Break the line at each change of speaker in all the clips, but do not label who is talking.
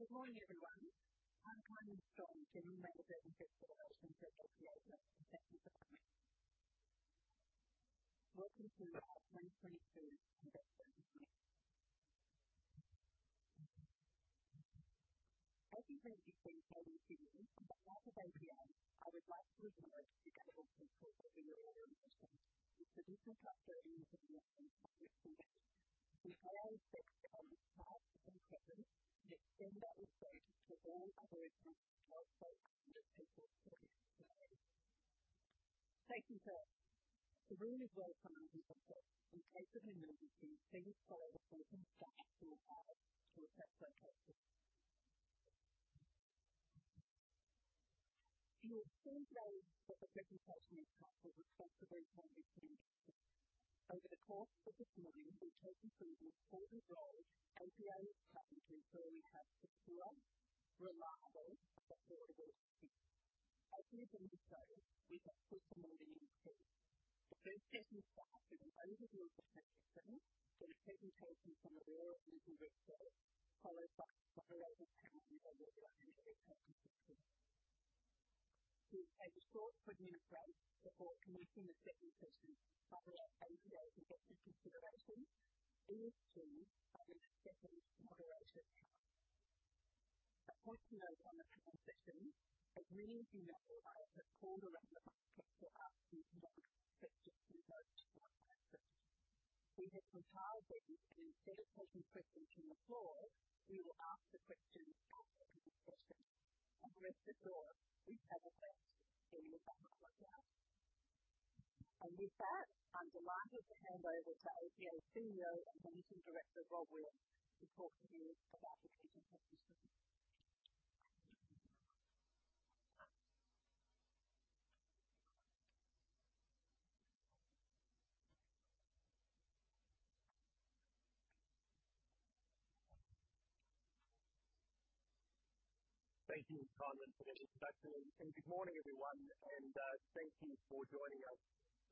Okay, we have questions. Good morning, everyone. I'm Kynwynn Strong, General Manager of Investor Relations and Corporate Affairs at APA. Welcome to our 2022 investor day. APA has been performing strongly, but like APA, I would like to acknowledge the traditional custodians of the lands on which we meet. We pay our respects to their elders, past and present, and extend that respect to all Aboriginal and Torres Strait Islander people here today. Safety first. It's really worth remembering that in case of an emergency, please follow the local evacuation path towards our assembly point. Your full day with the APA management team will consist of important information. Over the course of this morning, we'll take you through the important role APA is having to ensure we have secure, reliable and affordable energy.
As you can see, we have put some learnings in place. The first session starts with an overview of the presentation and a presentation from Aurora Energy Research, followed by a panel discussion with our executive team. We have a short break before commencing the second session, followed by APA's investment considerations, ESG and a second moderated panel. A point to note on the second session is we invite all of the colleagues around the virtual audience to ask questions in those two interactive sessions. We have some challenges and instead of putting questions on the floor, we will ask the questions from the virtual audience. For the rest of the audience, we have a chat in the back of the house. With that, I'm delighted to hand over to APA's CEO and Managing Director, Rob Wheals, to talk to you about APA's investment. Thank you, Kynwynn, for the introduction. Good morning, everyone, and thank you for joining us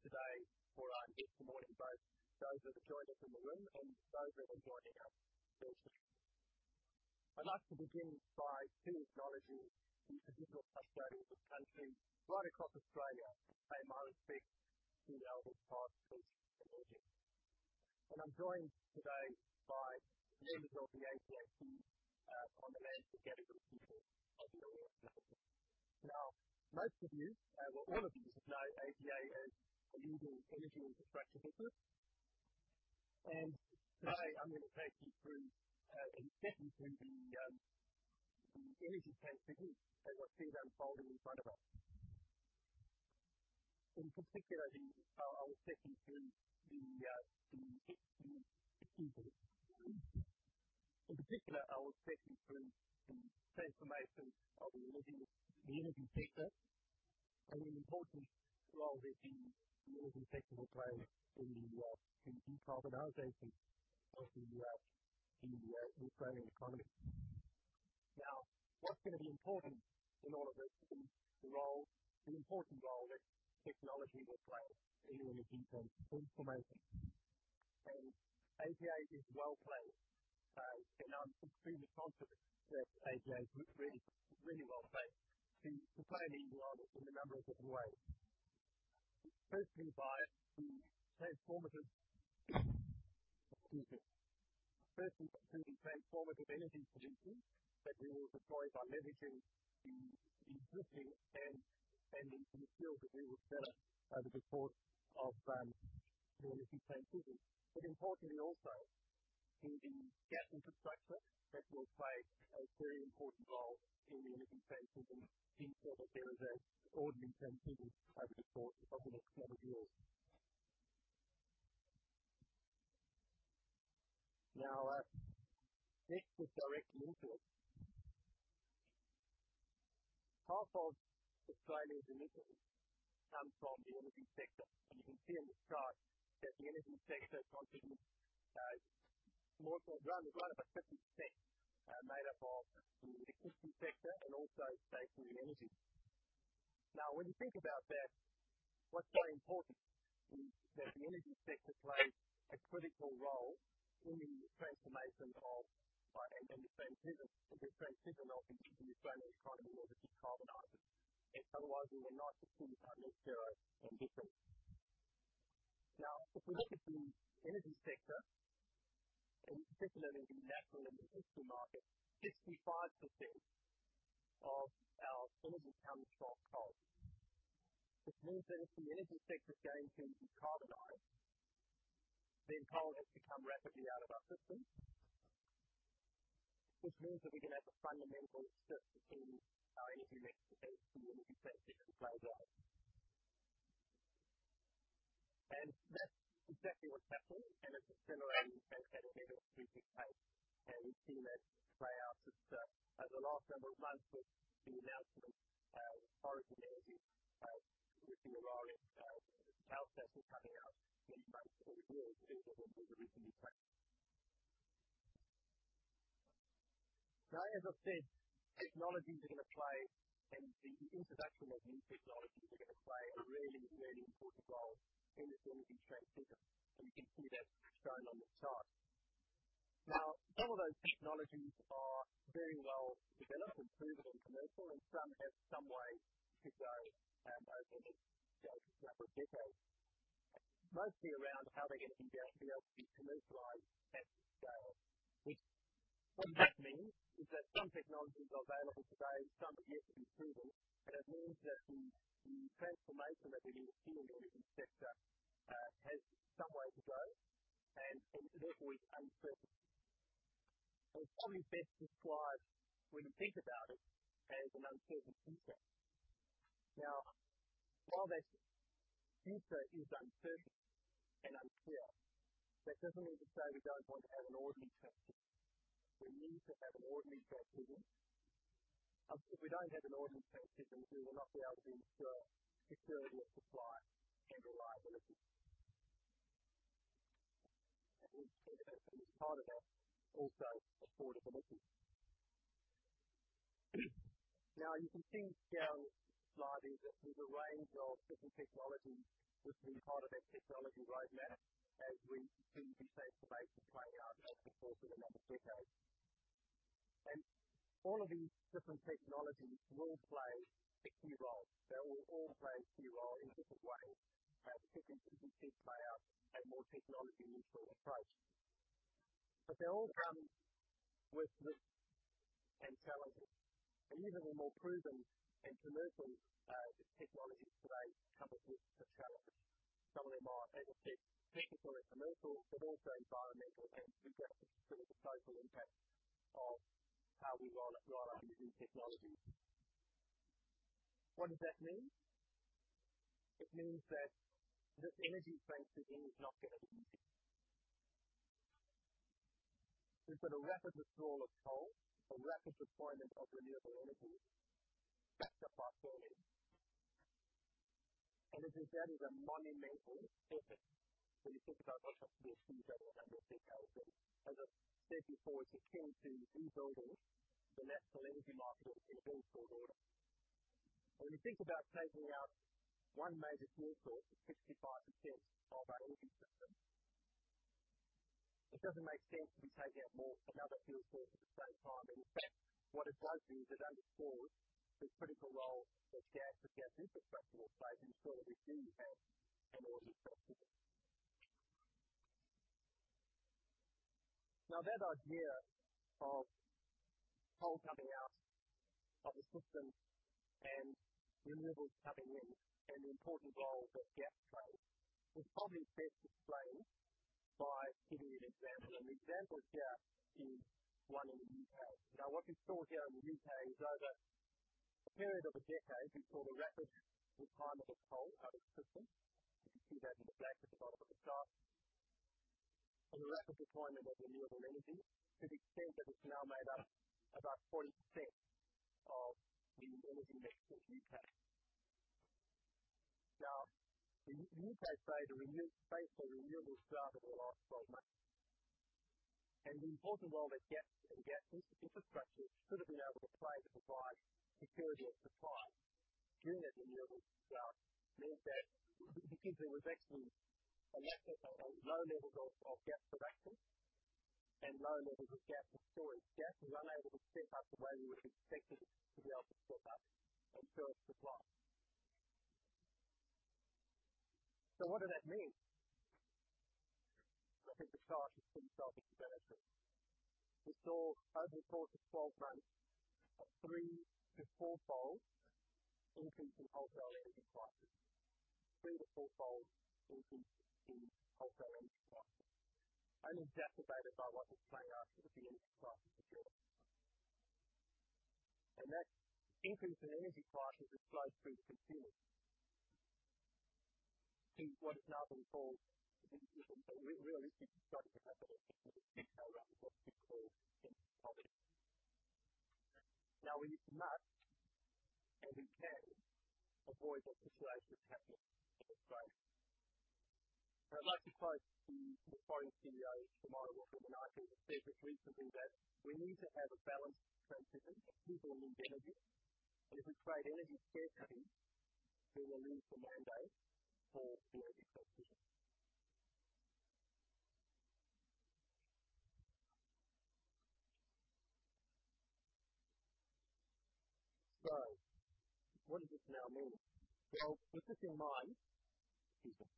today or this morning, both those that have joined us in the room and those that are joining us virtually. I'd like to begin by acknowledging the traditional custodians of this country right across Australia, same as we speak in our respective regions. I'm joined today by leaders of the APA team, on the management team of the APA. Now, most of you, well, all of you know APA as a leading energy infrastructure business. Today I'm gonna take you through and definitely through the energy transition as I see it unfolding in front of us. In particular, I will take you through the transition. In particular, I will take you through the transformation of the energy sector and the important role that the energy sector will play in decarbonizing across the Australian economy. Now, what's gonna be important in all of this is an important role that technology will play in the energy transition. APA is well placed, and I'm extremely confident that APA is really well placed to play a leading role in a number of different ways. Firstly, through the transformative energy solutions that we will deploy by leveraging the existing and new skills that we will develop over the course of the energy transition. Importantly also in gas infrastructure that will play a very important role in the energy transition inasmuch there is an orderly transition over the course of the next several years. Now, next is direct links to it. 50% of Australia's emissions come from the energy sector, and you can see on this chart that the energy sector contributes more or rather 50%, made up of the electricity sector and stationary energy. Now, when you think about that, what is very important is that the energy sector plays a critical role in the transformation of energy transition. The transition of the Australian economy in order to decarbonize it. Otherwise, we will not achieve net zero emissions. Now, if we look at the energy sector, and particularly the National Electricity Market, 55% of our emissions come from coal. Which means that if the energy sector is going to decarbonize, then coal has to come rapidly out of our system. Which means that we're gonna have a fundamental shift in our energy mix as the energy transition plays out. That's exactly what's happening, and it's accelerating at a fantastic pace. We've seen that play out since over the last number of months with the announcement of Horizon Energy, which is a joint partnership coming out pretty much towards the end of what we would have been tracking. Now, as I've said, technologies are gonna play, and the introduction of new technologies are gonna play a really, really important role in this energy transition, and you can see that shown on this chart. Now, some of those technologies are very well developed and proven and commercial, and some have some way to go. Those are the key to a number of details, mostly around how they're gonna be best able to be commercialized at scale, which what that means is that some technologies are available today, some are yet to be proven, and it means that the transformation that we need to see in the energy sector has some way to go and is therefore uncertain. It's probably best described when you think about it as an uncertain future. Now, while that future is uncertain and unclear, that doesn't mean to say we don't want to have an orderly transition. We need to have an orderly transition. If we don't have an orderly transition, we will not be able to ensure security of supply and reliability. As part of that, also affordability. Now, you can see down the slide here that there's a range of different technologies which are part of that technology roadmap as we see decarbonization playing out over the course of a number of decades. All of these different technologies will play a key role. They will all play a key role in different ways, and particularly since we said play out a more technology-neutral approach. They all come with risks and challenges. Even the more proven and commercial technologies today come with risks and challenges. Some of them are, as I said, technical and commercial, but also environmental and the broader socio-social impact of how we roll out these new technologies. What does that mean? It means that the energy transition is not gonna be smooth. We've got a rapid withdrawal of coal, a rapid deployment of renewable energy, backed up by storage. This is certainly the monumental effort when you think about not just this decade or the next decade, but as I said before, it's akin to rebuilding the National Electricity Market in build order. When you think about taking out one major fuel source for 65% of our energy system, it doesn't make sense to be taking out more from other fuel sources at the same time. In fact, what it does do is it underscores the critical role that gas and gas infrastructure will play to ensure that we do have an orderly transition. Now, that idea of coal coming out of the system and renewables coming in, and the important role that gas plays is probably best explained by giving you an example. The example here is one in the UK. Now, what we saw here in the U.K. is over a period of a decade, we saw the rapid retirement of coal out of the system. You can see that in the black at the bottom of the chart. The rapid deployment of renewable energy to the extent that it's now made up about 40% of the energy mix in the U.K. In the U.K.'s case, based on renewables throughout the last 12 months. The important role that gas and gas infrastructure should have been able to play to provide security of supply during that renewable rollout means that because there was actually a massively low levels of gas production and low levels of gas storage, gas was unable to step up the way we would expect it to be able to step up and ensure supply. What did that mean? I think the chart speaks for itself here better. We saw over the course of 12 months a 3- to 4-fold increase in wholesale energy prices. 3- to 4-fold increase in wholesale energy prices, only exacerbated by what was playing out in the European market as well. That increase in energy prices has flowed through to consumers in what is now being called the realistic budget for households detailing around what's been called energy poverty. Now we must, and we can avoid that situation happening in Australia. I'd like to quote the outgoing CEO of Tomorrow Energy, who said this recently, that we need to have a balanced transition of people and energy, and if we trade energy security, we will lose the mandate for the energy transition. What does this now mean? Well, with this in mind. Excuse me.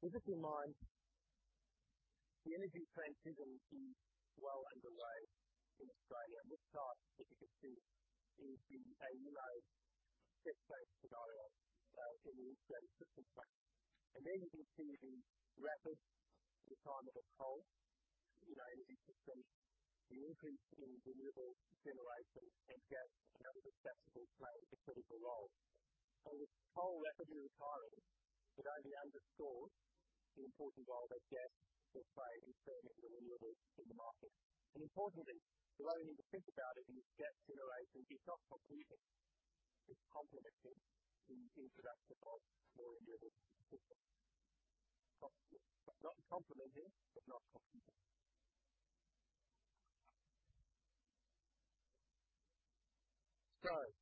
With this in mind, the energy transition is well underway in Australia. This chart, as you can see, is the AEMO ISP-based scenario in the Integrated System Plan. There you can see the rapid retirement of coal in our energy system, the increase in renewable generation, and gas and other flexible forms play a critical role. With coal rapidly retiring, it only underscores the important role that gas will play in serving renewables in the market. Importantly, when we think about it, gas generation is not competing, it's complementing the introduction of more renewables into the system. Not a compliment here, but nice compliment. When you think of Australia,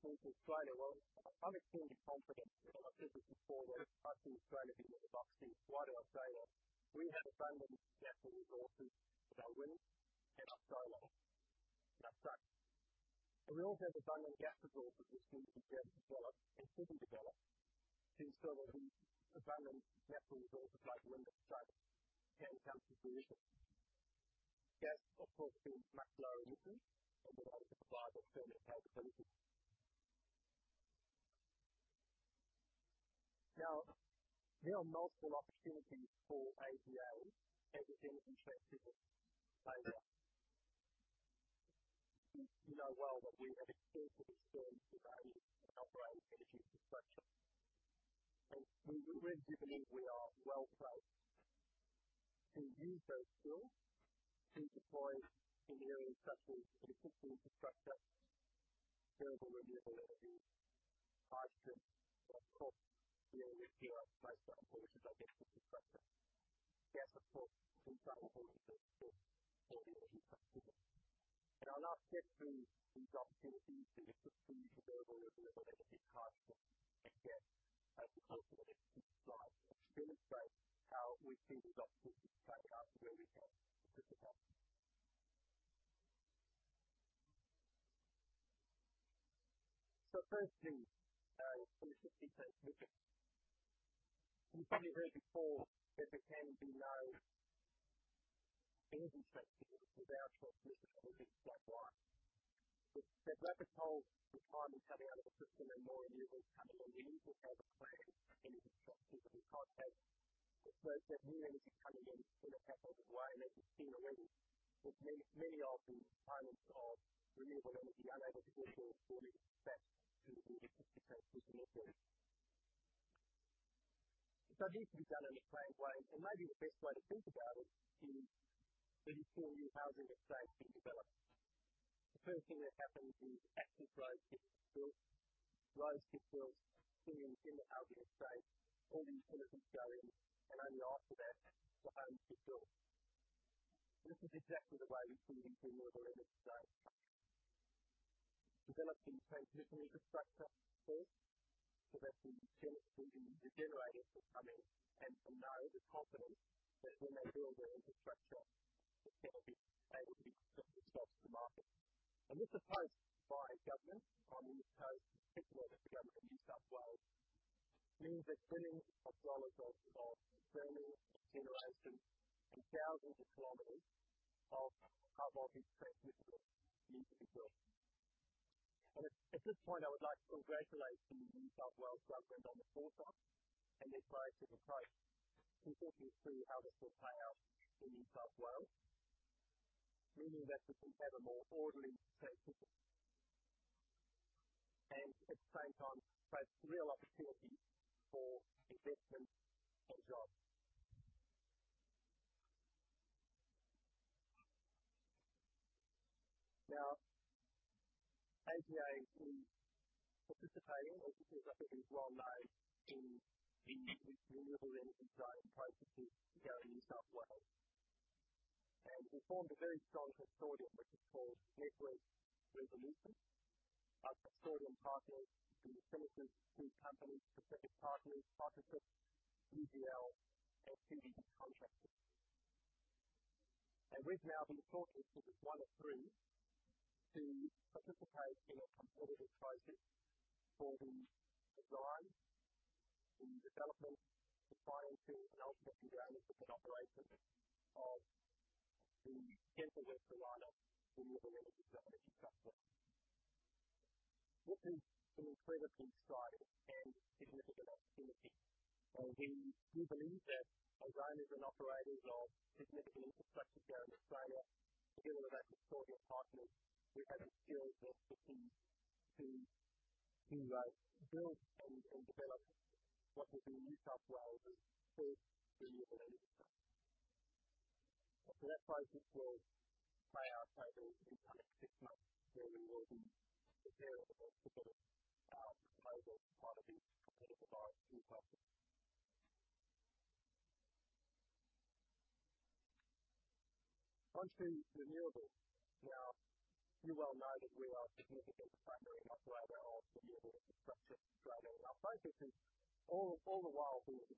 well, I'm extremely confident when I say this before that I think Australia ticks a lot of boxes. Why do I say that? We have abundant natural resources, but our wind and our solar, that's right. We also have abundant gas resources which can be developed and should be developed to serve these abundant natural resources like wind and solar can come to fruition. Gas, of course, being much lower emissions and available to provide the firming capacity. Now, there are multiple opportunities for APA as a generation-centric business, say that. You know well that we have a suite of skills around operating energy infrastructure, and we really do believe we are well placed to use those skills to deploy engineering, technical, and physical infrastructure to deliver reliability, high strength, low cost nuclear at most of our locations like infrastructure. Gas, of course, is transferable into storage or the energy customer. Now I've said there are opportunities in this sort of renewable energy high strength, again, as we come to this slide, which demonstrates how we think the opportunities play out for APA specifically. Firstly, you know, in this transition, which you may have heard before, there can be no energy transition without transmission, which is slide one. With that rapid roll of retirement coming out of the system and more renewables coming on, we need to have a plan for how we can drop into the context so that new energy coming in will not have to wait and just sit around with many of the elements of renewable energy unable to perform fully because they're stuck due to the 50% rule of the network. It needs to be done in a planned way, and maybe the best way to think about it is when you plan your housing estate to be developed. The first thing that happens is access roads get built, roads get built in the housing estate, all these utilities go in, and only after that the homes get built. This is exactly the way we see the renewable energy done. Developing transition infrastructure first so that the generators will come in and will know with confidence that when they build their infrastructure, it can be able to be sold to the market. This approach by government on the East Coast, particularly the government of New South Wales, means they're building kilometers of streaming generation and thousands of kilometers of high voltage transmission needs to be built. At this point, I would like to congratulate the New South Wales government on the forethought and their proactive approach in walking us through how this will play out in New South Wales, meaning that this can have a more orderly transition and at the same time create real opportunities for investment and jobs. Now, APA is participating, and this is I think well known in the renewable energy trial processes here in New South Wales, and we formed a very strong consortium, which is called Network Revolution. Our consortium partners consist of three companies, specific partners, Cicinus, UGL, and CD Contractors. We've now been shortlisted as one of three to participate in a competitive process for the design, the development, supply, installation, and operation of the interconnector for the renewable energy zone in New South Wales. This is an incredibly exciting and significant opportunity, and we believe that as owners and operators of significant infrastructure here in Australia, together with our consortium partners, we have the skills and the team to build and develop what will be New South Wales's first renewable interconnector. That project will play out over the incoming six months where we will be able to put a proposal as part of this competitive bid process. On to renewables. Now, you well know that we are a significant player in Australia on renewable infrastructure. Australia, and our focus is all the while being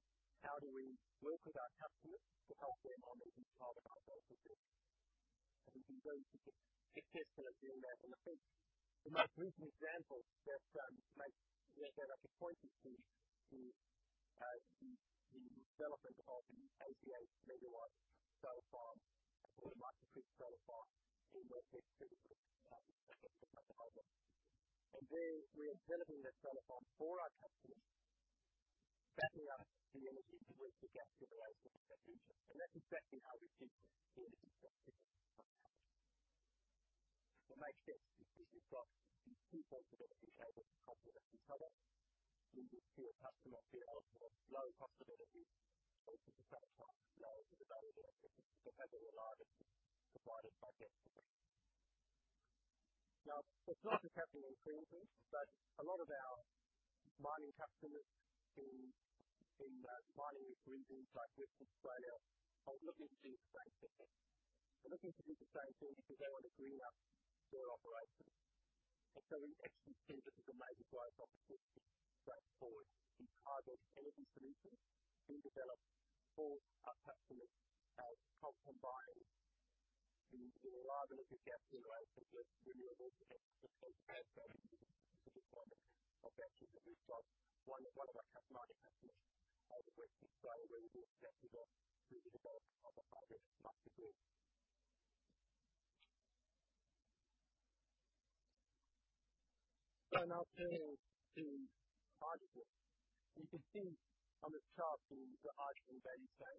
how do we work with our customers to help them on their decarbonization journey. We've been very successful at doing that. I think the most recent example that I could point you to is the development of the AGL Megawatt Solar Farm or White Cliffs Solar Farm in western New South Wales. There we are developing that solar farm for our customers, backing up the energy with the gas-fired plant and that's exactly how we see this in the future. We make this business across these three pillars that enable us to complement each other. We will see a customer feel comfortable with low cost of energy, low capital, low development risk because they rely on us to provide a package. Now, across central Queensland, so a lot of our mining customers in mining regions like Western Australia are looking to do the same thing. They're looking to do the same thing because they want to green up their operations. We actually see this as a major growth opportunity going forward in clean energy solutions. We develop for our customers combining reliable gas generation with renewables. This is one of our customers in Western Australia where we will definitely deliver on the project going. Now turning to hydrogen. You can see on this chart the hydrogen value chain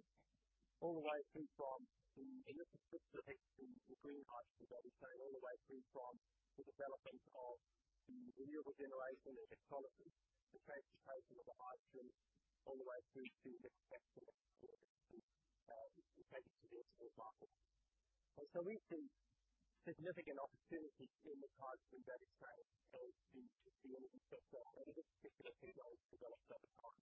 all the way through from electricity to the green hydrogen value chain, all the way through from the development of the renewable generation and electrolysis, the transportation of the hydrogen all the way through to the end customer taking to their end user market. We see significant opportunities in the hydrogen value chain and in the East Coast development over the next few years as it develops over time.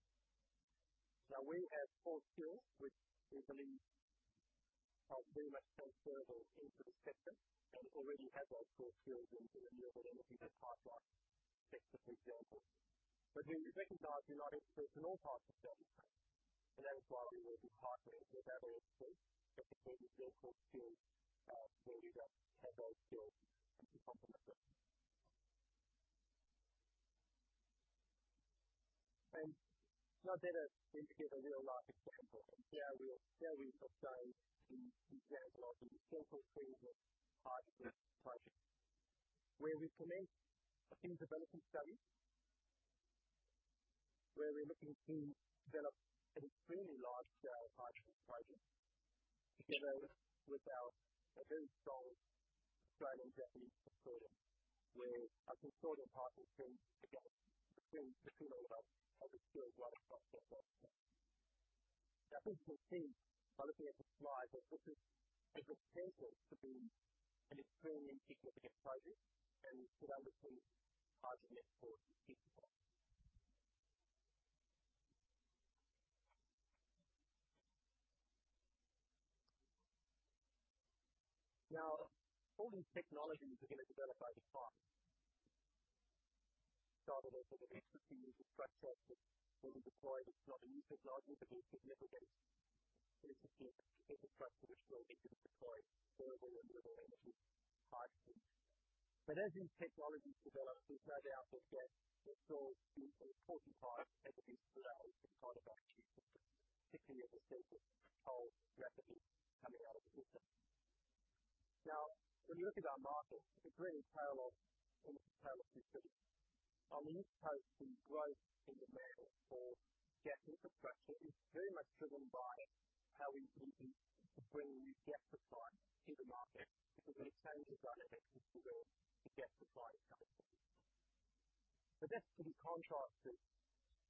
Now we have core skills which we believe are very much transferable into the sector and already have those core skills into the renewable energy pipeline sector, for example. We recognize we're not experts in all parts of the value chain, and that is why we will be partnering with our industry, particularly those core skills, where we don't have those skills in-house. I give a real life example of where we are currently undertaking to develop a hydrogen project where we commence a feasibility study, where we are looking to develop an extremely large-scale hydrogen project together with our very strong Australian partner, Origin, where I can sort of partner between all of our core skills right across the board. That is clear by looking at the slide, which has potential to be an extremely significant project and power between hydrogen exports East Coast. Now all these technologies are going to develop over time. Starting off with an existing infrastructure that we deploy is not a new technology, but it is significant. It is infrastructure which will need to deploy further renewable energy hydrogen. As these technologies develop and roll out of gas, it will be an important part of the energy mix for the long term, particularly as we see the coal rapidly coming out of the system. Now, when you look at our markets, it's a pretty parallel, almost a parallel history. On the East Coast, the growth in demand for gas infrastructure is very much driven by how we can bring new gas supply to the market. Because when you change your gas infrastructure, the gas supply comes in. This can be contrasted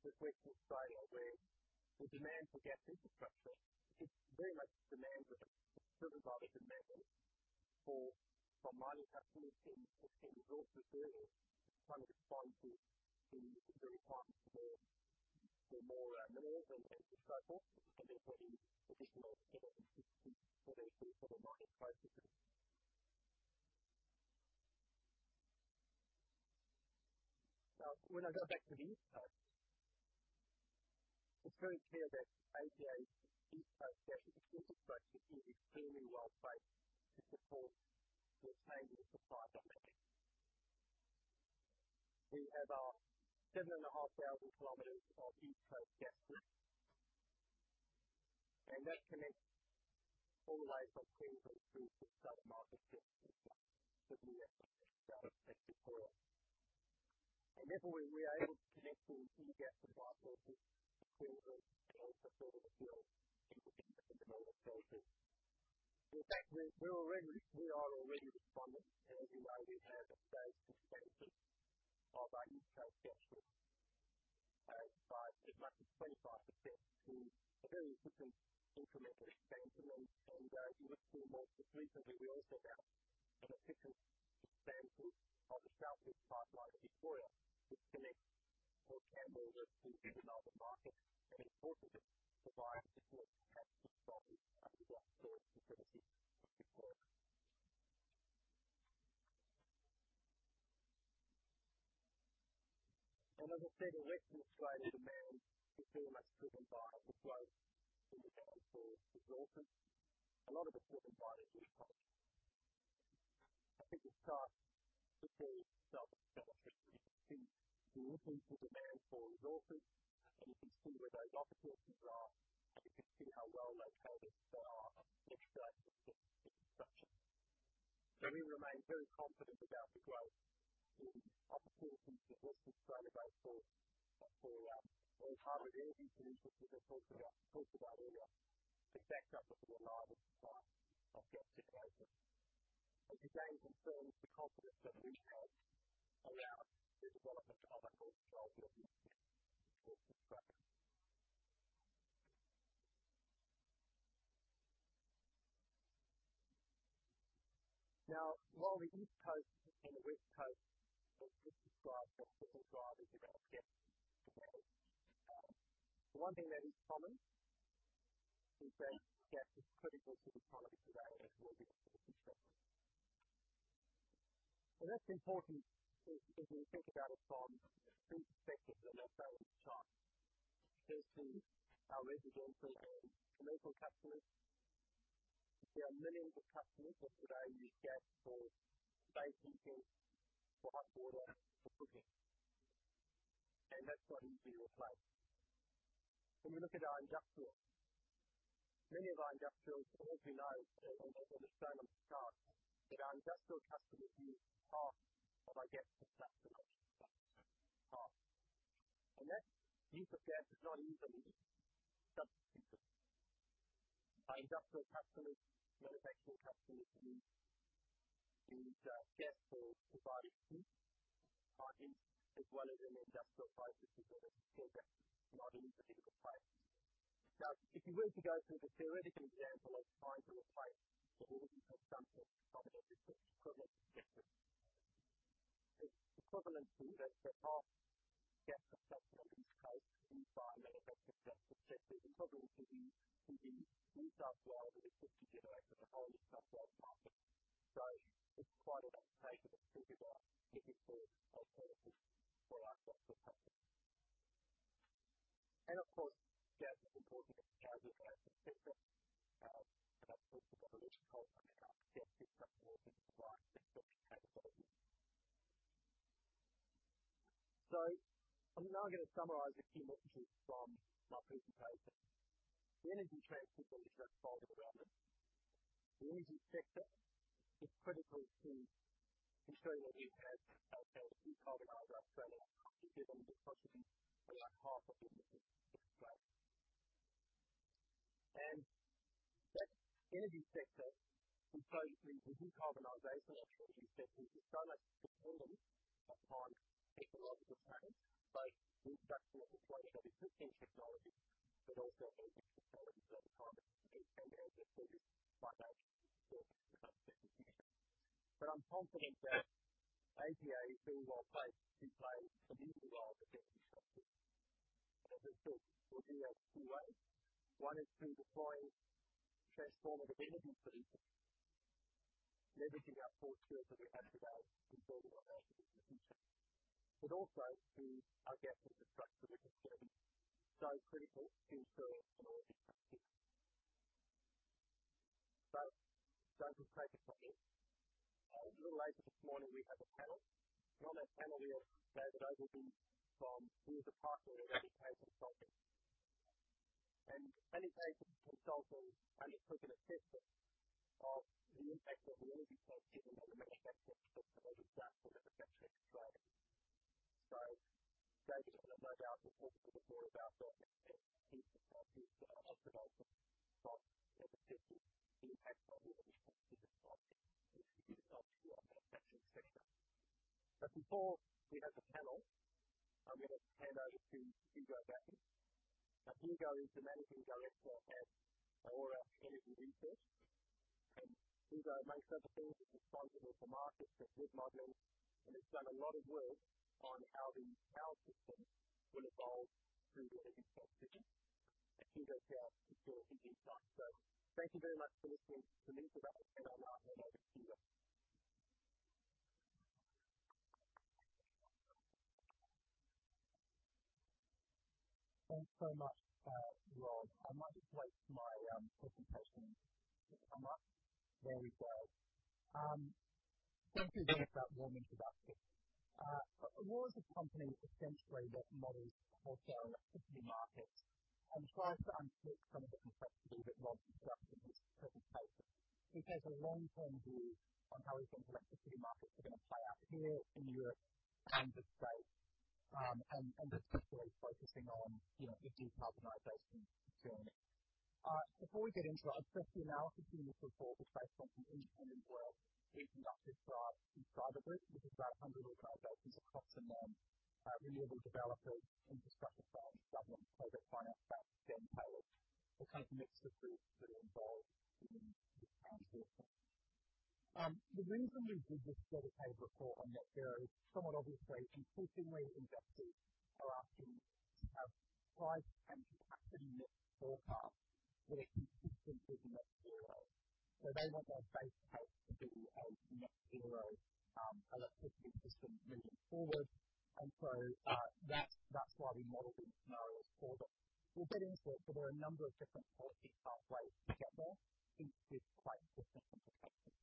with Western Australia, where the demand for gas infrastructure is very much demand driven by the demand from mining customers in resource areas trying to respond to the very fast growth of more minerals and so forth. Therefore the additional infrastructure that is required. Now when I go back to the East Coast, it's very clear that APA East Coast gas infrastructure is extremely well placed to support the changing supply dynamics. We have our 7,500 kilometers of East Coast gas network, and that connects all major Queensland through to the southern market gas users with the exception of South Australia. Therefore we are able to connect the new gas supply sources to the East Coast sort of as well as the development projects. In fact, we are already responding. You know, we have expanded our East Coast gas network by as much as 25% in a very important incremental expansion. You would see most recently we also have an efficient expansion on the South West Pipeline to Victoria, which connects Port Campbell with the southern market and importantly provides a path to solve the gas storage capacity for Victoria. In Western Australia, demand is very much driven by the growth in the demand for resources. A lot of it's driven by LNG. I think we start to see some of that activity. You can see the increase in demand for resources and you can see where those opportunities are and you can see how well located they are in Australia's infrastructure. We remain very confident about the growth and opportunities that Western Australia going forward. For now, we have an early position with the ports of Australia to connect up with the largest supply of gas to the east coast. Again, confirms the confidence that we have around the development of other growth projects in Western Australia infrastructure. Now, while the East Coast and the West Coast both describe what's described as developed gas, the one thing that is common is that gas is critical to the economy today as well as in the future. That's important if we think about it from three perspectives and they're very sharp. First to our residential and commercial customers. There are millions of customers that today use gas for space heating, for hot water, for cooking, and that's not easy to replace. When we look at our industrials, many of our industrials, as you know and as you'll understand on this chart, that our industrial customers use half of our gas for electricity. Half. That use of gas is not easily substituted. Our industrial customers, manufacturing customers use gas for competitive margins as well as an industrial price which is a contract model with a differential price. Now, if you were to go through the theoretical example I tried to apply to all of you for example, the equivalent to gas. It's equivalent to that half gas for electricity in those environmental effects are essentially equivalent to the entire oil that is put together over the whole of Australian market. It's quite an undertaking that's required if it's for alternatives for our industrial customers. Of course, gas is important because gas is a feedstock. That's what the population calls it and our gas is much more than just a bridge fuel category. I'm now going to summarize a key message from my presentation. The energy transition is about development. The energy sector is critical to ensuring that we have a low-carbon Australia together with possibly about half of industry's emissions. That energy sector, including the decarbonization of energy sectors, is so much dependent upon technological change, both in successful implementation of existing technology, but also energy technologies that are currently in infancy through financial support for those types of innovations. I'm confident that APA is well-placed to play an even larger role. I think we'll do that in two ways. One is through deploying transformative energy solutions, leveraging our portfolio that we have today to build on our future, but also through our gas infrastructure which is so critical to ensuring security of supply. Don't take it from me. A little later this morning we have a panel. On that panel we have David Pursell. He is a partner at Energy Consulting. Energy Consulting only took an assessment of the impact that the energy transition will have on the sector, particularly gas, but other sectors as well. David will no doubt talk a little bit more about that and his perspective on the potential impact on the energy sector supply chain, which is obviously our manufacturing sector. Before we have the panel, I'm going to hand over to Hugo Sherlock. Now Hugo is the Managing Director at Aurora Energy Research.
Hugo Sherlock, among other things, is responsible for market risk modeling and has done a lot of work on how the power system will evolve through the energy transition. Hugo Sherlock, our key insight. Thank you very much for listening to me today, and I'll now hand over to Hugo Sherlock. Thanks so much, Rob Wheals. I might just wait for my presentation to come up. Thank you very much for that warm introduction. Aurora's a company which essentially models wholesale electricity markets. Tries to unpick some of the complexities that Rob Wheals described in his presentation. It gives a long-term view on how we think electricity markets are going to play out here in Europe and the States. Particularly focusing on, you know, the decarbonization journey.
Before we get into it, I'll stress the analysis in this report is based on some independent work we've done with Drive, the private group, which is about 100 organizations across the world. Renewable developers, infrastructure firms, government project finance banks, then tailors the kind of mix of groups that are involved in the transition. The reason we did this particular report on net zero is somewhat obviously consultants and investors are asking to have price and capacity mix forecasts that are consistent with net zero. They want their base case to be a net zero electricity system moving forward. That's why we modeled the scenarios for them. We'll get into it, but there are a number of different policy pathways to get there, each with quite different implications.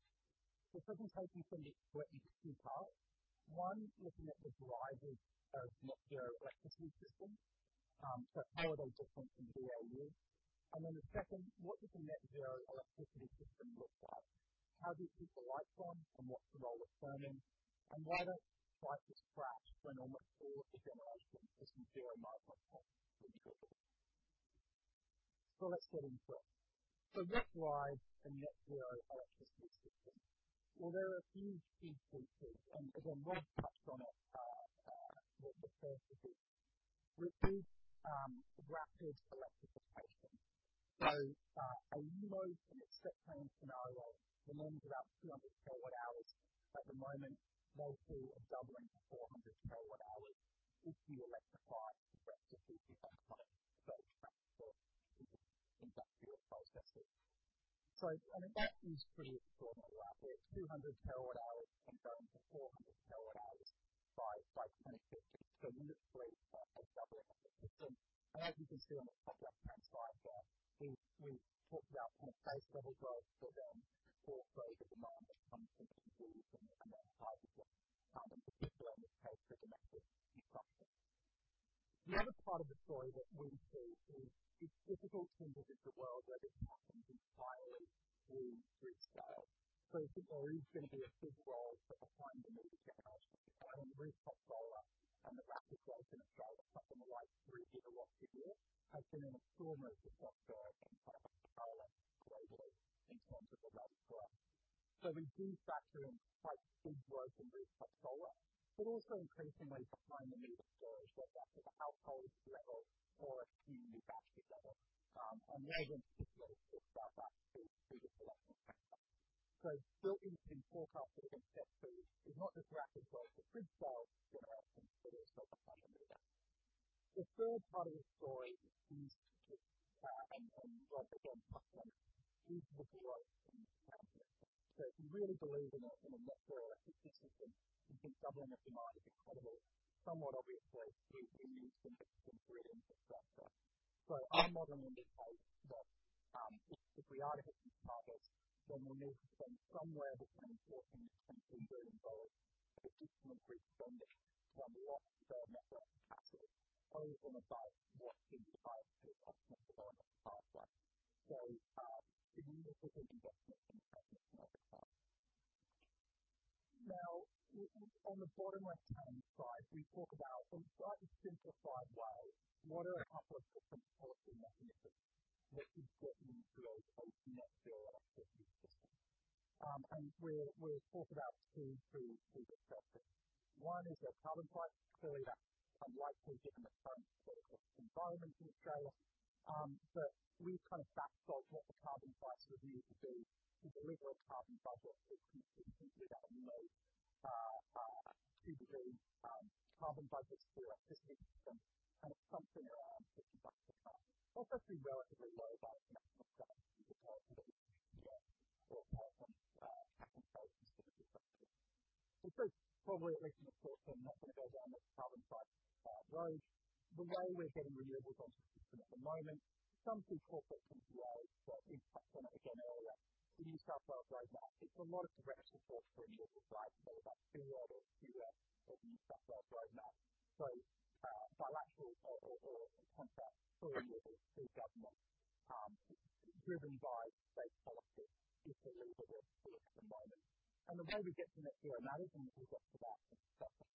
The presentation is in two parts. One is net zero drivers of net zero electricity system, so how are they different from business as usual? Then the second, what does a net zero electricity system look like? How do people live in one, and what's the role of firming, and why does price just crash when almost all the generation is from zero marginal cost renewables? Let's get into it. Let's ride the net zero highway. Well, there are a few key features, and as I've touched on it, what the first would be would be rapid electrification. Realistic and acceptable scenario remains about 200 kWh at the moment, more than doubling to 400 kWh if you electrify the rest of the economy like road transport, industrial processes. I mean, that is pretty extraordinary. 200 kWh going to 400 kWh by 2050. Literally, doubling of the system. As you can see on the top left-hand side here is talked about kind of base level growth for them, or greater demand that comes from people from higher income. Particularly case for domestic use. The other part of the story that we see is it's difficult to envisage a world where this happens entirely through grid scale. There is going to be a big role for behind the meter technologies. On rooftop solar and the rapid growth in Australia, something like 3 GW a year has been an extraordinary sort of impact on power greatly in terms of the level of growth. We do factor in quite big growth in rooftop solar, but also increasingly behind the meter storage, whether that's at the household level or a community battery level. The other one is about that is grid flexibility. Built into the forecast for the net zero is not just rapid growth of grid scale, but also some pretty substantial movement. The third part of the story is like again the growth in capacity. If you really believe in a net zero electricity system, you think doubling of demand is credible, somewhat obviously you need some pretty good infrastructure. Our modeling indicates that if we are hitting targets, then we'll need to spend somewhere between 14 billion-20 billion of additional grid funding to unlock further network capacity over and above what is planned through the optimal development pathway. Significant investment in network capacity. Now, on the bottom right-hand side, we talk about a slightly simplified way. What are our core system policy mechanisms which is put into a net zero electricity system? We're talking about two of these aspects. One is a carbon price. Clearly that's unlikely given the current political environment in Australia. We kind of back what the carbon price review will do is deliver a carbon budget. You can see that on the low usually carbon budgets for electricity system kind of something around 50 megatonnes. Also pretty relatively low by international standards. This probably isn't a source. I'm not going to go down this carbon price road. The way we're getting renewables onto system at the moment, some through corporate PPA, but we touched on it again earlier, the New South Wales Roadmap. It's a lot of direct support for renewables, right? Think about two orders of New South Wales Roadmap. Bilateral or contract for renewables through government, driven by state policy is the lead at the moment. The way we get to net zero management is what's about system.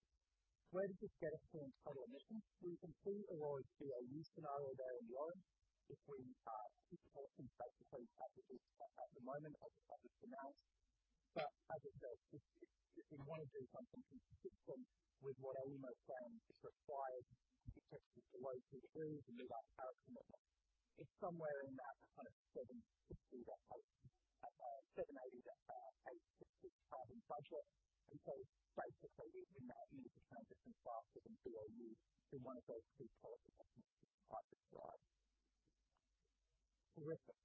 Where does this get us to in total emissions? We complete a roadmap to a new scenario there on the right between supporting state-based packages at the moment as a set of scenarios. As I said, it's in one of these functions consistent with what AEMO plans require in terms of the low to 30s and the right trajectory model. It's somewhere in that kind of 750-860 carbon budget. Basically, we now need to transition faster than BAU in one of those two policy mechanisms I've described. Terrific.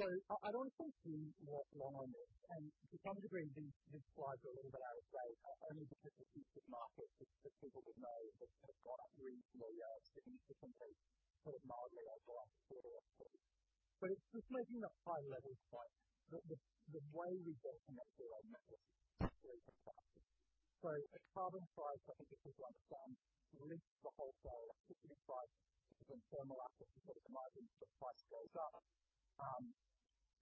I don't want to spend too much longer on this, and to some degree, this slide's a little bit out of date, not only because it's forward markets, which people would know have gone up reasonably recently to complete sort of marginally over 400. It's just making that high-level point that the way we get to net zero networks is really important. A carbon price, I think it's worth understanding links the wholesale 55 different thermal assets into the market as the price goes up.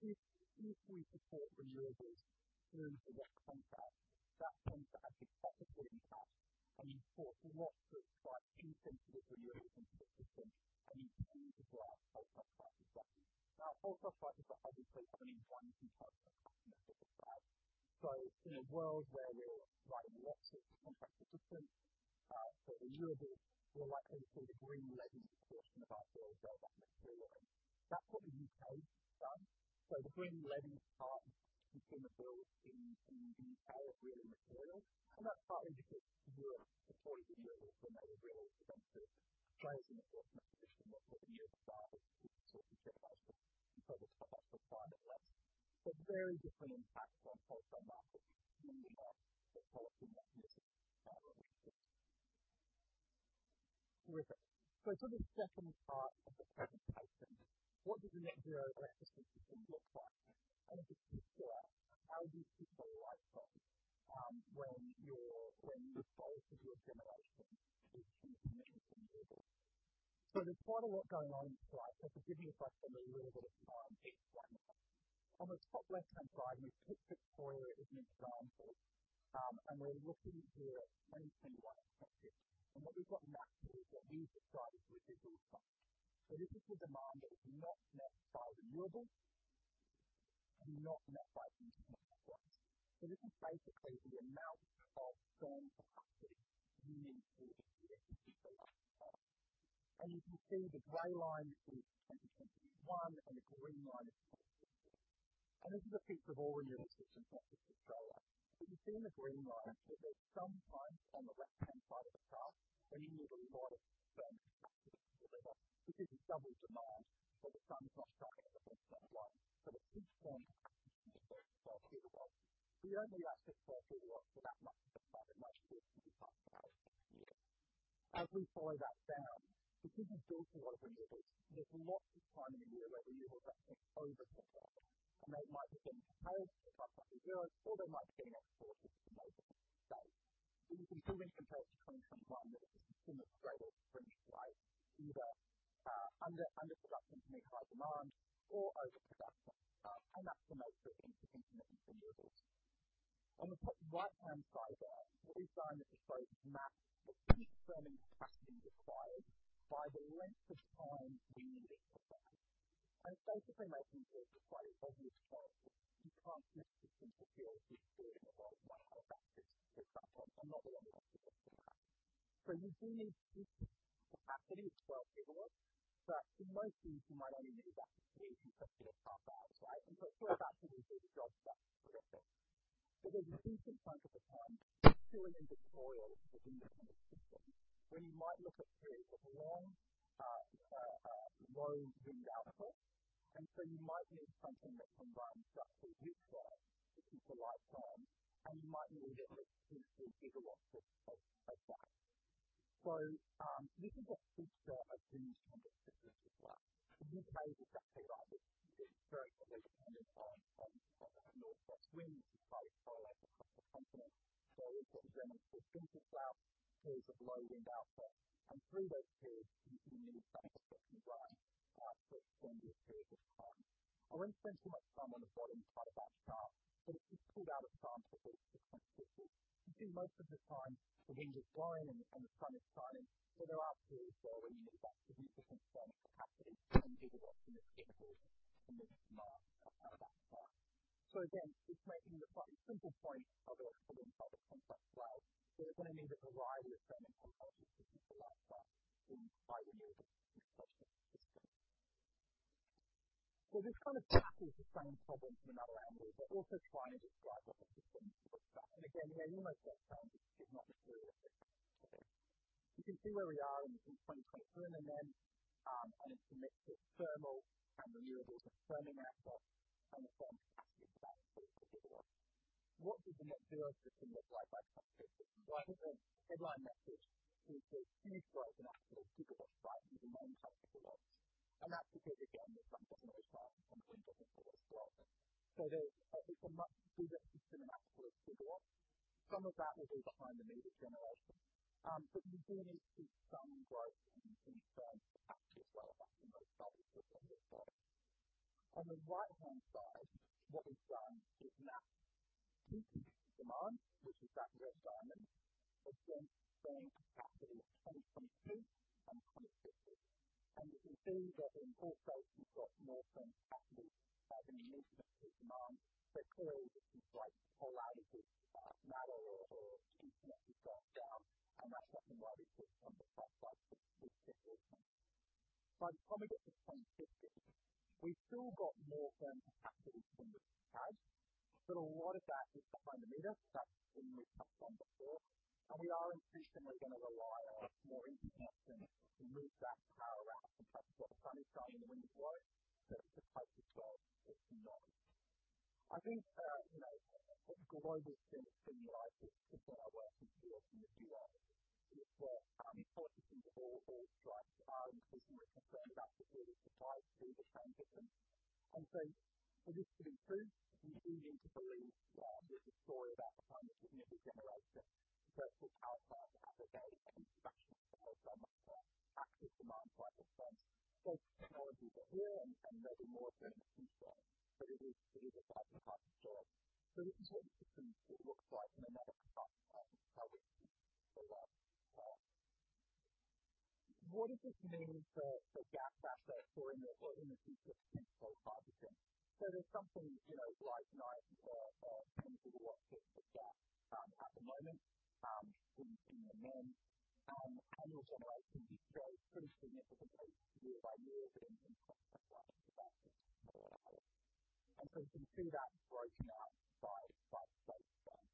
If we support renewables through a CfD contract, that contract is probably in cash, and you've brought lots of quite inexpensive renewables into the system, and you can use as well as much faster. Now, fuel costs, as you've seen, only one contract. In a world where we're writing lots of contracts for system for renewables, we're likely to see green levy support from about 2030 or so to net zero. That's what the UK has done. The green levy part becomes built into the AEMO material, and that part indicates the world of net zero for material is going to translate into a position where net zero is sort of characterized in terms of cost of climate risk. Very different impacts on wholesale markets when we have the policy mechanisms. Terrific. To the second part of the presentation, what does the net zero electricity system look like? Just to be clear, how do you pick the right one, when your goal for your generation is to measure some variables? There's quite a lot going on in the slide. If you give me a second, I'll give a little bit of time to explain. On the top left-hand side, we've picked Victoria as an example. We're looking here at 2021 projected. What we've got mapped here is what we've described as residual capacity. This is the demand that is not met by the renewables and not met by the existing plants. This is basically the amount of thermal capacity we need for the year. You can see the gray line is 2021 and the green line is. This is a picture of all renewables, it's not just solar. You see in the green line that there's some times on the left-hand side of the chart where you need a lot of because it's double demand, but the sun is not shining and the wind's not blowing. At each point we only have 6.4 gigawatts of that much. As we follow that down, because we've built a lot of renewables, there's lots of time in the year where renewables are actually oversupplied and they might be being curtailed, so they're not producing, or they might be being exported to neighboring states. You can see when you compare it to 2021 that it's almost straight or pretty straight either, under supplying for peak high demand or oversupply and that's the nature of intermittent renewables. On the right-hand side there, what we've done is shown a map that peaks thermal capacity required by the length of time we need it for that. It's basically making the quite obvious point that you can't just put solar panels or wind turbines out across this country and not rely on anything else. You see capacity is 12 gigawatts, but in most years you might only need exactly 8 gigawatts of that. Right? It's where that's going to do the job. There's a decent chunk of the time still an industrial within the kind of system where you might look at periods of long low wind output. You might be into something that combines gas with heat storage, which is the light brown, and you might need at least 50 gigawatts of that. This is a picture of the kind of system as well. We've been able to highlight very clearly in the northwest wind solar. We've got the Germans who've been through bouts, periods of low wind output, and through those periods, you need things that can run at full swing during those periods of time. I won't spend too much time on the bottom part of that chart, but it's pulled out in advance. You see most of the time the wind is blowing and the sun is shining. There are periods where we need that significant chunk of capacity and gigawatts in this interval to meet demand at that time. Again, it's making quite a simple point, although it's probably an obvious concept as well, that we're going to need a variety of different technologies to decarbonize that by renewables. This kind of tackles the same problem in another language, but also trying to describe what the system looks like. Again, you know, you might get challenged if you did not include this. You can see where we are in 2023 in there, and it's a mix of thermal and renewables and thermal and solar, and the sum is that gigawatt. What does the net zero system look like by country? I think the headline message is it's huge rise in actual gigawatts by even more than 10 gigawatts. That's because, again, we're factoring those times when wind doesn't blow as well. It's a much bigger system in absolute gigawatts. Some of that will be behind the meter generation. But you do need to see some growth in terms of capacity as well as that in those colors that are on this slide. On the right-hand side, what we've done is map peak demand, which is that red diamond against peak capacity in 2050 and 2060. You can see that in both cases we've got more firm capacity than we need for peak demand. Clearly this is like polarizes matter or internet has gone down and that's something where we put some of that back. By the time we get to 2060, we've still got more firm capacity than we need. A lot of that is behind the meter. That's the green we've touched on before, and we are increasingly going to rely on more interconnectors to move that power around sometimes when the sun is shining and the wind is blowing. It's a total of 60 gigawatts. I think, you know, a typical moment in my life is when I work with people from Deloitte is where these forces are all trying to push in the same direction, actively to try to do the same thing. For this to improve, we do need to believe that there's a story about behind-the-meter community generation that puts power plants at the very end of the actual thermal demand cycle. As technologies are here and there's more of them to choose from, but it is still the type of hard job. This is what the system sort of looks like in another chart and how it. What does this mean for gas assets or in a future net-zero carbon thing? There's something, you know, like nine or 10 gigawatts of gas at the moment in there. Also I think we grow pretty significantly year by year in terms of that. You can see that broken out by state there.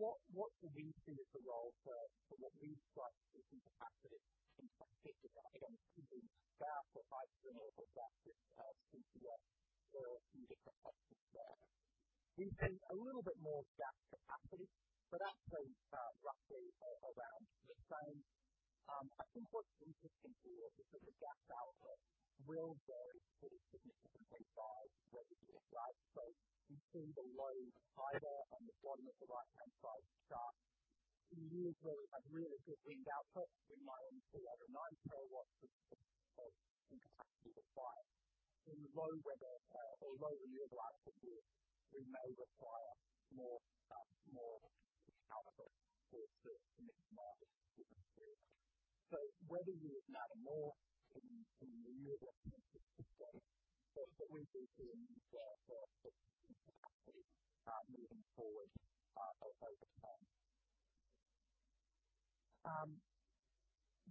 What do we see as a role for what we describe as system capacity in particular? I don't mean gas or hydro or battery or CCUS or any different types of tech. We see a little bit more gas capacity, but actually roughly around the same. I think what's interesting here is that the gas output will vary significantly by where you put it, right? You see the low either on the bottom left or right-hand side of the chart in years where we've had really good wind output, we might only see like 9 terawatts of. In the low renewable output, we may require more output or certain mismatch. Whether you add more in renewable or what we've been seeing so far moving forward, focused on.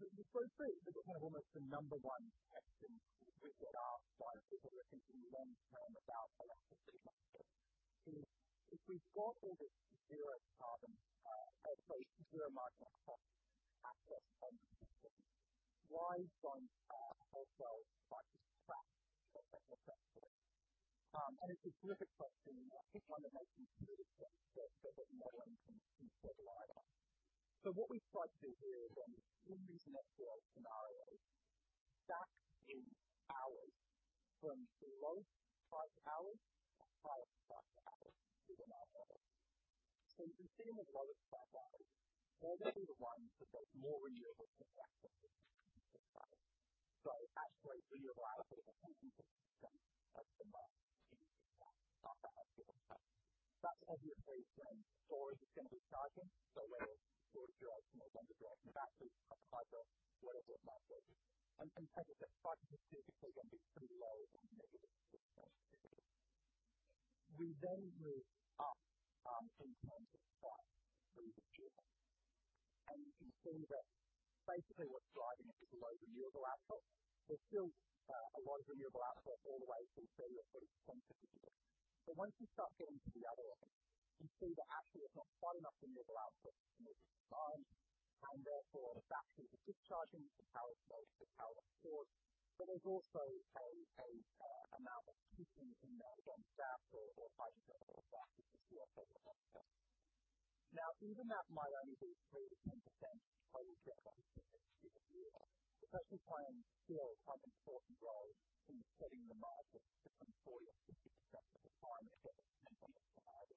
The first thing that's kind of almost the number one question we get asked by people looking long term about electricity is if we've got all this zero carbon or zero marginal cost assets why don't households like this track. It's a terrific question and I keep trying to make these really quick, but they get more and more complicated the more I answer. What we've tried to do here is, on the previous LCOE scenario, stack in hours from the lowest price hours to highest price hours in our model. You can see in the lowest price hours, all these are the ones that have more renewable. It actually renewable output is making up a significant proportion of the market. That heavier gray trend, storage is simply charging. Whether it's AUD 40, you know, 10 actually a highly variable market. Take a step back, you can see it's all going to be pretty low or negative. We then move up in terms of price through the year. You can see that basically what's driving it is low renewable output. There's still a lot of renewable output all the way through to the point of peak. Once you start going through the other options, you see that actually there's not quite enough renewable output to meet the demand, and therefore battery is discharging to power both the load of course, but there's also peaking a amount of peaking in there against that or hydro. Now even that might only be 3%-10%, probably 3% of the year. Especially playing still quite an important role in setting the market for your 50% of the time if it's meeting its demand.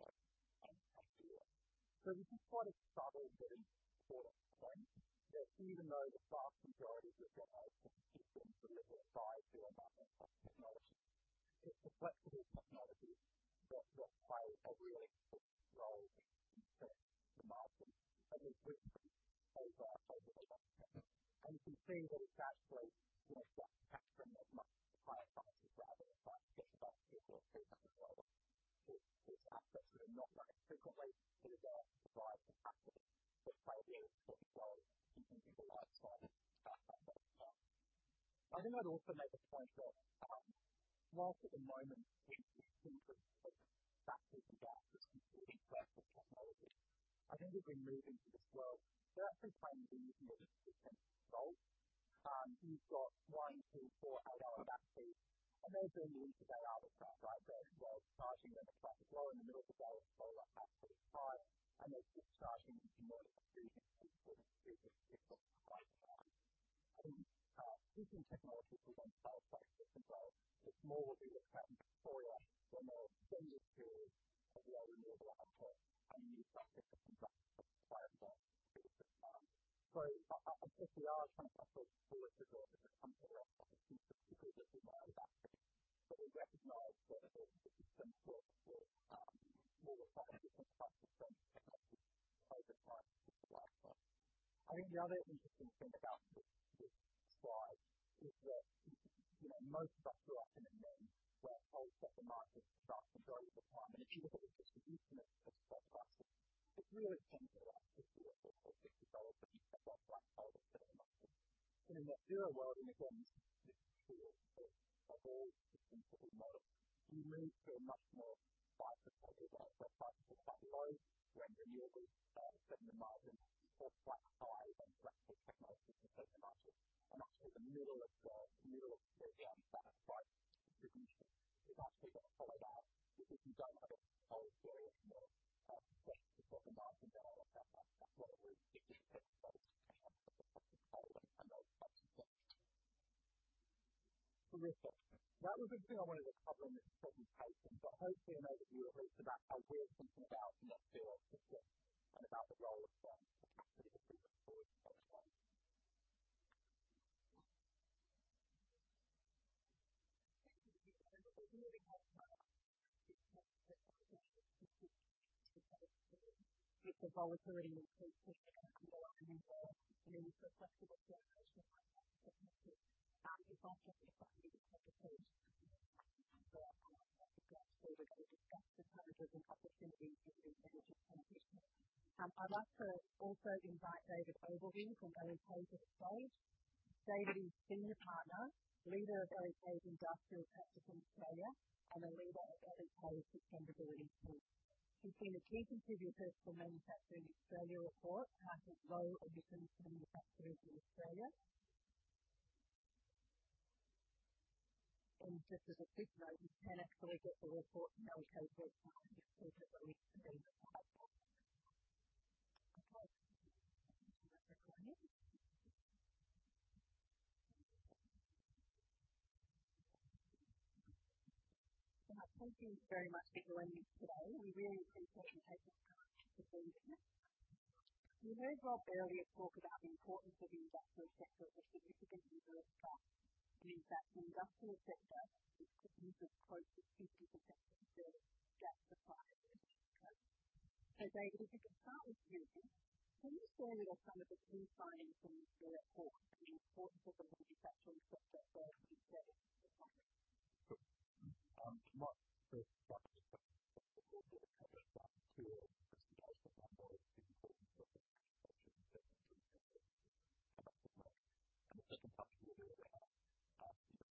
This is quite a subtle point that even though the vast majority of the time we're keeping to the left side here, that mix of technology, it's the flexibility technology that's just playing a really important role in setting the market and increasingly over and over the last 10 years. You can see that it's actually almost that pattern of much higher prices rather than flat just above AUD 50 or AUD 60. It's actually not that frequent rate. These are price of battery which play the important role in keeping the price higher I think. I'd also make the point that, while at the moment it seems as if battery is that flexible technology, I think as we move into this world, batteries playing a bigger and bigger role. You've got one-, two-, four-hour batteries and those are unique. They're out of that price range as well, charging when the price is low in the middle of the night with solar at its highest and then discharging when you want to see it. Even technological advances like system flow which more will be occurring for you, the more longer periods of low renewable output and you need battery to contract. If we are trying to set up storage resources in some way or other to secure this demand battery, but we recognize that it's important for more effective and faster forms of flexibility over time as well. I think the other interesting thing about this slide is that, you know, most of us are operating in where wholesale markets start to drive the climate issue, but we're distributing it across the asset. It really changes your activity or your ability to develop deep decarbonized over a period of time. In the zero world, you're going to see this shift of all different sort of modes. You move to a much more price sensitive asset, price sensitive mode where renewables dominate the market or flat price and flexible technologies set the market. Actually the middle of that price distribution is actually going to fall out because you don't have a whole series of steps before the market goes out of that much. That's what it really gives you. Listen, that was a good thing I wanted to cover in this presentation, but hopefully it made you aware at least about how we're thinking about the net zero system and about the role of flexibility going forward as well.
Thank you, David. We really hope that people's volatility and in the process of association. I'd like to also invite David Lamont from Deloitte to the stage. David is Senior Partner, Leader of Deloitte's Industrial Practice in Australia and a Leader of Deloitte's Sustainability Team. He's been a key contributor to the Manufacturing Australia Report, on the role of manufacturing in Australia. Just as a quick note, you can actually get the report from Deloitte.
Thank you very much for joining us today. We really appreciate you taking the time to join us. We heard Rob earlier talk about the importance of the industrial sector as a significant user of gas. In fact, the industrial sector accounts for close to 50% of the gas supply in this country. David, if we could start with you. Can you say a little kind of a key insight from the report on the importance of the manufacturing sector for the UK economy? Much of the report kind of speaks to, as you guys have outlined, the importance of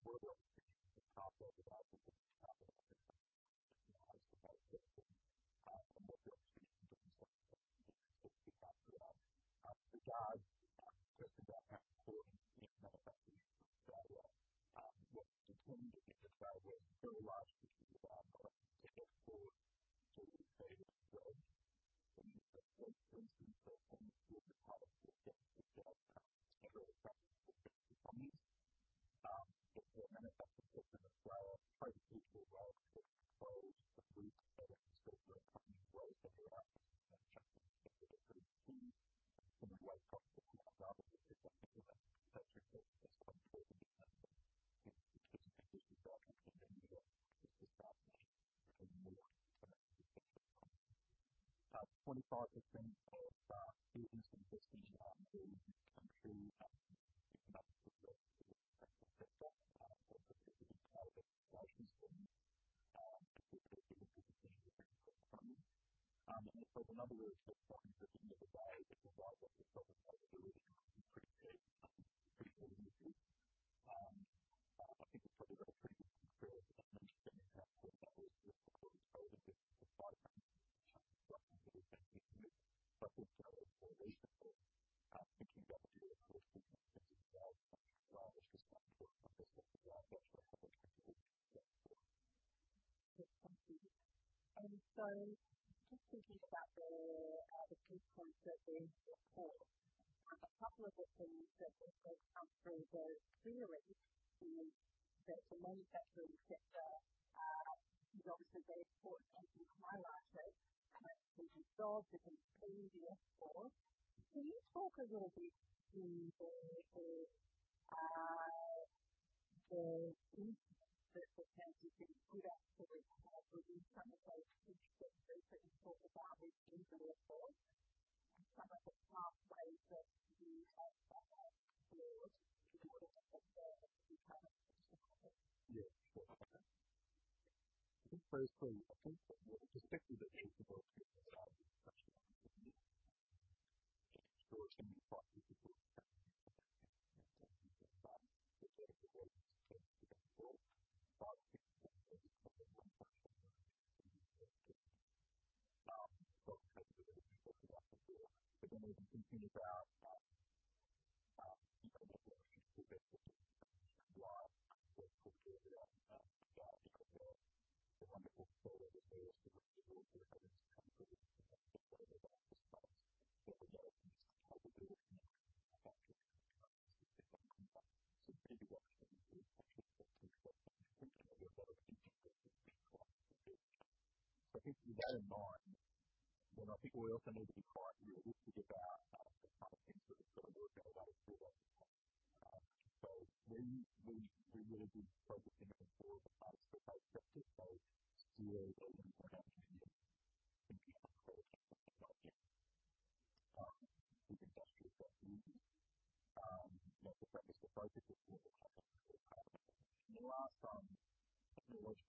the manufacturing sector to the UK economy. I think just to touch on a few of the key points.
You know, we're U.K. In terms of the relationship, thinking back to your question on energy as well, which was one of the focus areas that I touched on earlier. Yes, thank you. Just thinking about the key points that were in the report and a couple of the things that were brought up in the theory is that the manufacturing sector is obviously very important, keeping high-wage jobs, different skills. Can you talk a little bit on the industries that tend to be good at sort of some of those skills that you talked about in the report and some of the pathways that you have found for the U.K. manufacturing sector? Yeah, sure. I think those points are important. I think the key to both the U.K. and the U.S. actually is skills. We've got people with different skill sets that can adapt and get that. The U.K. is quite skilled overall. In terms of the manufacturing sector, you know, we've talked about before, but when we think about economic growth, the best way to think about that is to ask where could growth be? Because the wonderful thing about the U.S. is we've got all these kinds of different economic opportunities across the states. In the UK, it's much more difficult to manufacture things because it's different. We watch things like skills very closely. I think there are a lot of things that the UK lacks a bit. I think with that in mind, you know, I think we also need to be quite real. We forget that, the kind of things that are sort of more relevant to us.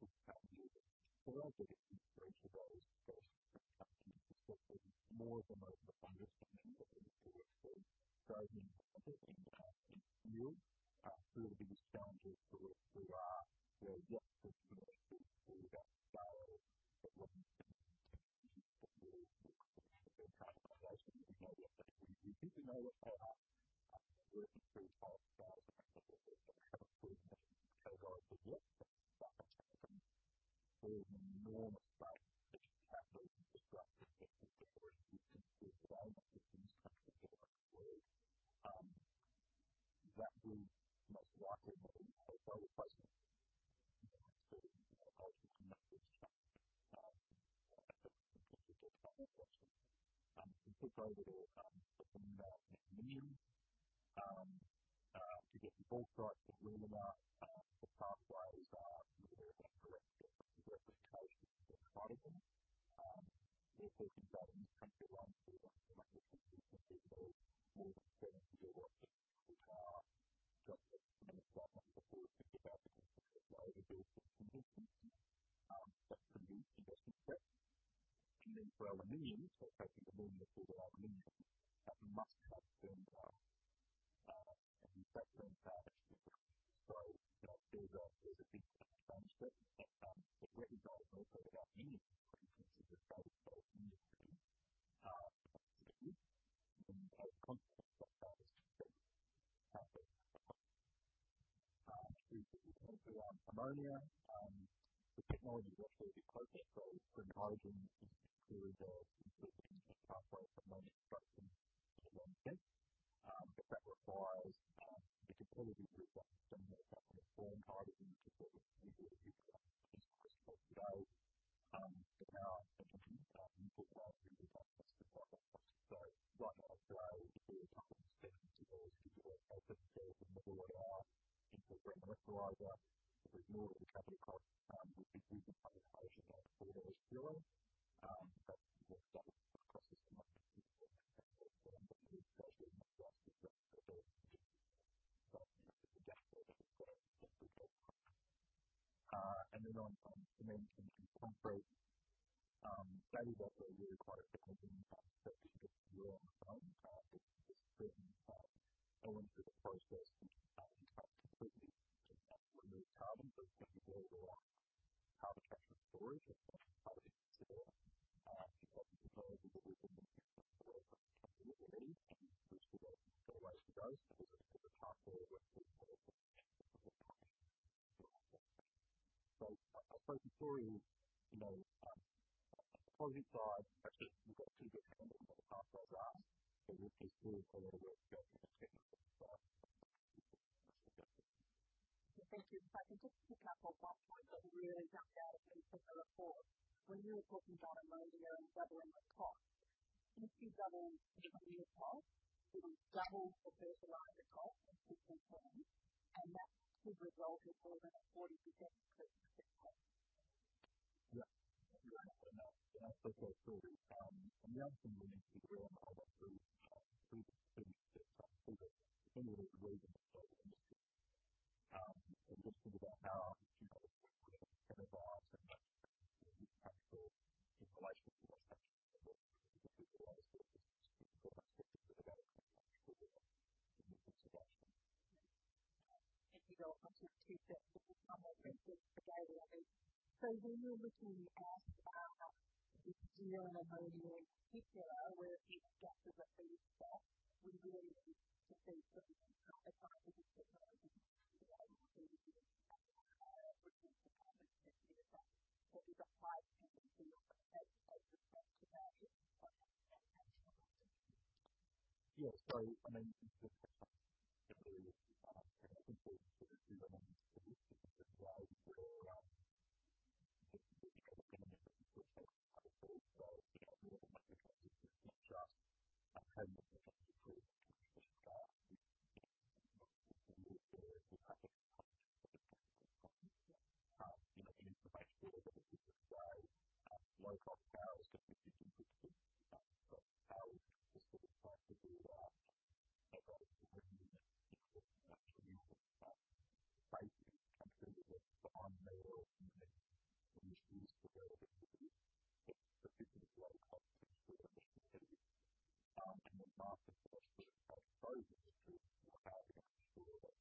We would have been focused in on four of the parts. Plastics, steel, aluminum, and then computer chips. Those industrial sectors. You know, the focus was more on the kinds of things that are happening. In the last, technological ten years, a lot of the integration that has taken place has been more from an understanding of the importance of driving profits in those fields. One of the biggest challenges for us, we have lots of commercial activity that's driven by the need to compete globally with China. Actually, we know what that means. We do know what that means. We're in pretty tight battles in terms of the kind of food and beverage. There is a lot of competition. There is enormous pressure to cut those costs drastically to keep pace with the way that things are produced elsewhere in the world. That means most likely that and then on, you know, in concrete, that is also a really critical thing that we have to get right from the start of this thing. going through the process and completely remove carbon, but people also like carbon capture storage or other things as well. you know, those are the reasons that we need to sort of generate those because it's the path forward that we want to take. Sorry, you know, on the policy side, actually, we've got two different paths that we're asked, and there's still a little bit of work to do in this space. Thank you. I can just pick up on one point that really jumped out at me from the report when you were talking about ammonia and doubling the cost. If you double the current cost, you would double the levelized cost in 2020, and that could result in more than a 40% increase in cost. Yeah. You're absolutely right. That's absolutely true. The other thing we need to be suppose it's true that having a store of zero-carbon ammonia is different from having a store of power. I think it's important to think about how different these things are. Yeah. That's a real practical point. Also, I think that's key. For example, the three steps that you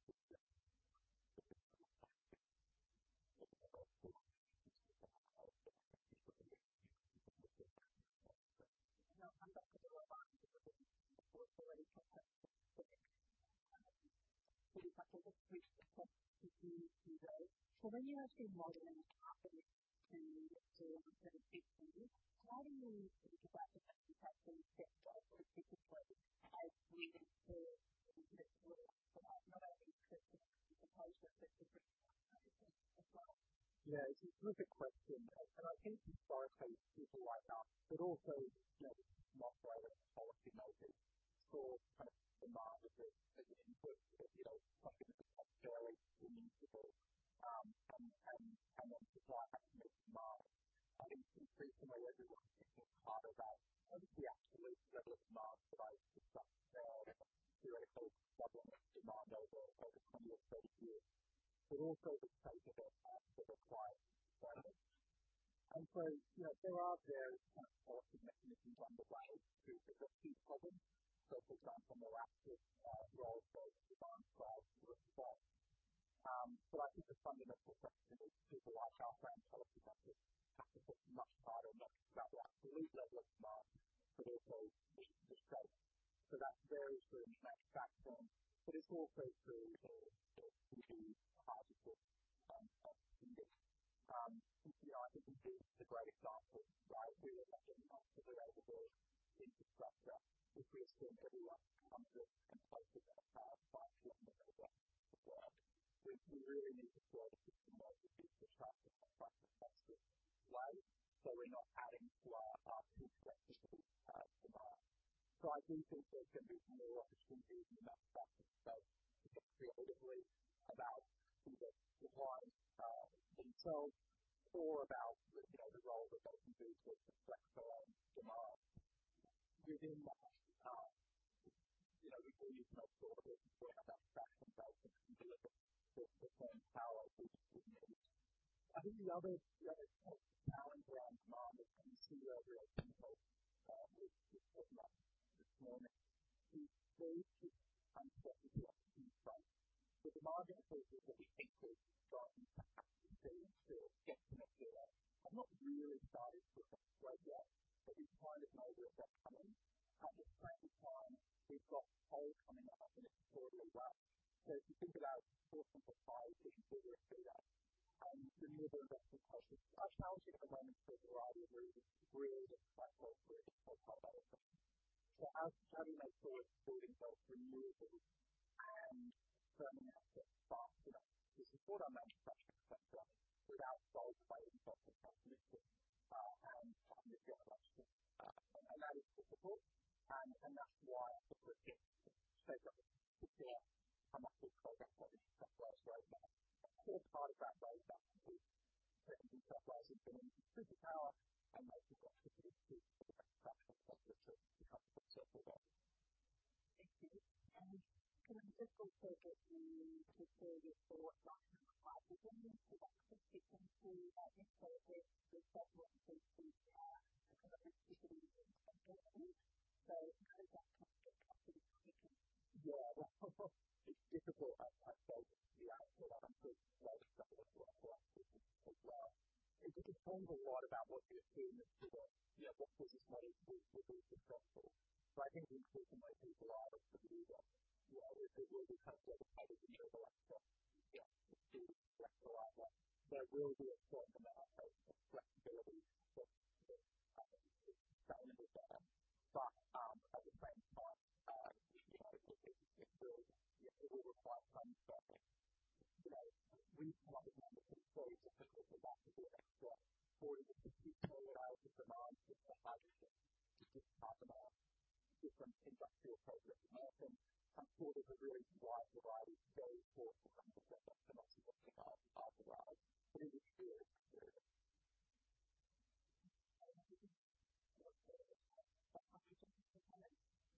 need to go. When you actually model an outcome in 2050, how do you think about the fact that that thing gets done or it doesn't get done as we move towards this goal? Not only because it's proposed, but because it's written down as well. Yeah. It's a perfect question, and I think it's the right place to be right now. Also, you know, Mark already noted the sort of demand as an input. You know, not just the generation we need to build, and then supply and demand. I think we increasingly are going to be looking harder at not just the absolute level of demand, but I think that there are theoretical problems with demand over the coming 30 years, but also the pace of it, sort of requires planning. You know, there are various kind of policy mechanisms on the way to address these problems, both in terms of morass, as well as both demand side as well as supply. I think the fundamental question is people like our friends at Policy Network have to think much harder and much more about the absolute level of demand, but also the pace. That varies from sector to sector. It's also true that there will be a lot of contention. You know, I think the great example that I would really mention is valuable infrastructure. If we are still building lots of composite power plants right now that are going to work, then we really need to focus on the infrastructure that's less expensive. Why? We're not adding to our future additional demand. I do think there's going to be more opportunities in that space. Particularly about sort of the wire itself or about you know the role that government plays to flex around demand within that. You know, we've all used that sort of bring that back themselves and deliver sort of the same power each year. I think the other, you know, point now in terms of demand, as you can see there, Bill, which is coming up this morning is load and what we've got in front of us. The marginal load is that we increase firming capacity to get to net zero and not really start to decline yet. It's why looking over at that point and at the same time, we've got coal coming out of. Well, if you think about 4 and 5, if you look at the U.S., the number of questions. Personality at the moment plays a rather limited role in the platform for 4.0. As Tony mentioned, building self-removals and permanent assets fast enough is important on any production center without gold plating software solutions and significant infrastructure. That is difficult, and that's why I think it shows up here, and that's also where this inflection point is right now. Caused by that wave that can be breaking through and bringing in super power and making that transition to best production possibility because of the circle there. On the circle topic then, just going back to the slide, we're going into that sort of different phase where it's sort of this sort of more consumer sort of institutional use of blockchain. Kind of that trust gap is shrinking. Yeah. It's difficult, as I said, for that to be widespread across different use cases as well. It depends a lot about what you're doing and sort of, you know, what business model is going to be successful. I think we sort of might see a lot of sort of either well, if it will be kind of like either, you know, like trust in government to do it the right way. There will be a certain amount of flexibility for people to kind of experiment with that. As a bank, you know, if it's built, it will require some sort of, you know, reasonable amount of control because of that sort of extra auditing that you carry out of the amount of the hydrogen to just have enough different industrial processes. I think sort of a really wide variety is very important for companies like us to not sort of pick up either way. It is really clear.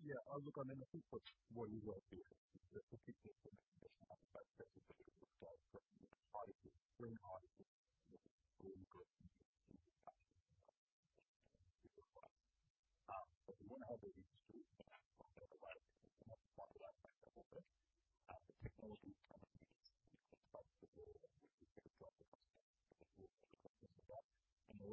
Yeah. I was looking and I think that's where you are here. It's a big thing for me. It's not the best presentation. It's very hard to look at and it's really good. I think that's one of the reasons too, that on the other way, I think we want to talk about that a couple of things. The technology kind of speaks for itself a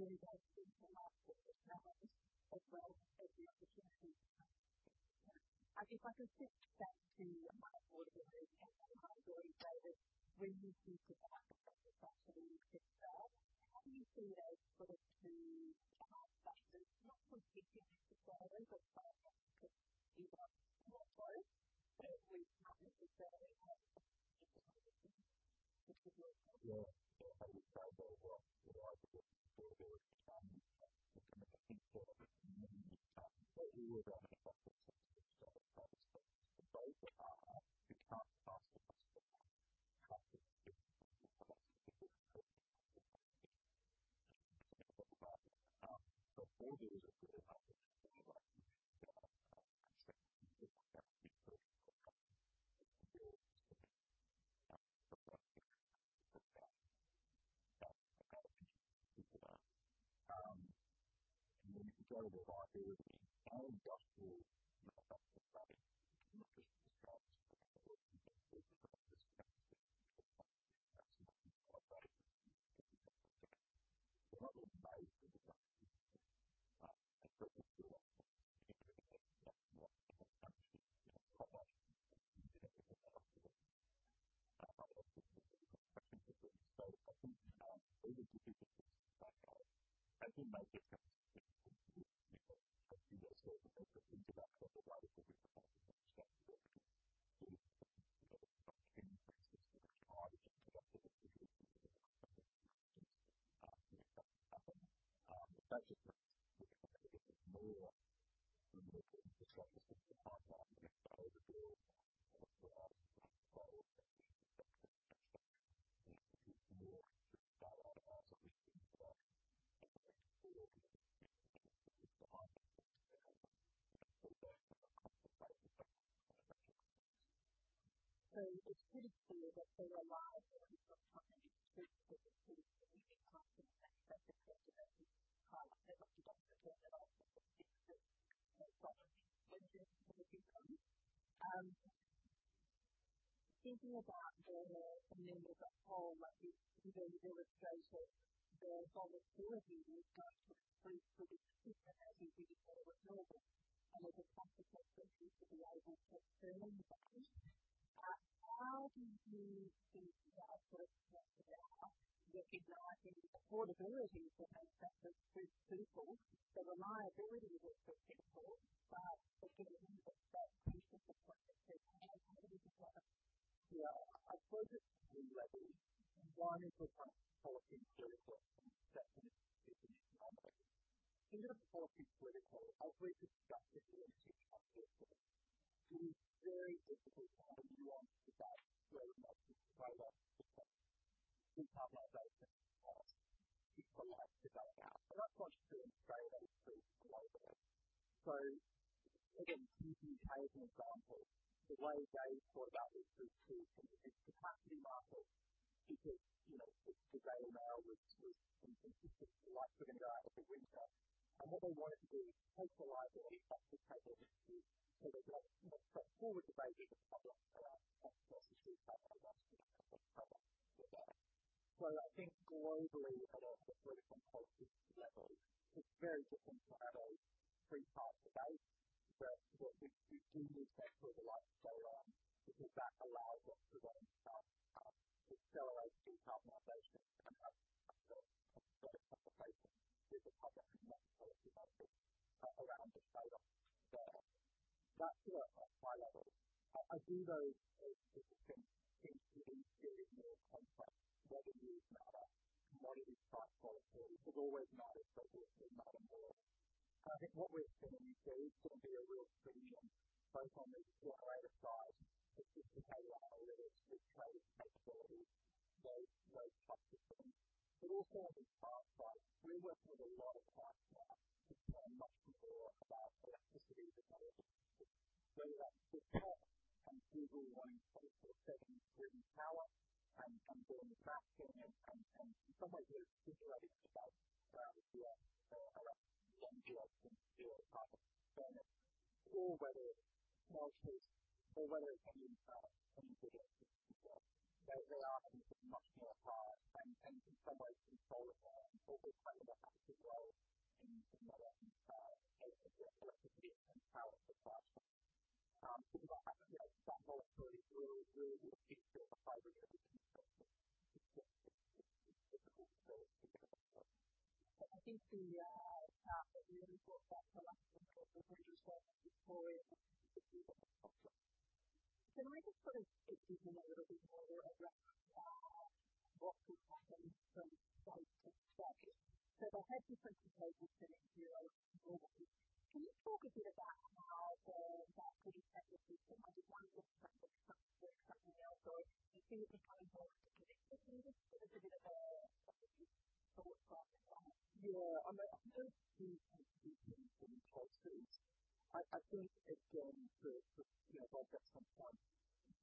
little bit. We can drop it because we'll focus on that. The other those are two things that stand out. Every major kind of digital twin company has either sort of an interaction or a valuable component of their strategy. Sort of tracking things in real time and being able to visually see what's happening. That's just kind of where it is more sort of just like you said, the pipeline, the total deal as well as the sort of collaboration between different industries. It's more sort of data analysis and sort of direct sort of engagement with the client. Those are kind of the main things. It's clear to see that there are a lot of different opportunities, both for existing clients and potential new clients that want to work with you as well as existing clients that want to do more with you. Thinking about the member form that you've demonstrated there on the quality work done to explain sort of the different areas that are available and the types of solutions that are available for firms. How do you think that works best with our recognizing the affordability for many types of groups, people, the reliability of it for people, but also the need for that personal support that David talked about as well? Yeah. I approach it in two ways. One is a kind of policy political and second is an economic. In terms of policy political, I would say this is actually a political hot potato. It is very difficult to have a nuanced debate framed by this sort of either/or. We can't have that. Again, using the UK as an example, the way they thought about this was to use its capacity market because, you know, its gas and oil was competing with the likes of India in the winter. What they wanted to do was centralize all the asset ownership so they could, you know, put forward the basis of that necessary capacity. I think globally at a political policy level, it's very different to have a free market base. What we do need to make sure the lights stay on is that allows us to then accelerate decarbonization and have sort of public participation with the public and policy makers around this data. That's sort of high level. I do though think it's different country to country, it's more complex. Regulators matter, commodity price volatility has always mattered, but it will matter more. I think what we're seeing too is there'll be a real premium both on the generator side, which is behavior how they actually trade flexibility, load capacity, but also on the supply side. We work with a lot of platforms which know much more about flexibility than other people. So that Google own 24/7 green power, and doing the matching and in some ways they're integrating themselves around the grid. I think the end user can do it right then or whether it's large users or whether it's end users as well. They are much more aware and in some ways in control of it. What we're finding happens as well in the way electricity and power supply. What I haven't yet done necessarily is really looked into the fiber connectivity side of things. It's difficult to get a hold of. I think the new report that came out from the British well before it. Can I just kind of get you on a little bit more around what's happening from a science perspective? So there's a heavy focus on net zero globally. Can you talk a bit about that sort of technical side of what's happening now? So do you think it's going well to get it? Can you just give us a bit of your thoughts on that? Yeah. I mean, I've no huge opinions on choices. I think it's going to, you know, if I've got some time,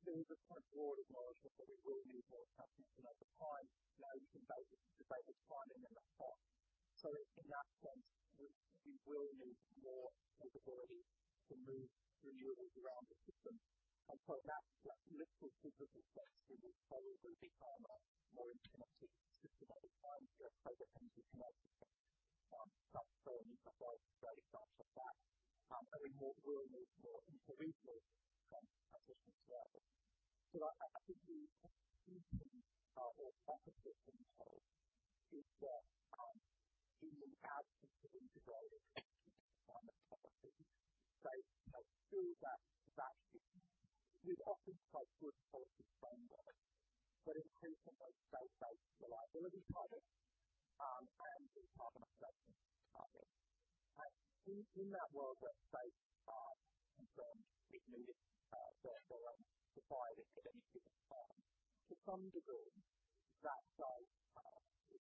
there is a point broadly where I just thought we will need more capacity than other times. You know, you can debate the timing and the cost. In that sense, we will need more flexibility to move renewables around the system. Perhaps that little bit of flexibility will probably become a more important system over time. You know, potentially, can it just transform to provide the right types of that, and we will need more interoperability for the transition as well. I actually think the key thing or benefit from choice is that it encourages the integrated thinking from a policy. You know, through that, we've often talked about policy frameworks, but in principle, those set out the reliability target and the carbon reduction target. In that world where states are, you know, sort of supplying electricity, to some degree that state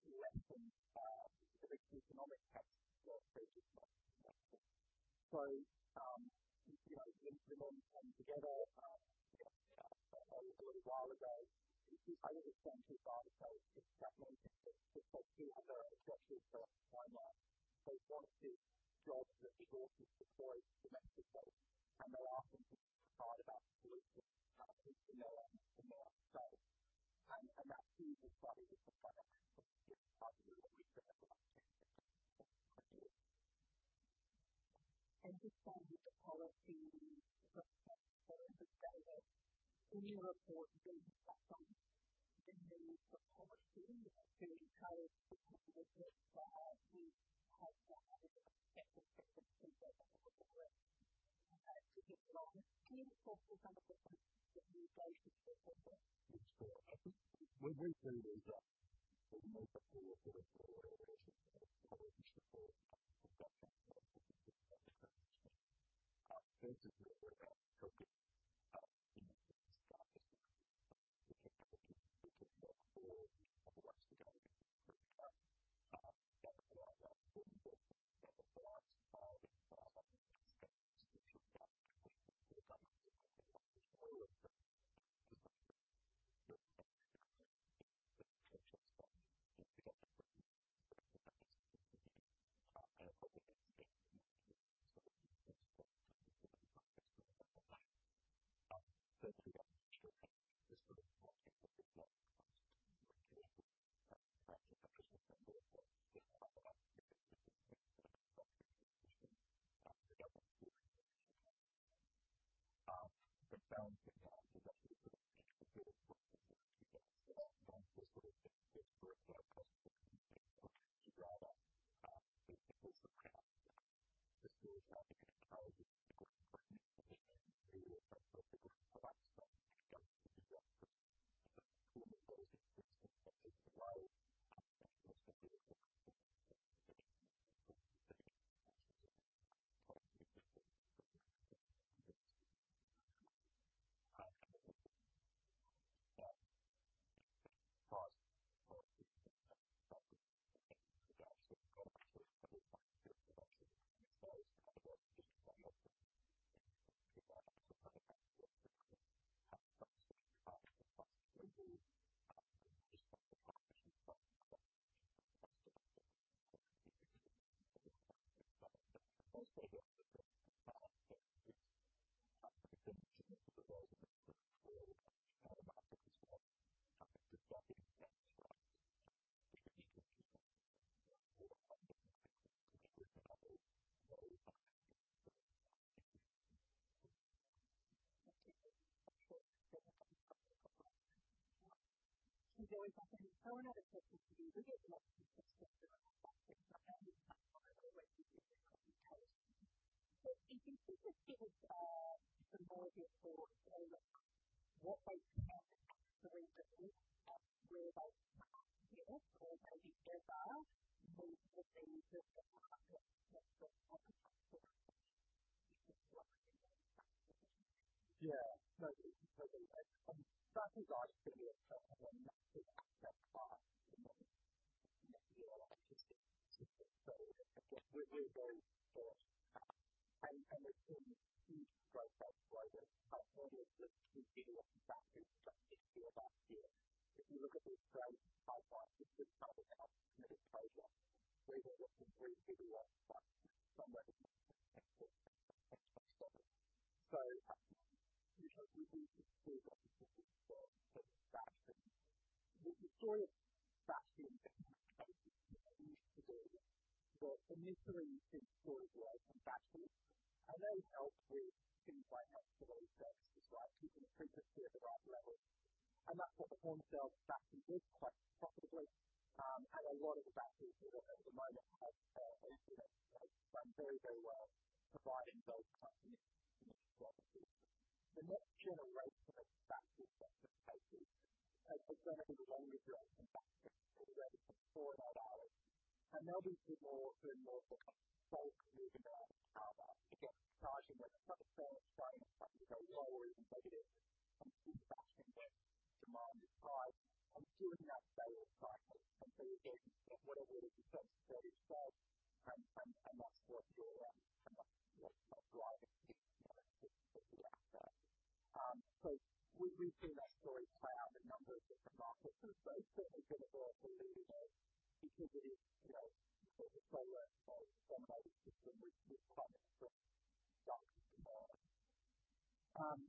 lessens the economic risks for various markets. You know, the elements come together, you know, a little while ago. I think it's going to drive itself. It's definitely interesting because they do have their own structural sort of timeline. They want to draw the resources before its domestic goals, and they're asking for part of that solution to happen sooner rather than later. That's the body of the product. It's arguably the reason everyone's changing what they're doing. Just on the policy aspect of the data, we report the discussion and then the that we get every week that comes in. I think it's sort of useful to think about this from a customer perspective. Certainly I'm sure this sort of market that we've got constantly working and I think the Christmas number was just under 100 different submissions that we're working on. But then in terms of actually sort of looking at what the market looks like, this would be for a customer to keep an eye on. I think there's a kind of distinction between how the different parties may look at the different products that we've got. There was an earlier question for you. We get a lot of people asking about batteries and how they might work within their property. Do you think there's some logic for, you know, what they can offer in terms of greenwashing skills or maybe there's a use for things that might four-hour. They'll be even more sort of bulk user power. Again, charging when it's not a solar stream, it can go lower than negative. Batteries demand and price and doing that better practically compared to getting whatever it is you've got to store from 5MS or fuel and kind of like driving it to where it needs to be after. We've seen that story play out in a number of different markets. It's certainly gonna go up from there because it is, you know, sort of so well dominated with climate driven demand.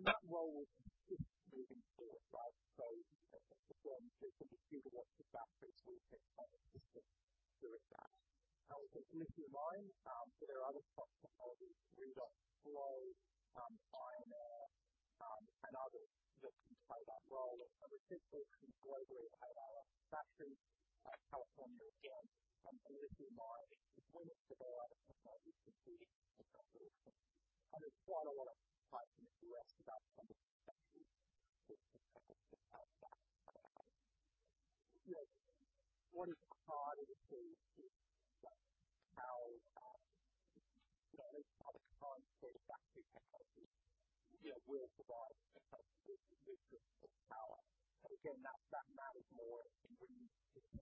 That role is moving forward fast. You know, from just a gigawatt of battery storage gets to through a gig. Now it's a million. There are other technologies, Flow, iron-air, and others that can play that role. We're seeing huge growth rates of batteries in California again. This is why we want to go out and find these opportunities because I don't wanna tighten it the rest of our conversation with the battery play. You know, one of the priorities is that power, you know, at this time for batteries because it, you know, will provide a source of power. Again, that matters more in regions which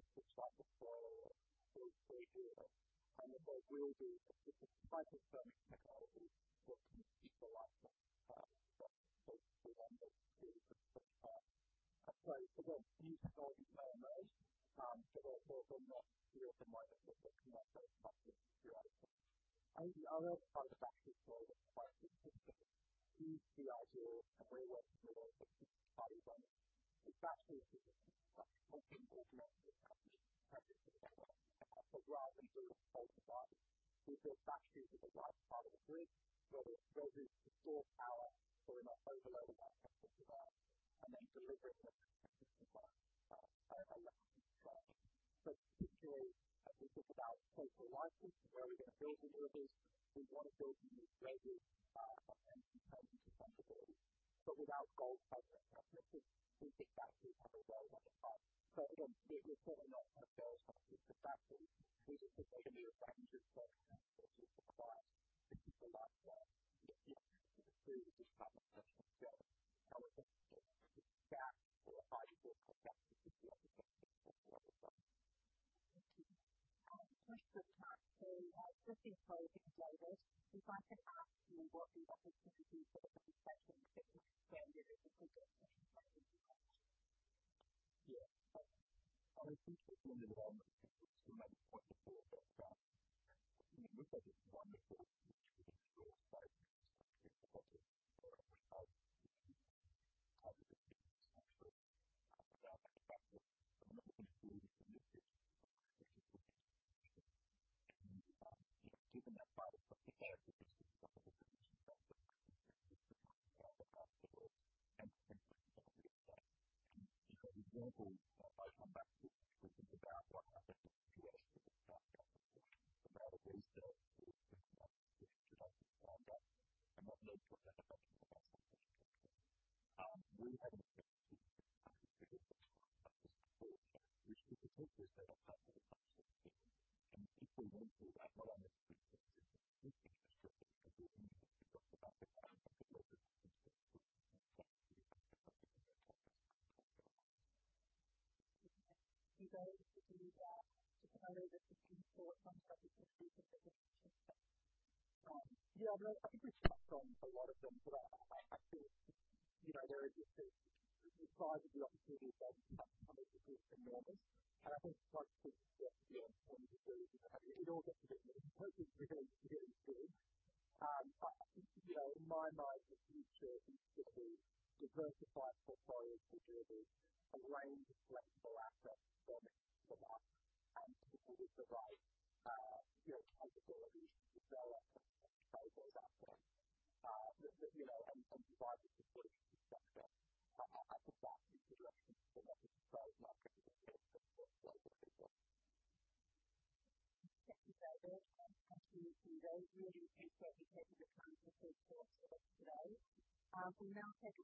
are slightly slower in the way they do this. What they will do is despite the thermal technologies, what can equalize that, you know, the one that's being put there. We've got these stories going on. Also not, you know, at the moment looking at those batteries directly. The other side of battery storage is quite interesting. We see ideas and ways in which it can be value added. Batteries are such a complicated mix of chemistry. Rather than doing it all yourself, we feel batteries is the right part of the grid where it can store power so we're not overloading our networks with that and then deliver it when it's needed. That can be stretched. Particularly as we think about social license and where are we gonna build these energies, we wanna build them in places from an environmental sustainability. Without all project licenses, we think batteries have a role to play. Again, we're probably not gonna build something with the batteries. We need to build a new battery plant which is required to utilize that. It improves the standard social license. However, it gives you that valuable capacity that you get from a battery just in time. Just before we close, David, is there anything else you want people to think about in terms of energy transition that we haven't touched on? Yeah. I think people need to remember to keep their 24/7 calm. I mean, it looks like it's wonderful to just draw a straight line from here to the target for how we achieve carbon emissions. Without that battery, I mean, I think we need to be realistic in terms of what we can achieve. Given that battery storage is such a big piece of that, I think we need to think about that as well and think through some of these things. You know, the example I come back to is in Nevada. I think the US has a strong track record. Nevada raised their sort of renewable target to 90% and that looks like an effective way to get to that. We haven't-
Thank you very much indeed, David Pursell. Just a note that the Q&A for some speakers will be open just after.
Yeah, look, I think there's lots on a lot of them, but I think, you know, there is this size of the opportunity that some of this is enormous. I think the price point is definitely on the good side. It all gets a bit complicated if you get into the weeds. You know, in my mind, the future is just a diversified portfolio strategy, a range of flexible assets from it, from us, and people with the right, you know, capabilities to develop and favor those assets. You know, provided the full spectrum. I think that's the direction of travel. It's very much going to be a portfolio business.
Thank you, David. Fantastic. Dave, really appreciate you taking the time to talk to us today. We'll now take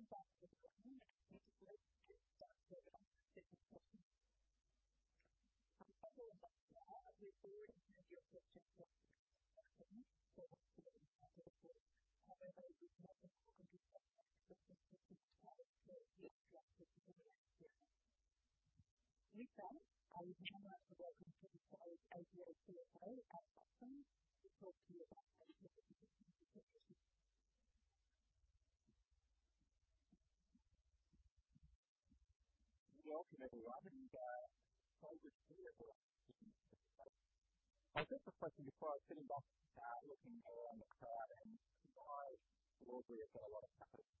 a break for 20 minutes. We'll ask you to mute that and we'll see you back at the session.
Welcome, everyone. My name is Peter. I was just reflecting before I kicked off, looking around the crowd and I broadly have got a lot of capacity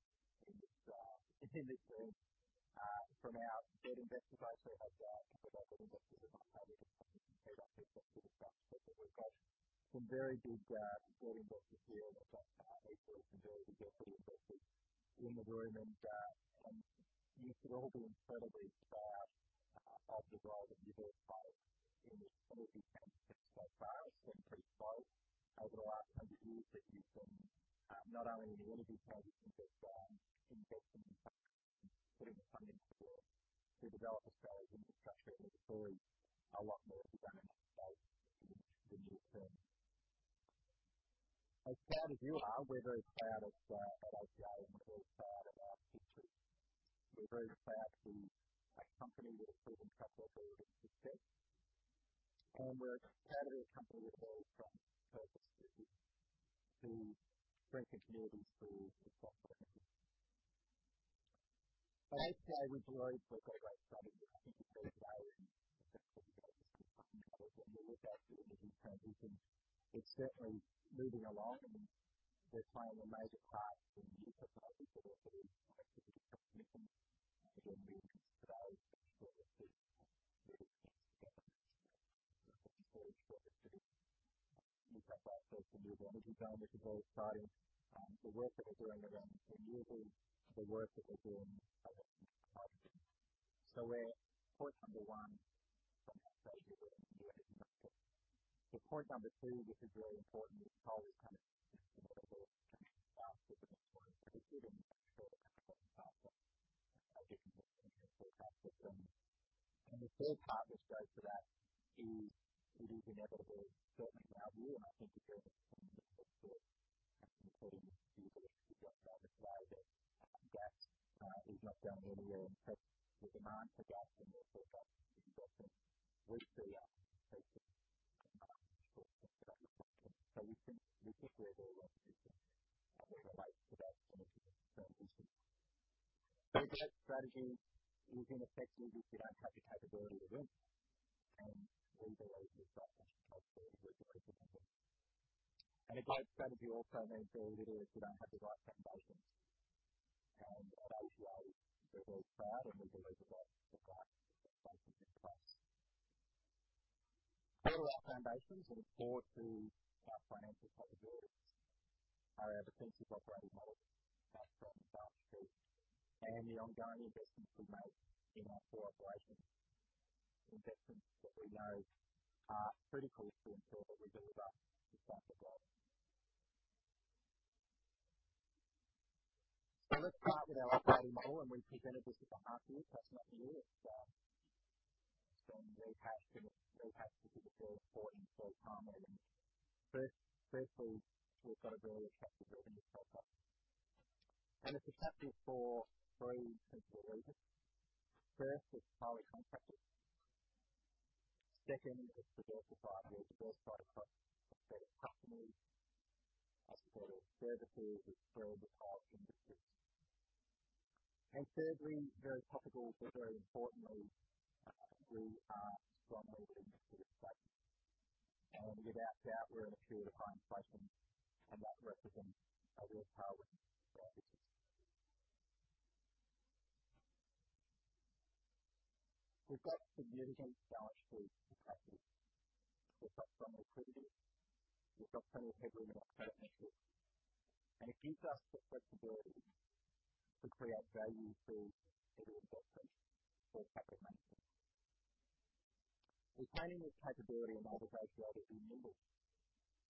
in this room from our debt investors. We have a couple of other investors as well. We have some productive investors in the room and you can all be incredibly proud of the role that you've all played in this company's success so far. It's increased both over the last 100 years that you've been not only an individual but investing and putting the funding forward to develop Australia's infrastructure. There's always a lot more to be done in that space in the near term. As proud as you are, we're very proud of at APA and we're all proud of our history.
We're very proud to be a company with a proven track record of success. We're proud to be a company with a strong purpose to bring communities to the forefront. At APA, we're driving a great strategy for the future today and it's certainly moving along and we're playing a major part in the transformation of the industry the work that we're doing around the community, the work that we're doing. We're point number one. Point number two, which is really important is always. The third part of the strategy that is inevitable, certainly global, and I think you've heard from some of the speakers before you today is the drawdown of gas is happening everywhere and the demand for gas in the short term is often weaker. Yeah. We've just raised a lot as it relates to that energy transition. That strategy is ineffective if you don't have the capability to win. We believe we've got the right culture, we've got the right people. A great strategy also means very little if you don't have the right foundations. At APA, we're very proud and we believe we've got the right foundations in place. Part of our foundations and core to our financial capabilities are our defensive operating model backed by balance sheet and the ongoing investments we make in our core operations. Investments that we know are critical to ensure that we deliver against our goals. Let's start with our operating model, and we presented this at the half year. It's not new. It's been rehashed and rehashed because it's so important. It's time well spent. First, we've got to build an attractive business platform. It's attractive for three simple reasons. First is our contract book. Second is the diversity of the asset class that it touches, supported further fields with well-defined industries. Thirdly, very topical, but very importantly, we are strongly hedged to inflation. Without a doubt, we're in a period of high inflation, and that represents a real power in our business. We've got significant balance sheet capacity. We've got strong liquidity. We've got plenty of headroom in our credit metrics, and it gives us the flexibility to create value through either investment or capital management. We plan in this capability and diversification nimble,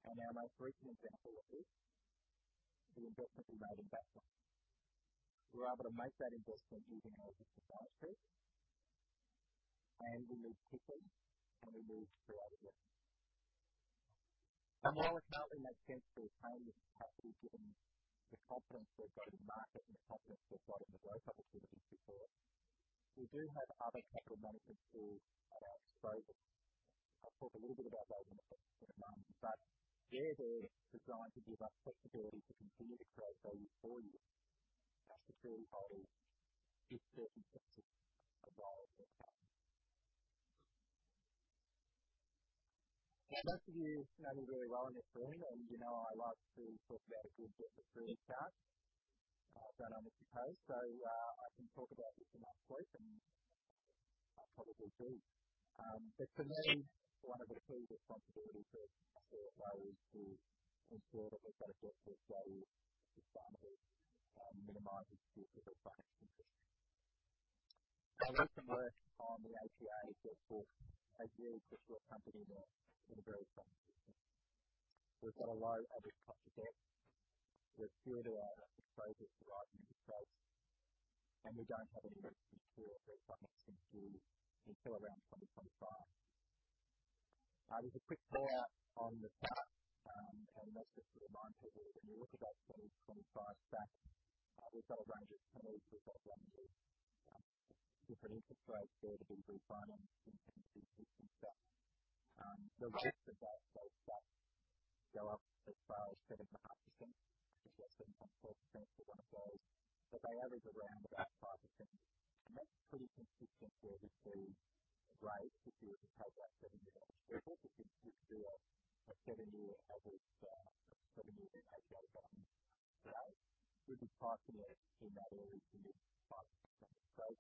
and our most recent example of this is the investment in Raven Backfire. We were able to make that investment using our existing balance sheet, and we moved quickly, and we moved collaboratively. While it's not in that sense, we're carrying this capacity, given the confidence to go to market and the confidence to apply the growth capital to the business going forward. We do have other capital management tools at our disposal. I'll talk a little bit about those in a second. They're there designed to give us flexibility to continue to create value for you as the prevailing conditions evolve over time. Most of you know me very well in this room, and you know I like to talk about a good bit of free cash, if I'm honest with you. I can talk about this enough quick, and I probably will do. For me, one of the key responsibilities as CEO is to ensure that we both get the value to shareholders, minimizing the cost of that interest. Recent work on the APA has really pushed our company more. We've got a low average cost of debt. We're geared around our exposures to rising interest rates, and we don't have any major maturities until around 2025. There's a quick chart on the top, and that's just to remind people when you look at that 2025 stack, we've got a range of 10-12 years, different interest rates there to be refinanced consistently. The rates have gone so high as 7.5%. We've got 7.4% for one of those, but they average around about 5%. That's pretty consistent with the rate if you were to take our 7-year average. If we could just do a seven-year average, seven-year moving average over rates, we could park them in that area in the mid-5%.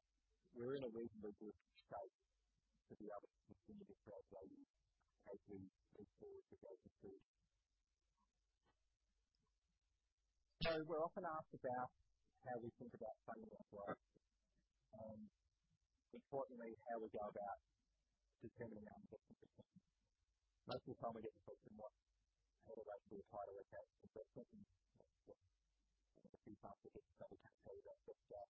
We're in a reasonably good state to be able to continue to create value as we move forward with our strategy. We're often asked about how we think about funding our growth. Importantly, how we go about determining our investment return. Most of the time we get the question, what are those blue title accounts? That's something that's a few parts to it, so we can't tell you that just yet.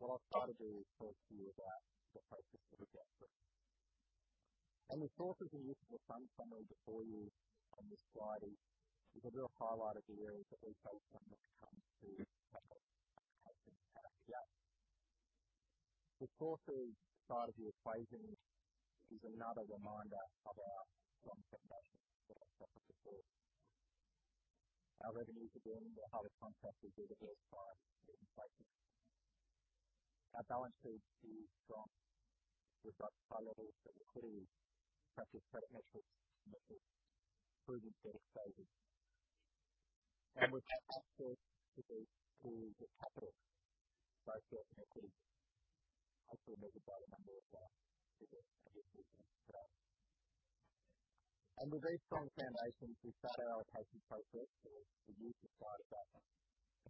What I'll start to do is talk to you about the process that we go through. The sources used for the funding funnel before you on this slide is a real highlight of the areas that we focus on when it comes to capital allocation. Yeah. The sources side of the equation is another reminder of our strong foundation for capital. Our revenues are doing well in contrast with the firms in the space. Our balance sheet is strong. We've got high levels of liquidity, attractive credit metrics that see us through the debt cycles. We've got access to the capital markets that could possibly make a bigger number as well. Under these strong foundations, we start our allocation process with the usage side of that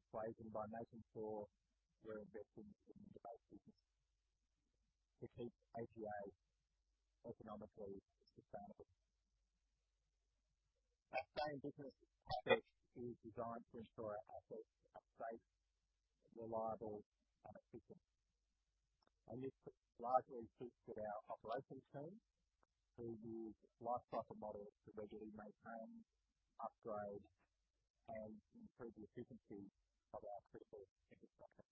equation by making sure we're investing in the base business to keep APA economically sustainable. Our base business aspect is designed to ensure our assets are safe, reliable, and efficient. This largely speaks to our operations team who use life cycle models to regularly maintain, upgrade, and improve the efficiency of our critical infrastructure.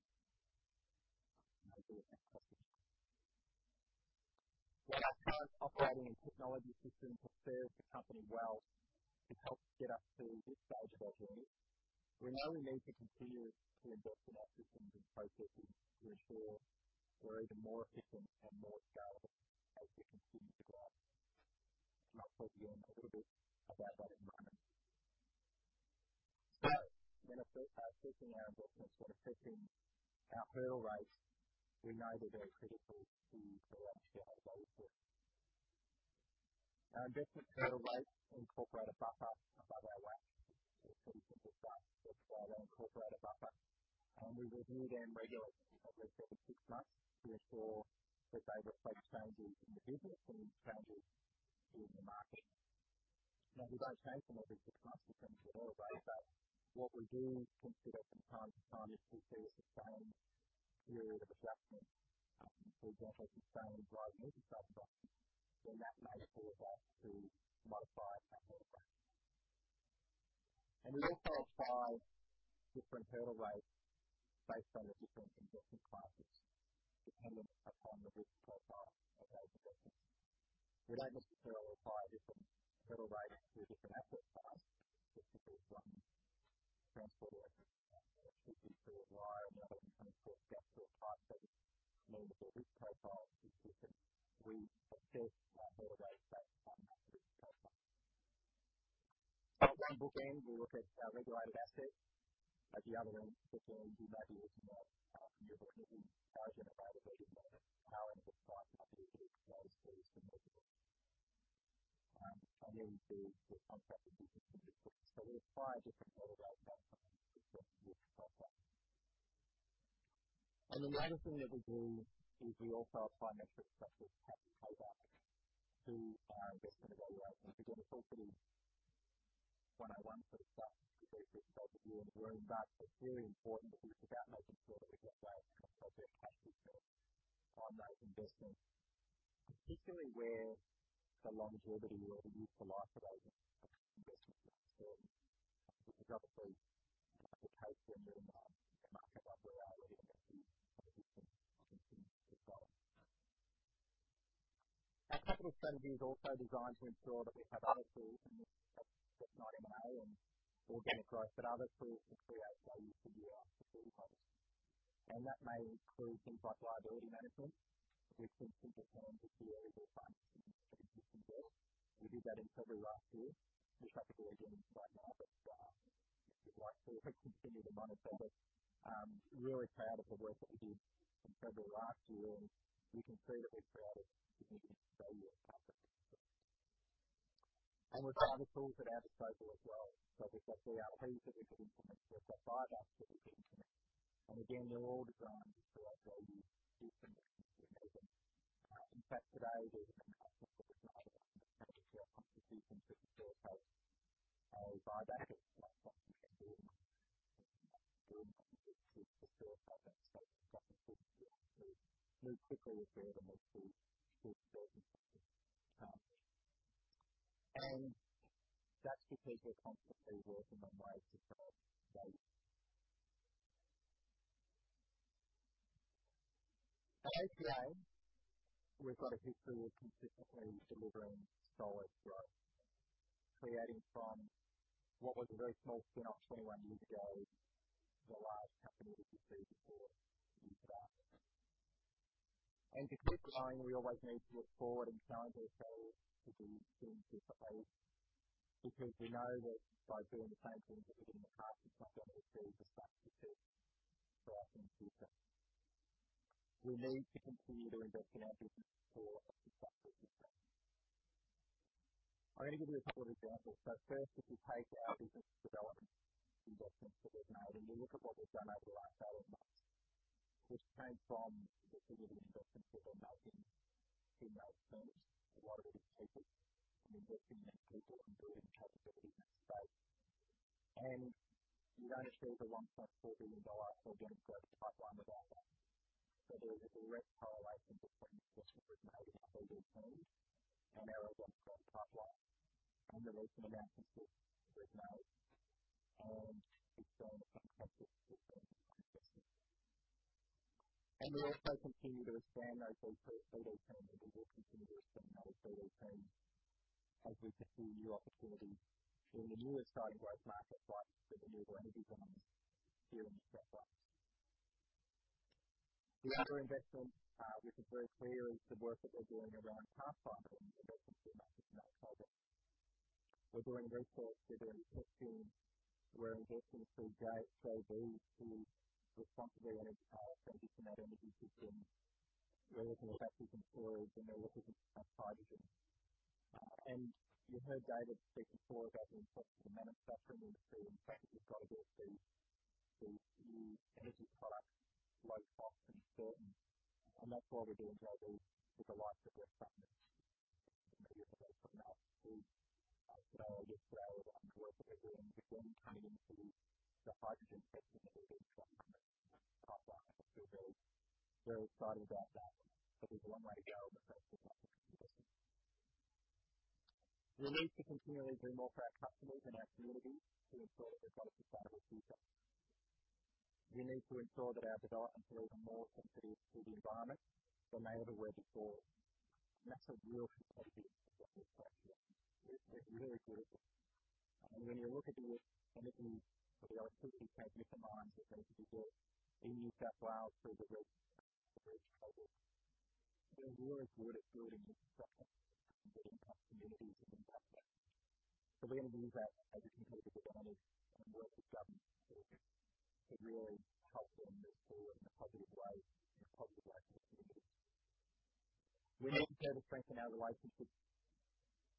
While our current operating and technology systems have served the company well, it's helped get us to this stage of our journey. We now need to continue to invest in our systems and processes to ensure we're even more efficient and more scalable as we continue to grow. I'll talk to you in a little bit about that in a moment. When I first start seeking our investments, we're setting our hurdle rates. We know they're very critical to the APA value creation. Our investment hurdle rates incorporate a buffer above our WACC. It's pretty simple stuff. It's why they incorporate a buffer, and we review them regularly, every six months, to ensure that they reflect changes in the business and changes in the market. Now, we don't change them every six months in terms of the hurdle rates, but what we do consider from time to time is if there's a sustained period of adjustment. For example, sustained rising interest rates, then that may cause us to modify our hurdle rates. We also apply different hurdle rates based on the different investment classes, dependent upon the risk profile of those investments. We don't necessarily apply a different hurdle rate to a different asset class, particularly from transmission or distribution, which would be pretty wide. Another different gas pipeline that means that the risk profile is different. We adjust our hurdle rates based on that risk profile. At one bookend, we look at our regulated assets. At the other end of the spectrum, we value some of our new bookings in our generated valuation method, our end of life opportunities, those sorts of movements. We do the contracted business as well. We apply different hurdle rates based on the different risk profiles. The last thing that we do is we also apply metrics such as cash payback to our investment evaluation. Again, it's all pretty 101 sort of stuff. It's basic stuff that you all know. It's really important that we think about making sure that we get those project cash returns on those investments, particularly where the longevity or the useful life of those investments are concerned, which is obviously the case when you're in a market like we are where you're looking at these types of investments as well. Our capital strategy is also designed to ensure that we have other tools in this, not in M&A and organic growth, but other tools to create value for you, our shareholders. That may include things like liability management, which is something we've learned this year as a function of interest rates. We did that in February last year. We're at it again right now. It's the right tool. We hope to continue to monitor but, really proud of the work that we did in February last year, and we can see that we've created immediate value for our shareholders. There's other tools at our disposal as well, such as our DRPs that we can implement. There's our buybacks that we can implement. Again, they're all designed to create value differently for our shareholders. In fact, today we're going to talk about our strategy for 2022 to 2025. Our five-year strategy to fulfill that strategy. We've got to think differently. We need to grow the multi-business model. That's because we're constantly looking at ways to grow today. At AGL, we've got a history of consistently delivering solid growth, creating from what was a very small spin off 21 years ago, the large company that you see before you today. To keep growing, we always need to look forward and challenge ourselves to do things differently, because we know that by doing the same things that we did in the past, it's not going to be sustainable for our future. We need to continue to invest in our business for a successful future. I'm gonna give you a couple of examples. First, if you take our business development investments that we've made, and you look at what we've done over the last 12 months, we've transformed the sort of investments that we've made in those terms. A lot of it is taking and investing in people and building capabilities in that space. You're gonna see the long-term benefit of those investments in our growth pipeline development. There is a direct correlation between the investments we've made in people, teams, and our growth pipeline. The reason about this is we've made and it's been successful so far. We also continue to expand our solar PV team, and we will continue to expand our solar team as we pursue new opportunities in the newest growing growth market for us, for the renewable energy market here in New South Wales. The other investment, which is very clear is the work that we're doing around carbon capture and investment in that project. We're doing research, we're doing testing, we're engaging with Jay-Z to contemplate an entire range of energy systems. We're looking at batteries and storage, and we're looking at hydrogen. You heard David speak before about the importance of the manufacturing industry. In fact, we've got to get these new energy products low cost and certain, and that's why we're doing JV with Alinta at West Thumbnails. We've grown our collaboration with them turning into the hydrogen testing that we're doing with Alinta. We're very excited about that one. There's one way to go with that. We need to continually do more for our customers and our communities to ensure that we've got a sustainable future. We need to ensure that our developments are even more sensitive to the environment than they ever were before. That's a real strategic focus for us. It's very critical. When you look at the energy, the electricity transmission lines that we're going to deliver in New South Wales through the Great Divide, those works will do good and it's something that impacts communities and impacts us. We're gonna do that as a community of owners and work with governments to really help them move forward in a positive way for the community. We need to further strengthen our relationships,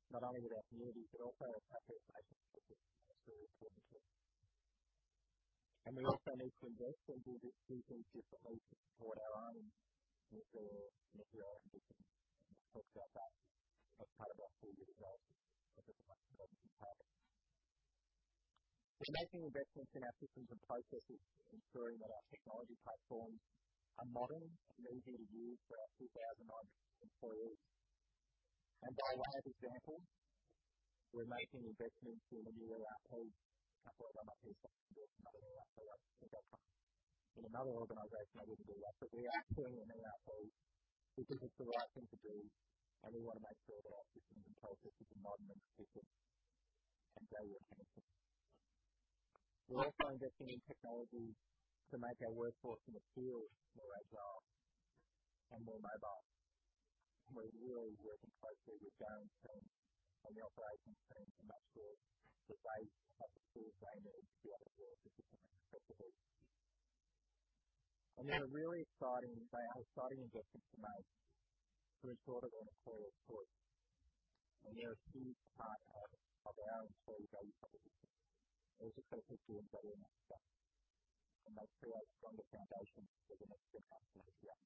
not only with our communities, but also our customers. We also need to invest and do these things differently to support our own internal zero ambition. We've talked about that as part of our four-year development of this development plan. We're making investments in our systems and processes, ensuring that our technology platforms are modern and easy to use for our 2,000 employees. By way of example, we're making investments in a new ERP system. I probably got my piece wrong there. It's not an ERP, it's an SFR. In another organization, I wouldn't do that, but we are doing a new ERP because it's the right thing to do, and we wanna make sure that our systems and processes are modern and efficient and they will change. We're also investing in technologies to make our workforce in the field more agile and more mobile. We're really working closely with Joan's team and the operations team to make sure that they have the tools they need to be able to work efficiently and effectively. Then a really exciting thing, an exciting investment to make is what we call an employee support, and they're a huge part of our employee value proposition. It's a great history and value add stuff, and they create a stronger foundation for the next 10,000 years.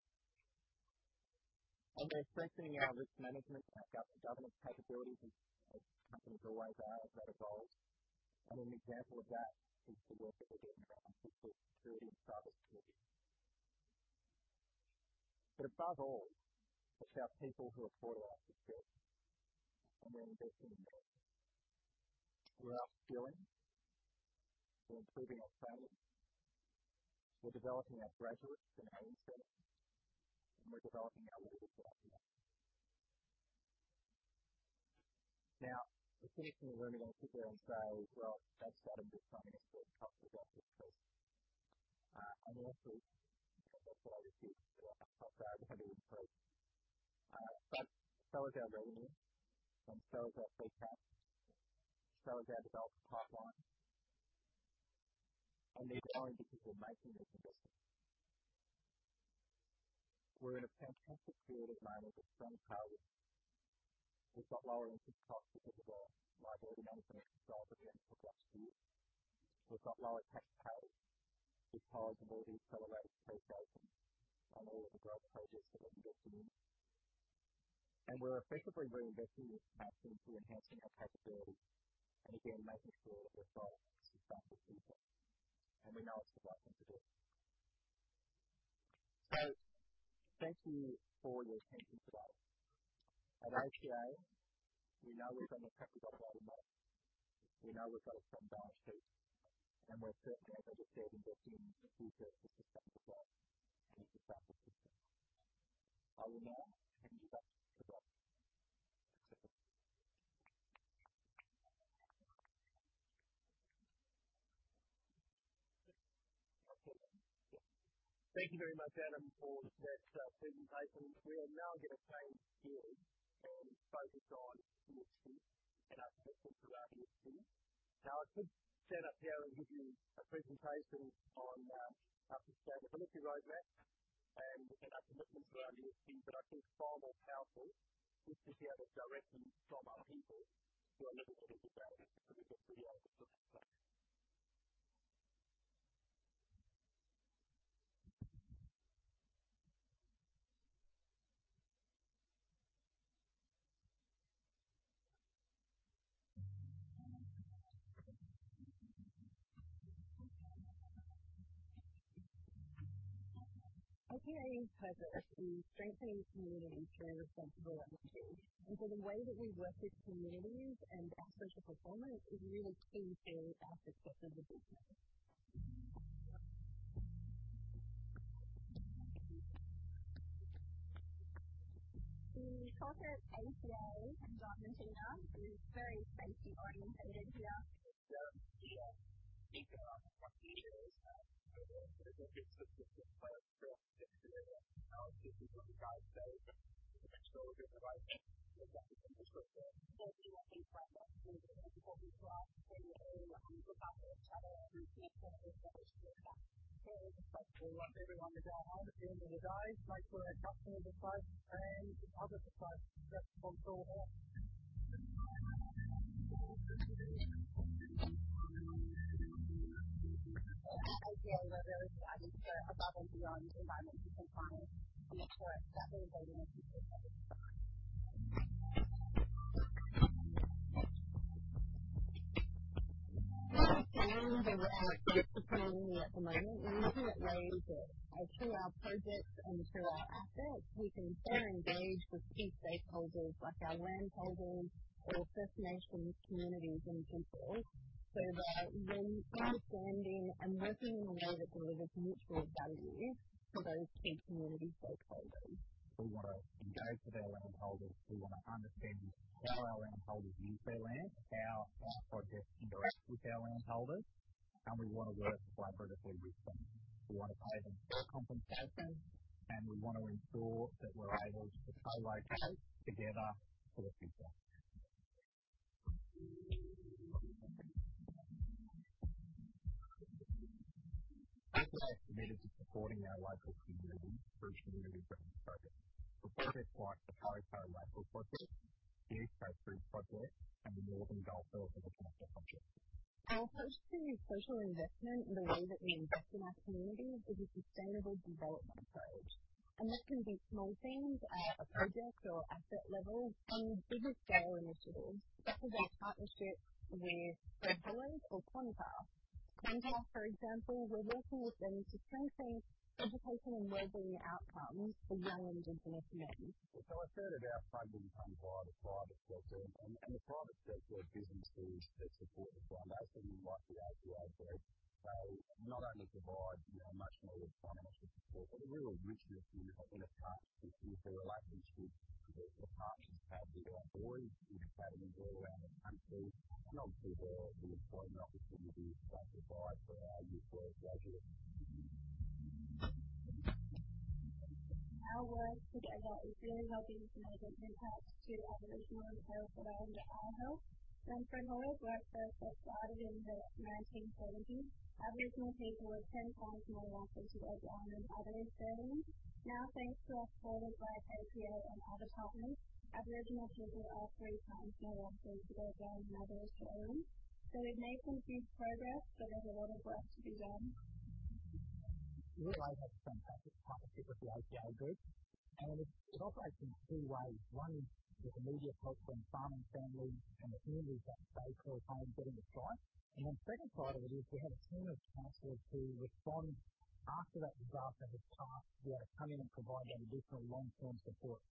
We're strengthening our risk management and our governance capabilities, as companies always are as they grow. An example of that is the work that we're doing around physical security and cyber security. Above all, it's about people who are full of our potential, and we're investing in that. We're upskilling. We're improving our training. We're developing our graduates in our own settings, and we're developing our leadership pipeline. Now, the things we were gonna keep doing in scale as well as starting to try new things help us get to this place. Also, as I said, I'm so proud of having improved both Sellagaz revenue and Sellagaz profit. Sellagaz developed the pipeline. These aren't because we're making this investment. We're in a fantastic creative environment with strong colleagues. We've got lower input costs because of our reliable maintenance and stronger infrastructure. We've got lower tax paid because of all the accelerated depreciation on all of the growth projects that we've invested in. We're effectively reinvesting this cash into enhancing our capabilities and again, making sure that the growth is sustainable growth. We know it's the right thing to do. Thank you for your attention today. At APA, we know we've got a lot of work. We know we've got a strong balance sheet, and we're certainly, as I just said, investing to build a sustainable growth and a sustainable business. I will now hand you back to Rob. Thank you very much, Adam, for that presentation. We are now going to change gears and focus on community and our commitment to our community. Now, I could stand up here and give you a presentation on our sustainability roadmap and our commitment to our community, but I think far more powerful is to hear directly from our people who are living and breathing value every day. So we have
APA's purpose in strengthening community and creating responsible opportunity. The way that we work with communities and our social performance is really key to our success as a business. The culture at APA in Darwin, NT, is very safety-oriented in here.
We are thinking about what the future is and how
way that delivers mutual value to those key community stakeholders.
We wanna engage with our landholders, we wanna understand how our landholders use their land, how our projects interact with our landholders, and we wanna work collaboratively with them. We wanna pay them fair compensation, and we wanna ensure that we're able to co-locate together for the future. APA is committed to supporting our local communities through community-driven projects like the Kari Kari Rifle Project, the East Kakadu Project, and the Northern Gulf Billabongs Connect Project.
Our approach to social investment and the way that we invest in our community is a sustainable development approach. This can be small things at a project or asset level and bigger scale initiatives such as our partnership with Fred Hollows or Clontarf. Clontarf, for example, we're working with them to strengthen education and wellbeing outcomes for young Indigenous men.
A third of our funding comes via the private sector. The private sector businesses that support us, and we're lucky APA Group, they not only provide, you know, much-needed financial support, but they're really interested in a partnership and through a relationship with the partners that we employ within all our countries. Obviously, the employment opportunities that provide for our youth workers graduates.
Our work together is really helping to make an impact to Aboriginal and Torres Strait Islander eye health. When Fred Hollows first started in the 1970s, Aboriginal people were 10 times more likely to go blind than other Australians. Now, thanks to our formerly great ACA and other partners, Aboriginal people are 3 times more likely to go blind than other Australians. We've made some good progress, but there's a lot of work to be done.
Urai has a fantastic partnership with the APA Group, and it operates in two ways. One is with immediate help when farming family and the injuries that they sustain getting the crop. Second part of it is we have a team of counselors who respond after that disaster has passed to come in and provide that additional long-term support.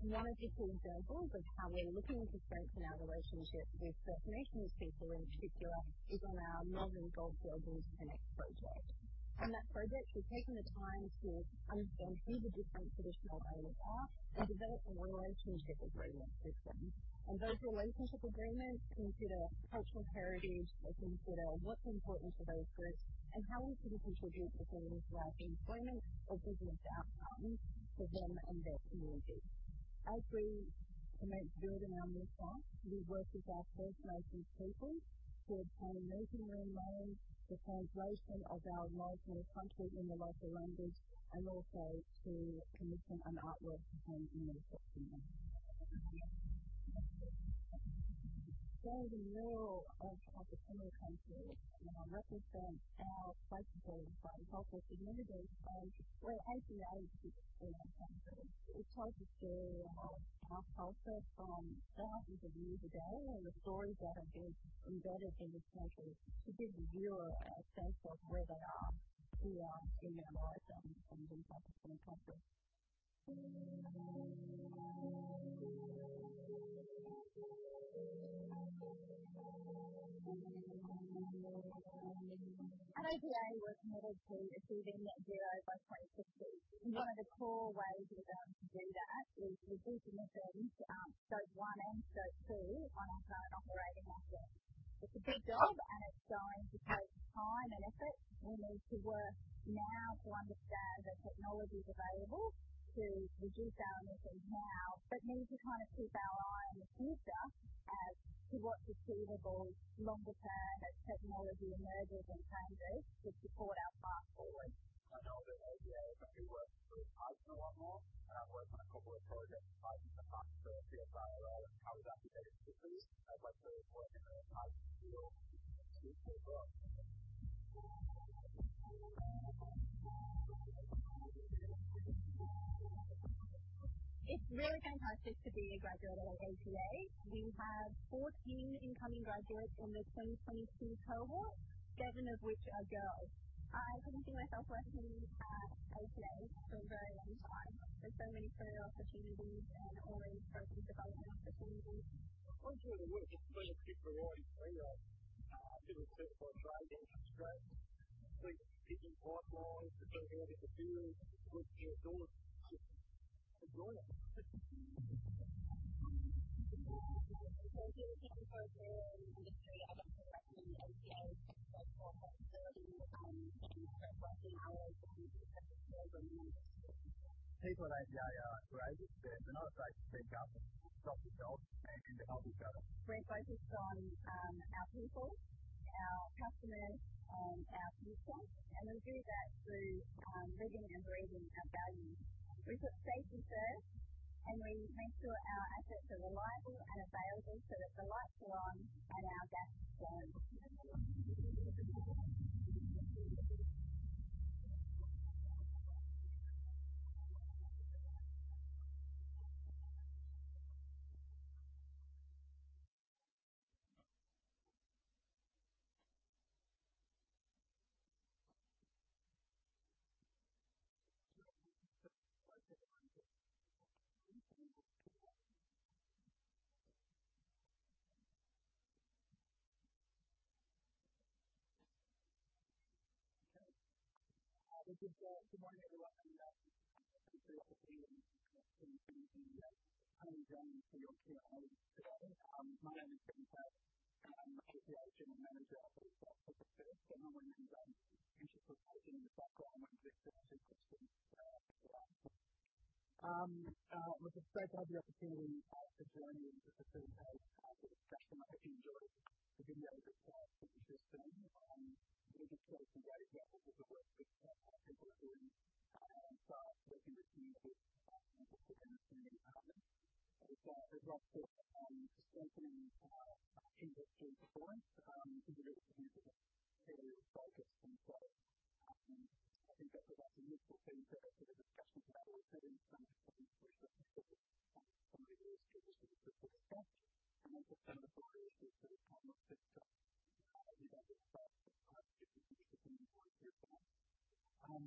One of the key examples of how we're looking to strengthen our relationship with First Nations people in particular is on our Northern Gulf Billabongs Connect project. On that project, we've taken the time to understand who the different traditional owners are and develop a relationship agreement with them. Those relationship agreements consider cultural heritage, they consider what's important to those groups and how we can contribute to things like employment or business outcomes for them and their communities. As we commit building our new site, we've worked with our First Nations people to obtain a naming renaming, the translation of our logo onto it in the local language, and also to commission an artwork to hang in the reception. The role of the customer council, you know, represents our stakeholders, our local community base. APA is a customer. It's hard to do our process from thousands of meters away, and the stories that have been embedded in this country to give you a real sense of where they are, who they are in their lives and being part of this country. APA was committed to achieving net zero by 2060. One of the core ways we were going to do that is reduce emissions, scope one and scope two on our current operating assets. It's a big job, and it's going to take time and effort. We need to work now to understand the technologies available to reduce our emissions now, but need to kind of keep our eye on the future as to what's achievable longer term as technology emerges and changes to support our path forward.
I know that APA is a big work group hub for a lot more, and I've worked on a couple of projects like the 50th anniversary of Cowra Civic Centre as well as working in a hub for.
It's really fantastic to be a graduate at APA. We have 14 incoming graduates in the 2022 cohort, 7 of which are girls. I can see myself working at APA for a very long time. There's so many career opportunities and always personal development opportunities.
The kinds of work is pretty variety for you. Doing certified trades and straps, digging pipelines, doing a bit of tutoring, doing doors. It's a variety.
If you're looking for a career in industry, I would recommend APA. It's got a lot of stability, great working hours and you get to travel around the country.
People at APA are great. They're not afraid to speak up and stop themselves and to help each other.
We're focused on our people, our customers and our future, and we do that through living and breathing our values. We put safety first, and we make sure our assets are reliable and available so that the lights are on and our gas flows.
Good morning, everyone, and welcome to APA's investor update. Thanks for joining us for your call today. My name is Ben Tapp. I'm the chief financial manager of the group. I'm going to be introducing the background and the executive team questions throughout. I'm excited to have the opportunity to join you for the first time. It's a session I actually enjoy to be able to talk to the team, and just share some great work that the group is doing and start working with you to understand APA better. As Rob said, just opening, key messages for today. We're really looking to focus on growth. I think that was actually mentioned in Ben's opening discussion about where we're heading, 2023.
We thought it was important for me to just give a specific update and also clarify some of the comments that Ben made earlier about the 5 strategic initiatives that we're working on.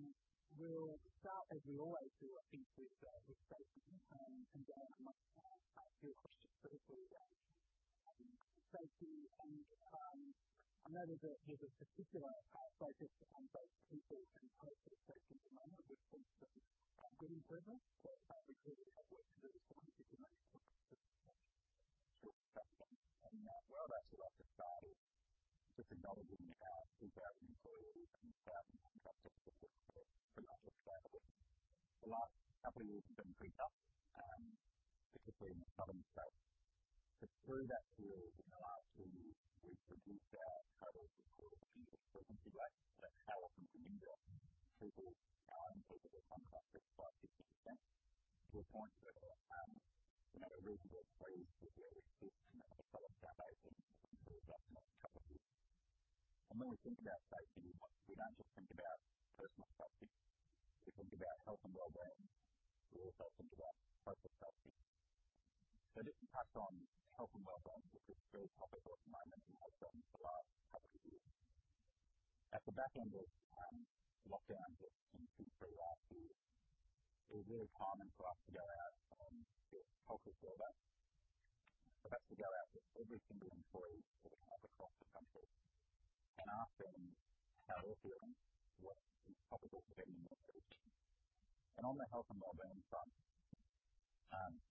We'll start as we always do, I think, with safety. Ben, I might take a few questions specifically on safety. I know that there's a particular focus on both people and cultural safety at the moment, which is a good improvement. It's really important for us to continue to make progress. Sure. Thank you. Where that's led us to is just acknowledging our value to our employees and the value that that's offered to us for production stability. The last couple of years have been pretty tough, particularly in the southern states. Through that period in the last two years, we've reduced our travel default speed. If you like, let's say we're coming from India, typically our employees would come across at about 50%. We're going to travel at a reasonable speed where we still can offer that value, but we're reducing our travel. When we think about safety, we don't just think about personal safety. We think about health and wellbeing. We also think about purpose safety. Just to touch on health and wellbeing, which is a big topic at the moment. We have done for the last couple of years. At the back end of lockdown just in two, three last year, it was really important for us to go out and just culturally build that. For us to go out with every single employee that we have across the country and ask them how they're feeling, what's topical for them in their world. On the health and wellbeing front,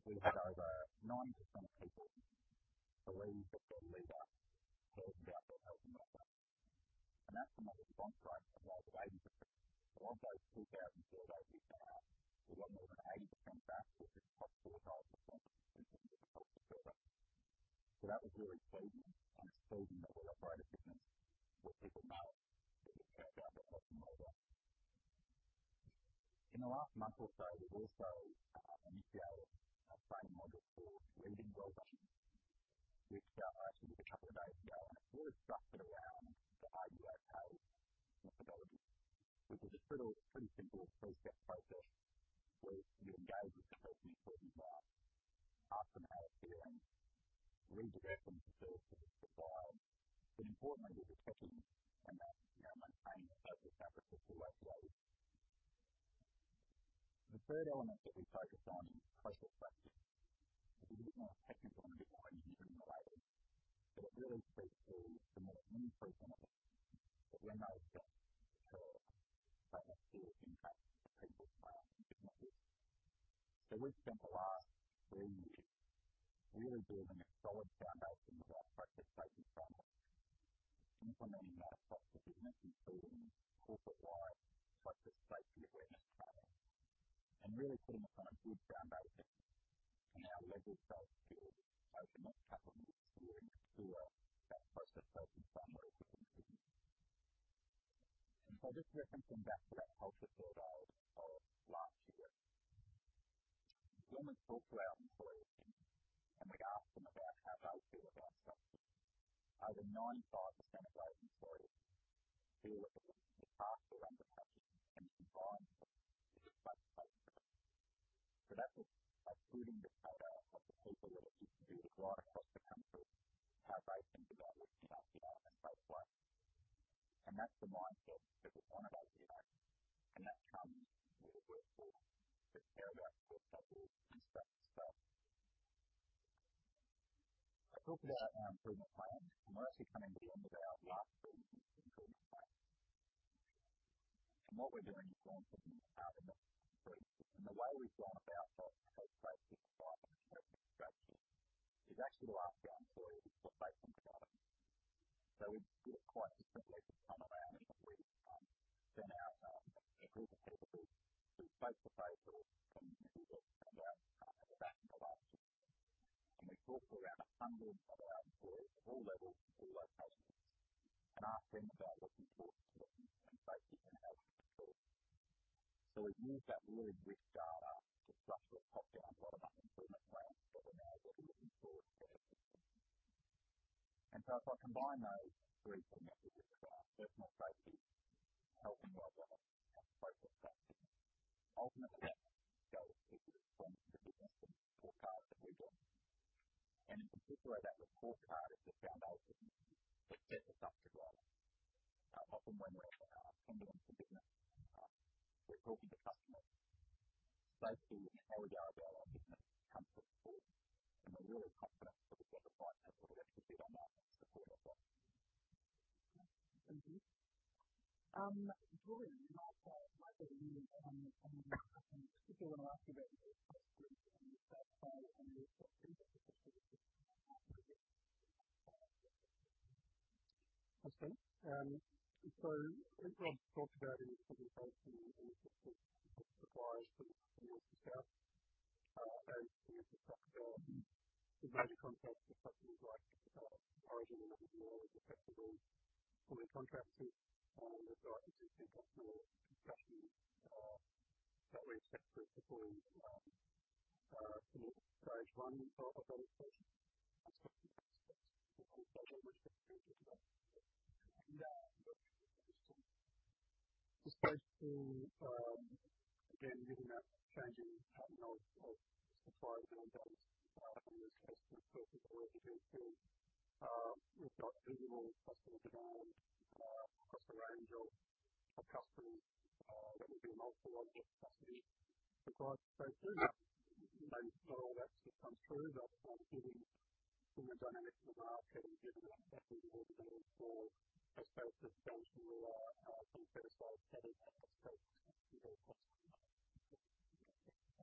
we had over 90% of people believe that their leader cares about their health and wellbeing. That's the most contracts of all the agencies. Of those 2,004-day week out, we got more than 80 contracts which is plus 4 times the contract. That was really exciting and exciting that we operate a business which is about getting the best out of Western Australia. In the last month or so, we've also initiated a training module for wounded well-being which got actually a couple of days ago, and it's really structured around the idea of how possibility, which is just a little pretty simple three-step process where you engage with the person, sit them down, ask them how they're feeling, redirect them to services if they are. Importantly, we're checking in that, you know, maintaining that social fabric is the right way. The third element that we focused on is process safety. We didn't want to pick and choose one even though they were related. Really briefly, the more we prevent, but we're no experts in the field, but it still impacts people's lives differently. We've spent the last 3 years really building a solid foundation with our process safety framework, implementing that across the business, including corporate-wide process safety awareness training, and really putting us on a good foundation in our level of skills over the next couple of years to build that process safety framework within the business. Just referencing back to that culture build out of last year, when we talk to our employees and we ask them about how they feel about safety, over 95% of our employees feel that they can have their input and can buy into process safety. That was a pretty good photo of the people that we can do the work across the country, how they think about working out here and so forth. That's the mindset that we want to go with, and that comes with the care that our people inspect the stuff. I talked about our improvement plan. We're actually coming to the end of our last phase in improvement plan. What we're doing is going to have a look. The way we've gone about that whole process of starting a new structure is actually we'll ask our employees for safety data. We did it quite simply. We went around and we sent out a group of people to do process safety and look around at the back of our sites. We talked to around 100 of our employees at all levels and all locations and asked them about what's important to them in safety and how we can improve. We've used that really rich data to structure a top-down bottom-up improvement plan that we're now able to resource where it's needed. If I combine those three things I just described, personal safety, helping well-being, and process safety, ultimately our goal is to form the business and the scorecard that we want. In particular, that scorecard is the foundation that sets us up to grow. Not from when we're in our pandemic for business. We're talking to customers. Safety and how we go about our business comes to the fore, and we're really confident that we've got the right capability to build on that successfully going forward. Thank you. Darren, I'll say it might be okay.
As John talked about in his presentation and the types of supplies from Western Australia, we have to factor in the major contracts with customers like Origin Energy who are affected on their contracts. They've got up to 10+ million of production that we expect to perform for the stage one of our development. Just based on again looking at changing pattern of suppliers and vendors from this customer perspective or even we've got annual customer demand across a range of customers. That would be a multiple of customers requires safety. You know, not all that stuff comes through. Given the dynamic of the market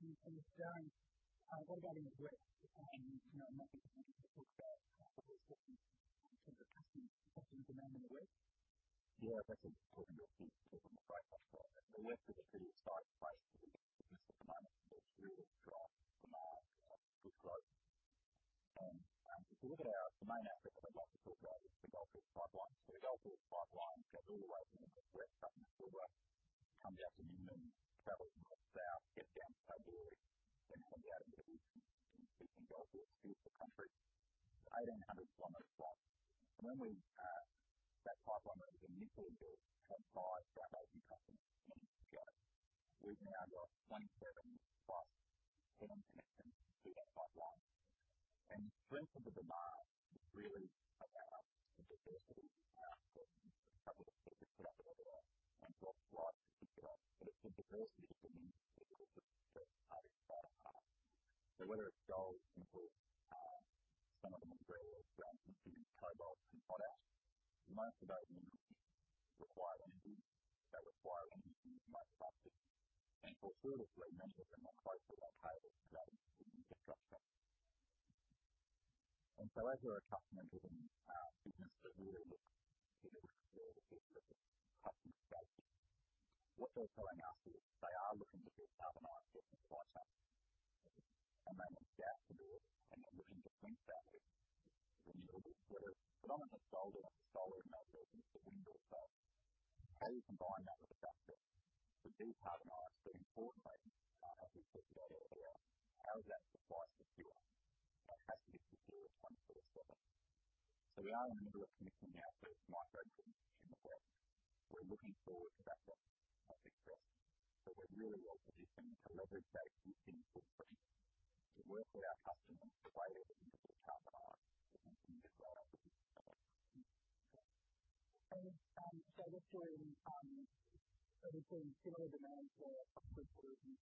and given our capability to deliver for as both a benchmark and some criticized heavy and critical customers.
Darren, what about in the West? You know, not to keep people focused on customers, but the customer demand in the West. Yeah, if I can talk a little bit from a freight perspective. The West is pretty exciting place for us at the moment. There's real strong demand for growth. If you look at the main asset that I'd like to talk about is the Goldfields Gas Pipeline Two. Goldfields Gas Pipeline One goes all the way from the West up in the Pilbara, comes out to Newman, travels south, gets down to Kalgoorlie, then comes out into Eastern Goldfields, through to country. 1,800 kilometers long. That pipeline was initially built to supply our APA customers in the Pilbara. We've now got 27+ hidden connections to that pipeline. Strength of the demand really allows the diversity from the travel to put it together and draw supply to different. It's the diversity of the minerals that are just pretty hard to find. Whether it's gold, nickel, some of the more rare earths, including cobalt and potash, most of those minerals require energy. They require energy to be mined, processed. For a third of three minerals, they're not close to our cables today within the structure. As we're a customer driven business, we really look to fulfill the needs of the customer base. What they're telling us is they are looking to decarbonize their supply chain, and they want gas to do it, and they're looking to blend that with renewables. We're at a predominant solar in our business, the wind also. How do you combine that with gas then? Decarbonized but importantly, as we've said earlier, how is that supply secure? It has to be secure 24/7. We are in the middle of commissioning our first microgrid in the west. We're looking forward to that process of interest. We're really well positioned to leverage that with EnerSys to work with our customers to enable them to decarbonize and meet their goals. We've seen similar demand for public versus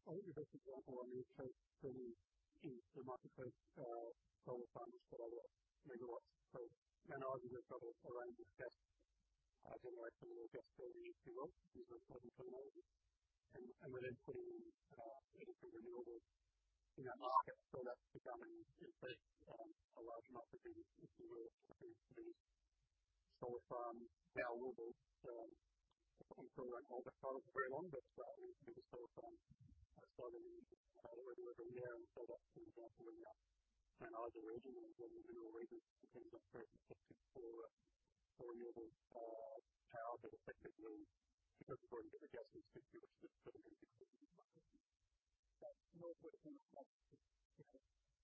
combination. I'll give you an example. I mean, Chase currently is a marketplace solar farms for our megawatts. Carnegie has got around the best generation or best value deals. These are 2012. Then putting renewables in that market. That's becoming a big, a large opportunity for solar farm. Our level, it's been programmed for very long, but we have a solar farm site in Dugald River near, so that's an example in the Carnegie region. It's one of the mineral regions that tends to be very attractive for renewables power because effectively because we're in the gas industry, which doesn't tend to be close to the market. That's not working across, you know,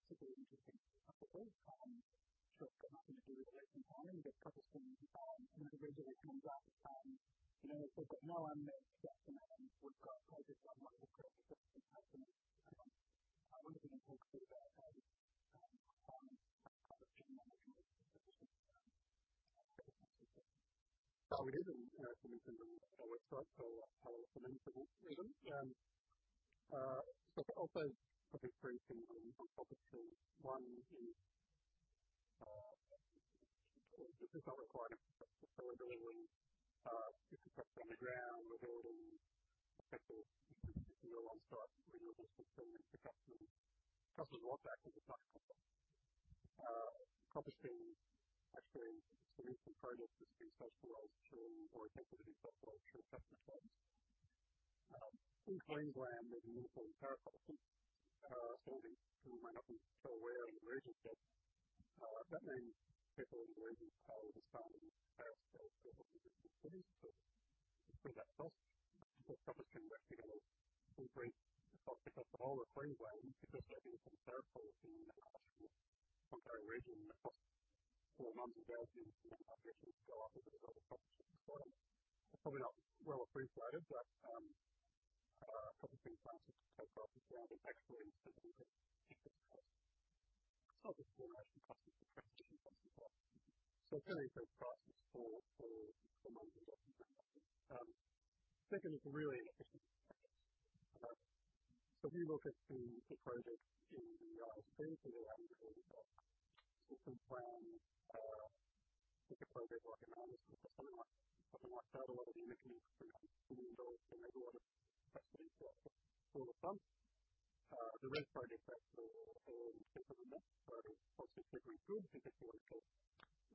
similarly to things like the wind farm which have come up into the Dugald River and we've got a couple of things, and then eventually it comes out. I think that now I'm there, that's when we've got projects underway with Dugald River at the moment. I wonder if you can talk to me about how the team manages those sorts of. We did, and you know, as we mentioned on our website, our commitments to them. Also a big focus for EnerSys on composting. One in this is non-recurring facility. It's a project on the ground. We're building several new ones start renewables to turn into custom products that can be touched. Composting actually is a meaningful project that's being socialized through or attempted to be socialized through customer choice. In Queensland, there's a wonderful territory outstanding, people may not be so aware of the region, but that means people in the region with a standard household bill multiple different systems to fill that cost. Composting recognizes between the, because of all the green blame, because they're in some territory in that actual frontier region that costs 4 months of garbage in that region will go up a bit of a compost system. It's probably not well appreciated, but composting plants have come across the ground and actually significantly decrease costs. This is more rational process for transitioning customer. It's a very good process for managing that. Second is really efficient projects. We will get the project in the RSP to the end result. From a project like an island system or something like that, a lot of the mechanisms are not fully involved in a lot of capacity to offer solar farms. There are projects that are different than that, but it's also different goods because if you want to help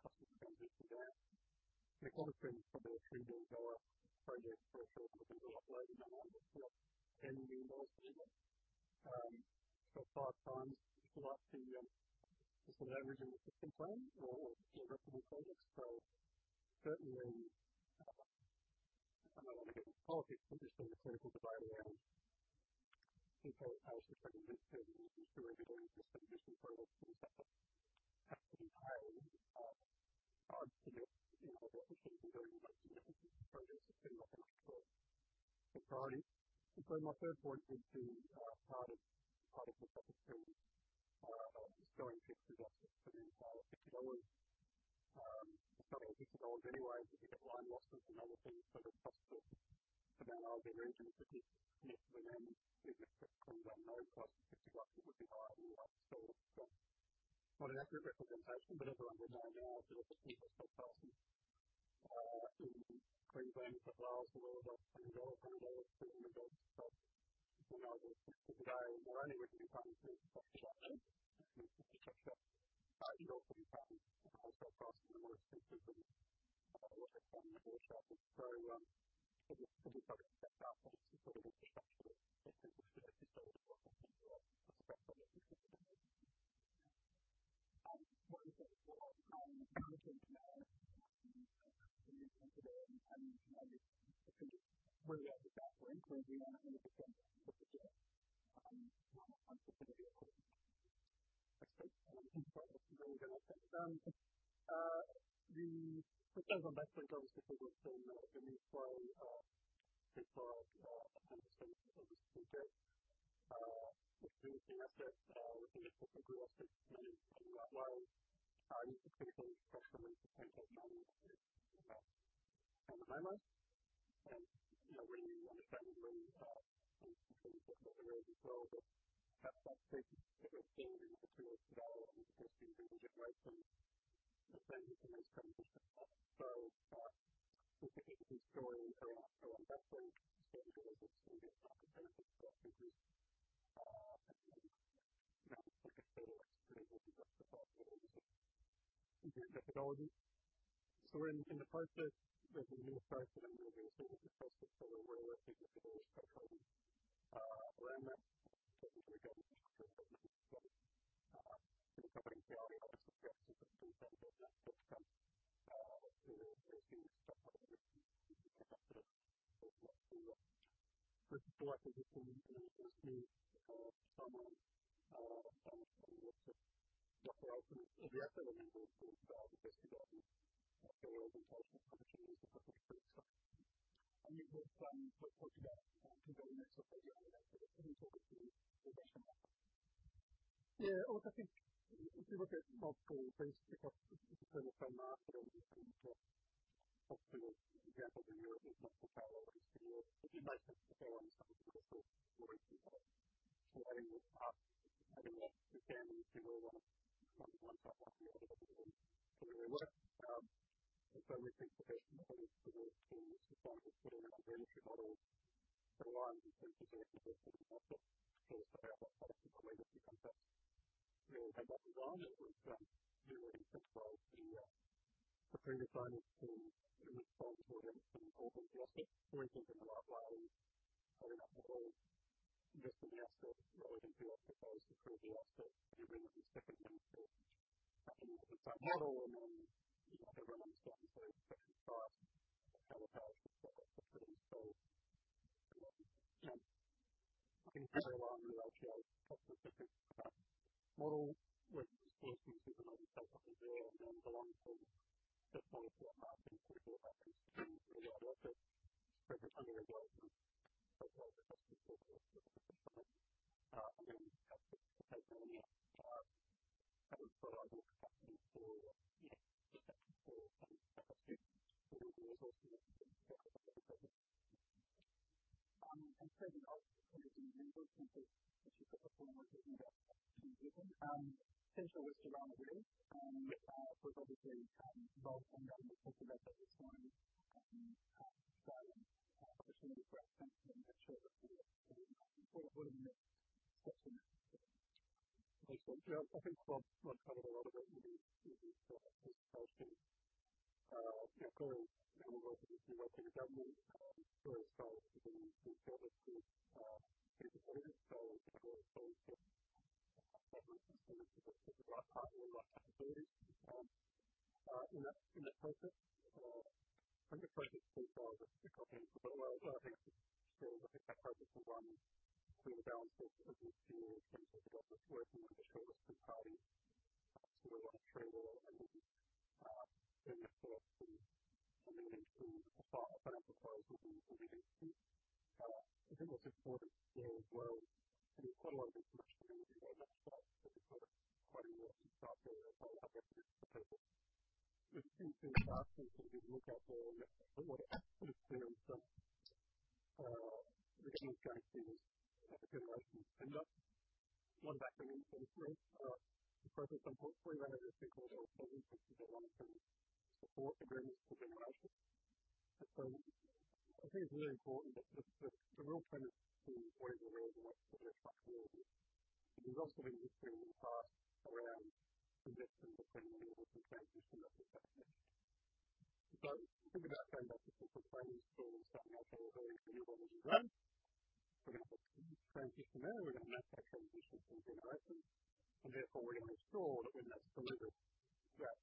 customers transition there, it makes a difference from a AUD 3 billion project versus something a lot lower than that, maybe AUD 10 million. Five times as much can be sort of leveraged in the system plan or in different projects. Certainly, I'm not on a different quality, but just in the sense of the buy down. People are actually pretty good at doing these transition projects and stuff that's entirely hard to get, you know, efficiency gains on projects that don't have much sort of variety. My third point is the part of the compensation is going into the assets for AUD 50, something like 50 dollars anyway because of line losses and other things. The cost to downsize the region to be connected again is extremely unknown cost. 50 bucks, it would be higher than that still. Not an accurate representation, but as a rough guide, our build is equal to 12,000. In Queensland, that allows a little over AUD 3. AUD 3 is a good build. We know that today we're only really becoming cost effective if the checkup cost comes down. The wholesale price and the lowest bid for the wholesale is very, it is very stacked up. It's sort of a structure that people should be still looking to speculate. What are your thoughts on emerging tech and, you know, and maybe it could just really help with that point where we are in the different stages. Excellent. I think that's a really good update. The first time I backed into this because I was doing a review for a thorough understanding of this project between the asset looking at different growth strategies on that line. You specifically touched on potential planning with HIMA and, you know, really understanding where you see some potential opportunities as well. Perhaps that's maybe a different thing we can talk about. In the process, there's a new process and a new sort of process for the way that we're taking the Indigenous country land mass into account. Covering the areas of the country that don't get that touch, whereas in this process, we can look at that as well. I think we've got two things. Of course, if we turn this around so that we can get sort of real-time data, we can look at how well these things are working. If we make them perform some sort of sorting or part, having that again in real time from one site might be a little bit more familiar with it. We think the best way to do this is by putting it on a battery model where one can see exactly what's going on. Say I've got 5 different amenities, and that's real-time data design. It would be really useful to put in your phone what's important as well is quite a lot of information going into that start. We've got quite a lot of detailed areas that we have to consider. There's things in the past that we've looked at or that we're more interested in. We're getting those kind of things as a generation tender. One document influence, the process on point three, then I just think we're building things together that can support the various generations. I think it's really important that the real trend is always around the right structural order. There's also a difference being asked around the difference between network and transmission that we've mentioned. Think about a transition from frames to something like solar or wind or energy growth. We're gonna have a transition there. We're gonna have that transition from generation, and therefore we need to ensure that we've then delivered that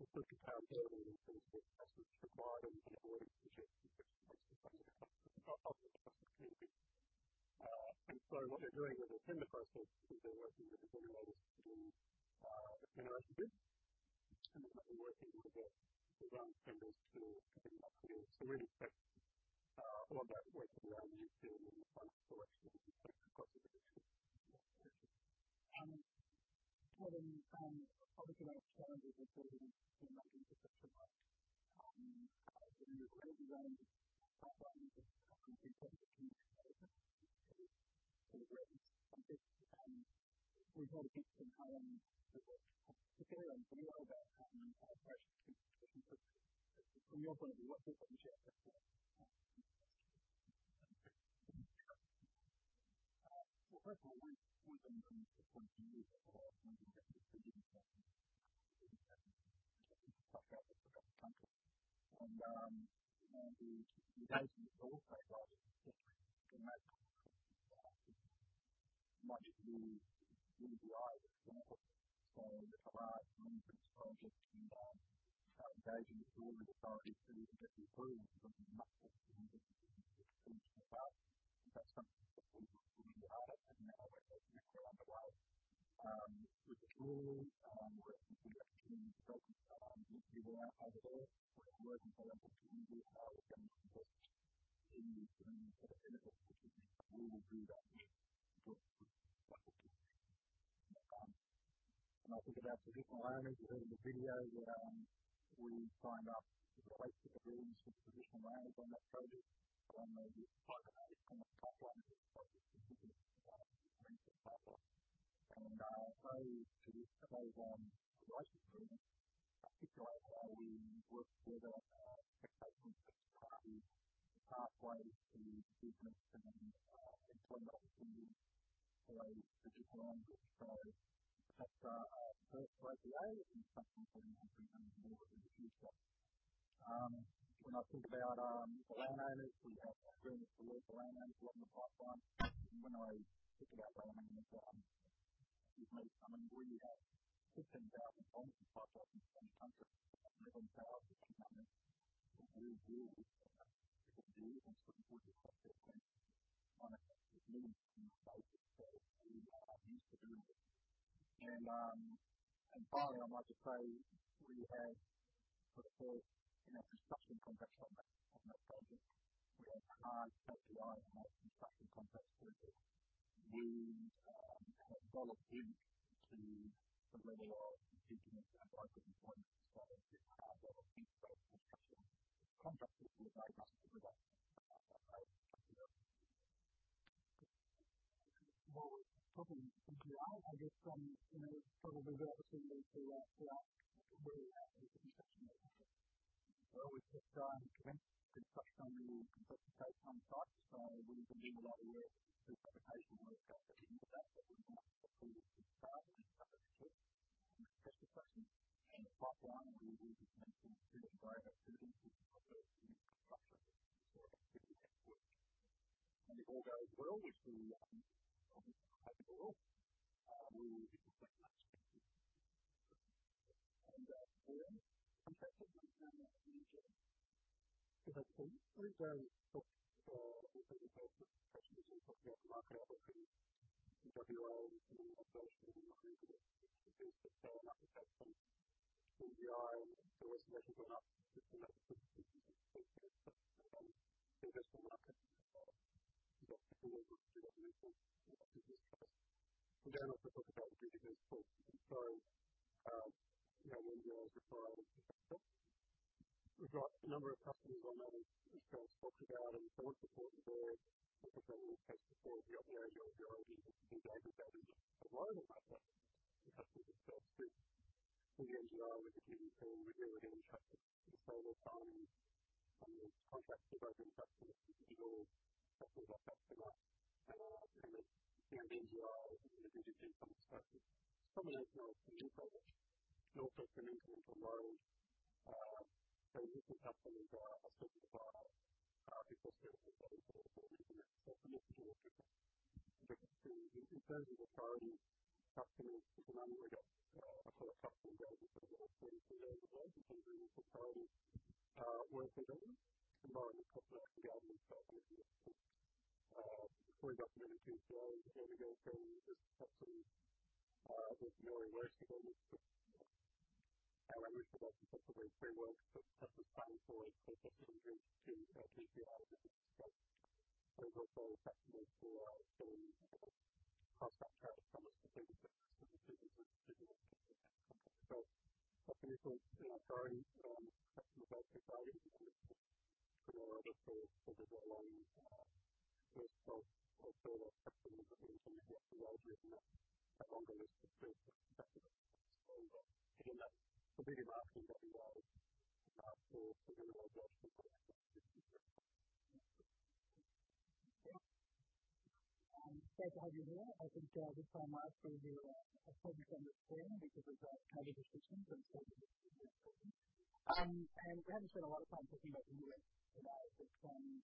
in the 50 power serving in terms of assets required and people ready to inject the next transition asset. That's the conundrum. What they're doing with the tender process is they're working with the generators in a generation bid, and they're working with the ground members to bring that through. Really, a lot of that work around ensuring the right selection across the nation. Well then, obviously those challenges are probably the main things that strive.
There's a crazy range of platforms and different inputs coming together to integrate something. We've all been thinking how long this will take. Amanda Cheney, from your point of view, what sort of pressures do you think this puts? From your point of view, what sort of pressure does this put on? Well, first of all, one of the main points we made before was that this is a big investment. It's a big investment in terms of the platform. You know, the guys in the board say that if we make much use of the AI that's going to put so much pressure on different projects. Engaging with all the authorities to get the approval is something that's not easy. It's a huge task, and that's something that we're working really hard at, and that work is now underway.
It's really, we're actually focusing on looking around how this all works and how we're able to engage with our government support in this learning process. We will do that. We've got to. I think about the different elements. We heard in the video. We find that the way to get buy-in from traditional owners on that project and the complexity of the project is different to what we've seen in the past. To build on the relationship in particular, we work with our existing third parties, pathways to business and employment opportunities for traditional owners. That's both the way and something we want to bring in more of in the future. When I think about the landowners, we have agreements to work with the landowners along the pipeline. When I think about landowners, you've made some inquiries about 15,000 kilometers of pipeline in this country, 1 million towers which come in. We will have people building some projects like this when money is needed to invest it for. We are used to doing it. Finally, I might just say we have put forward in our construction contracts on that project, we have hard WII and our construction contracts with it. These kind of roll it into the way you are thinking about local employment and starting to have a big construction contract with all the progress that we've made. Well, probably, actually, I guess, you know, probably the best thing for us to ask where we're at with the construction. Well, we've just commenced construction on the compressor station on site. We've been doing a lot of earth work preparation work up at Windassat where we want to put the target compressor kit. The compressor station and the pipeline will be connecting to the Greater Pilbara rail network construction site pretty quick. If all goes well, which we obviously hope it will, we will be constructing that between now and the end of the year. Then contracted work in that region. Because I think when we talk for open investment questions and talking about the market opportunity in WA and more nationally, we're looking at things that sell and have some WII and some reservations on that. It's enough to put people off investing in pension markets. We've got people that want to do what they want for their business trust. Then I'll talk about the business of employing young women as referral contractors. We've got a number of customers I know Rich has talked about, and it's always important there because I've always said before we've got young girls in engagement that are just blown away by that. The customers themselves do. For the NGR, we're looking at really having the customers want to see. That's a bigger market than NGR for minimal jobs to put in. Great to have you here. I think this time last year we were probably under 10 because of COVID restrictions and still dealing with that problem. We haven't spent a lot of time talking about the US today, but from a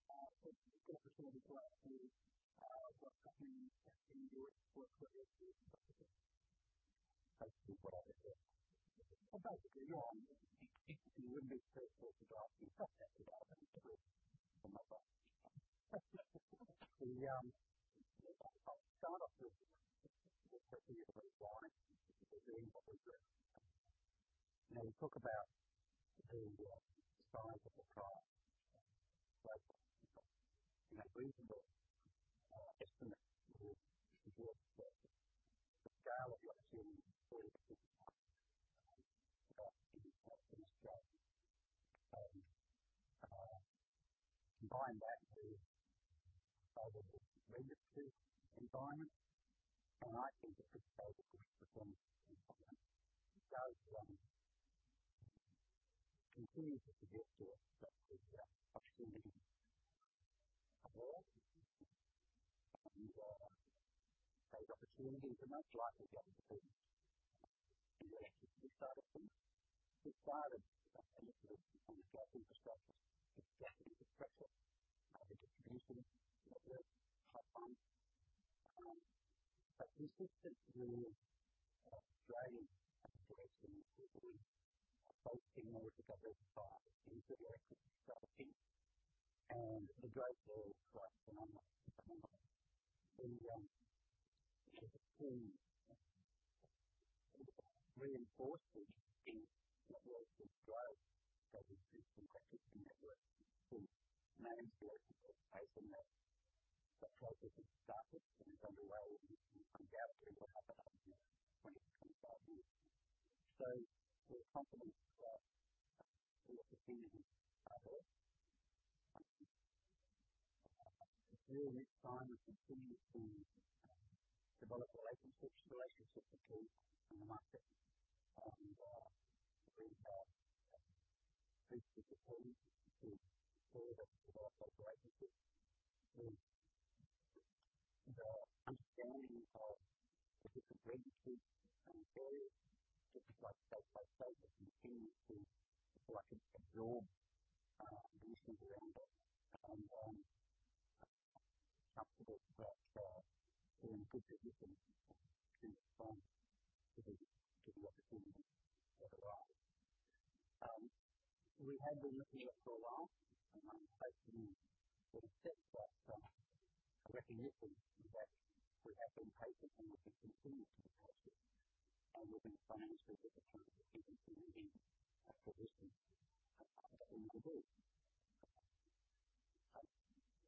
corporate point of view, what's happening in the US workforce is particularly critical for our business. Well, basically, yeah, I mean, it would be fair to say that the US has had development through almost like the start of this year. Certainly it's been declining since the beginning of the year. You talk about the size of the trial. I think the estimate is short, but the scale of what's in the US is quite significant in terms of this trial. I combine that with the global risk registry environment, and I think it just goes to show that this performance is important. It continues to suggest to us that there's opportunity abroad. These are great opportunities and they're most likely going to be in the U.S. We started looking at the infrastructure exactly with pressure, maybe just recently, not that long ago. But this is the Australian approach, and I think we both came out of the government side into the equity strategy. The growth there is quite phenomenal at the moment. It reinforces the work that Joe has been connecting the network to manage the risk space in that. That trial has been started and is underway and we think out through the first half of next year, 20-25 years. We're confident about the opportunities ahead of us. It's really a time of continuing to develop relationships with tools in the market, retail, particularly to all of our suppliers relationships. The understanding of different regions and areas just like place by place, we continue to watch and absorb the issues around it and comfortable that we're in good position to respond to the opportunity as it arrives. We have been looking at for a while, hopefully what it says about a recognition that we have been patient and we can continue to be patient, and we're going to find those opportunities when they present themselves. I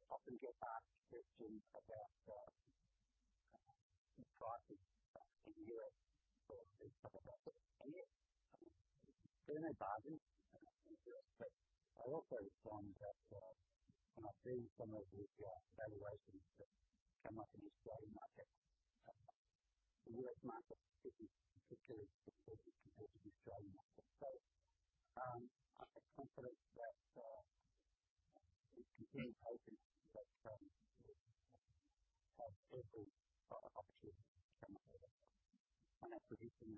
often get asked, Gretchen, about the price of steel. There are no bargains in steel, but I also find that when I see some of these valuations that come up in Australian market, the U.S. market is considerably cheaper compared to the Australian market. I'm confident that we continue to be patient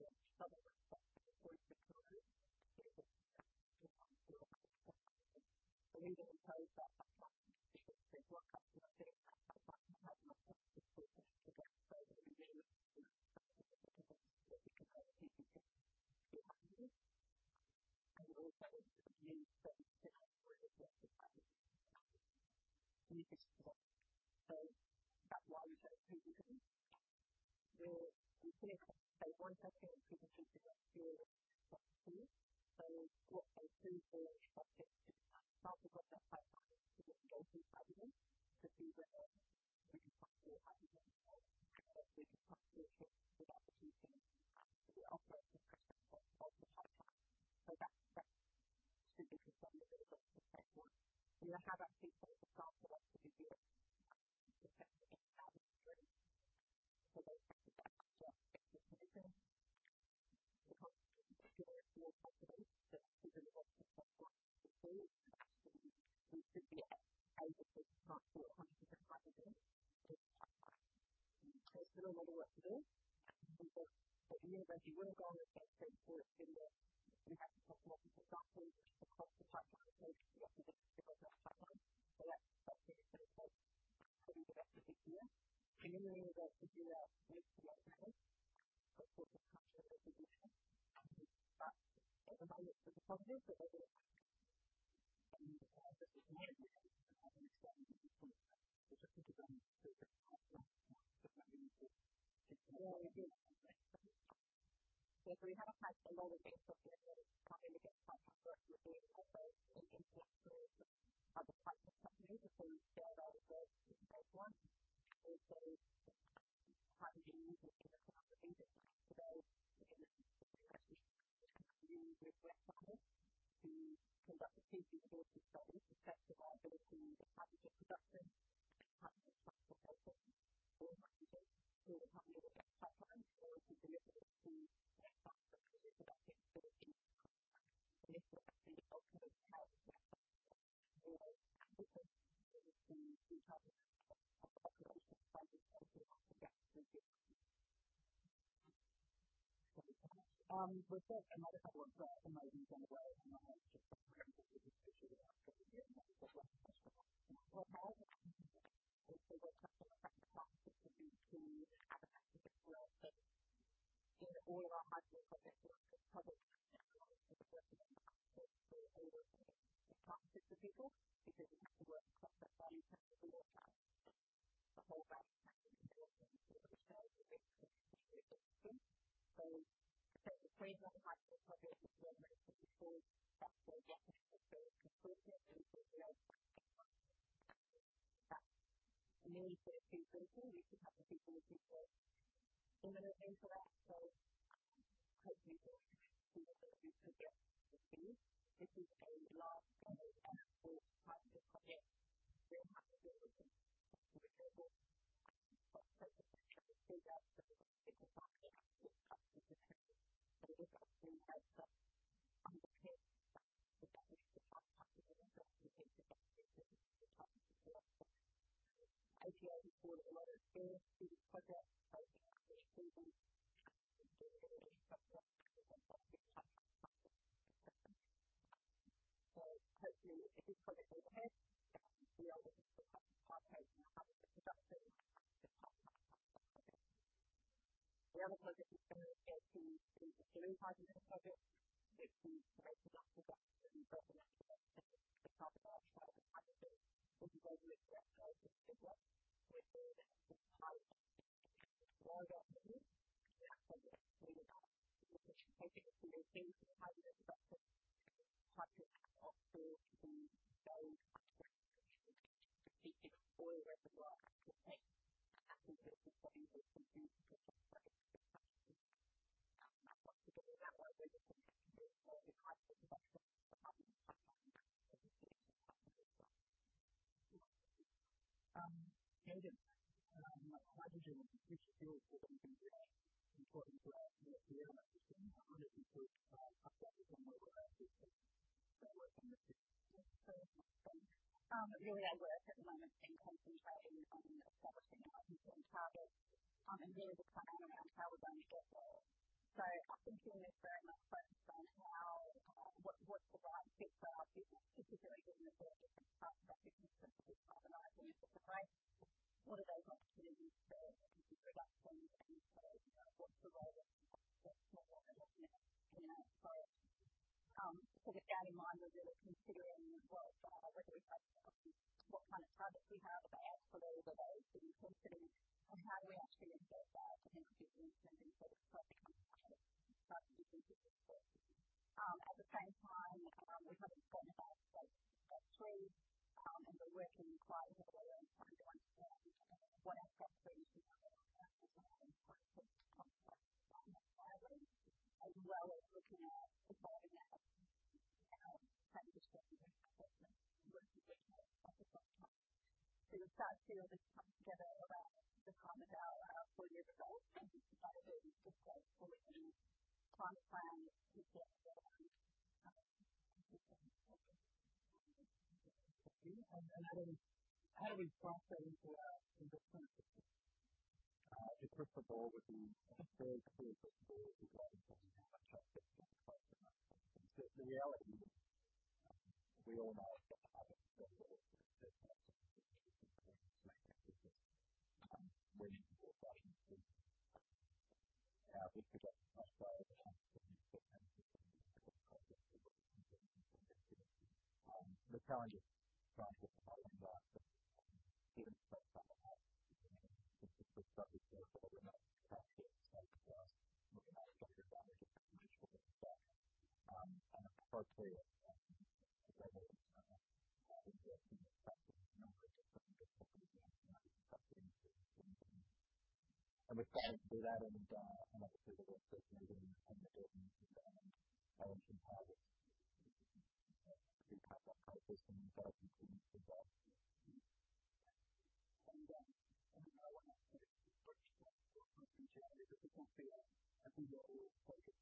and that there will be product opportunities that the investor. It's the ultimate test that we want. We can use the platforms to help us get to that stage. We've got another couple of threads that may have been gone away, and I might just bring people in to see if they have something here. Well, I would say that we're touching base back with the teams and actually as well. In all of our high growth projects, we probably have at least 20-30 people working on it across the business because we have to work across those areas. We also have a whole range of technical people which are very, very experienced. The three high growth projects that we're working on, that's all getting to 30 people. We are finding that we need those 30 people. We could have the people before. In select projects, we will need to get 50. This is a large scale or high risk project. We have to be able to put processes and procedures in place so that we can track all the processes. This helps us undertake the best practice. That's what we take to market because it's the best practice. 88 and 41 is the project focus which we want to get ready for the platform. It is currently in the pit. We are looking to perhaps pipe it and have it produced as part of the 10 project. The other project is the Blue Titan little project. It's the great basalts that sit above the natural gas field. It's half a mile thick and actually probably over 8,000 feet deep. We believe that the tight oil reservoir above that could be economically produced. We think it's going to be a decent type of production, type of oil field in those reservoirs. It's oil reservoirs, I think. And there's also some interest in producing gas from that as well. Andrew, my question is: which fields do you think are really important to our near-term system and how does it improve our focus on what we're actually doing and working with the system? Really our work at the moment is concentrating on the near-term opportunity and our near-term targets. Really the planning around how we're going to get there. I think this is very much focused on how what's the right fit for our business, particularly given the sort of different asset bases that we have and our areas of strength. What are those opportunities for production and for, you know, what's the role of oil and gas in our portfolio? With that in mind, we're really considering where do we focus our efforts, what kind of targets we have, but absolutely where those can be focused in, and how do we actually get there to then produce the intended sort of production profile that we think is appropriate. At the same time, we've identified Site Three, and we're working collaboratively to understand what asset base we have at Site Three and what it can support from a development point of view, as well as looking at acquiring assets and how that fits within our portfolio and working with partners on the front end. We're starting to come together around the commonality of where we are focused and deciding the best way forward to transplant those assets into production. Okay. Adam, how do we factor into our investment decisions? If we prefer within oil and gas, how much are we prepared to put in? The reality is, we all know that the target for oil and gas assets is between 20-30. If we put AUD 24 billion into, you know, if we put that much money into oil and gas, then we've got a problem with our liquidity. The challenge trying to work that one out is, given the spread that we have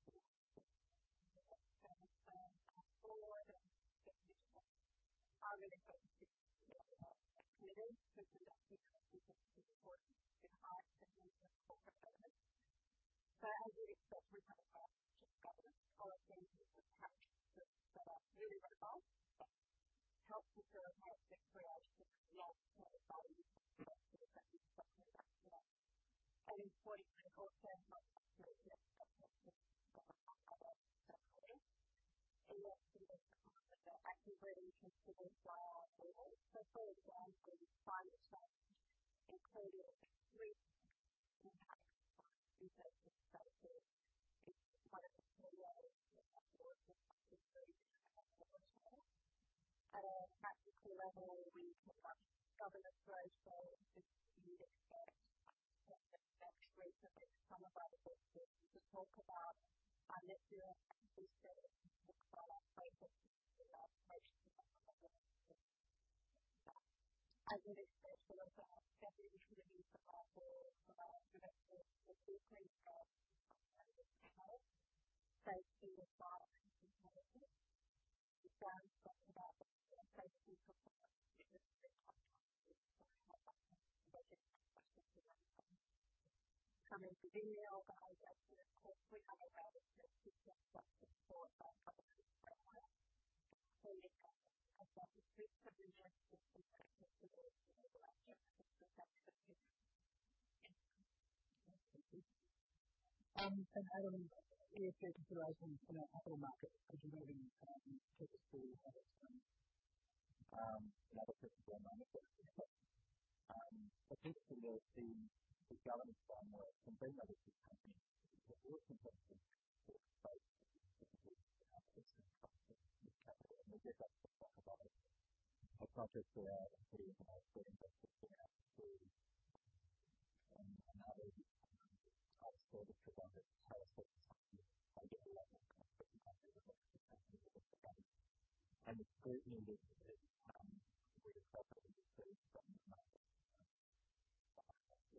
between sort of field development and cash flow, it's looking at structured financing, which we've discussed, and approaching it from a level of return that is acceptable to members and something that we think we can actually deliver. We can't do that in, like a physical sort of way where we spend the dollars and then balance sheet higher. We need to do it in a kind of a process and a thought influence as well. I want to ask you a question on opportunities that the company has and we all look forward to. For the board and the executives, our real focus is on opportunity because we think it's really important to have and use as a core element. Values that we have are just as important because they attach to the results, help us deliver, help us create the culture that we value and that we think is appropriate. Importantly, also help us create the next generation of leaders that we need. That's something that I'm actually really interested in from our point of view. For example, climate change is going to have an extreme impact on future business cases. It's one of the key areas that the board is actively engaged with at the moment. At a practical level, we have governance protocols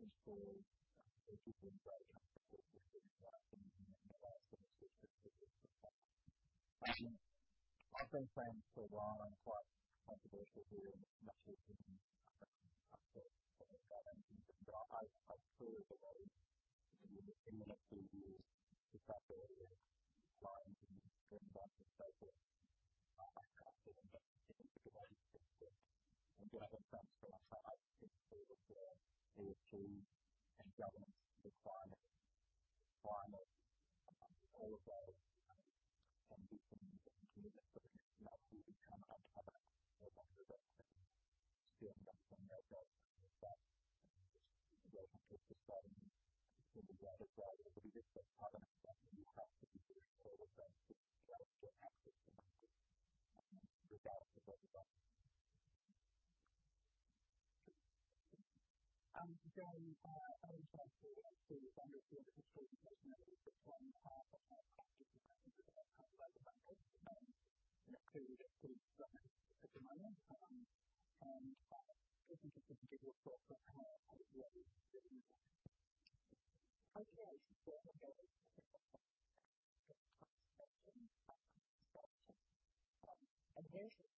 with the experts from the big three, so the big three oil companies to talk about and listen to what they say and to inform our own thinking and our approach to that level of risk. As you would expect from a board chair, who's really thoughtful about directors, we think about the talent, both in the style program is quite controversial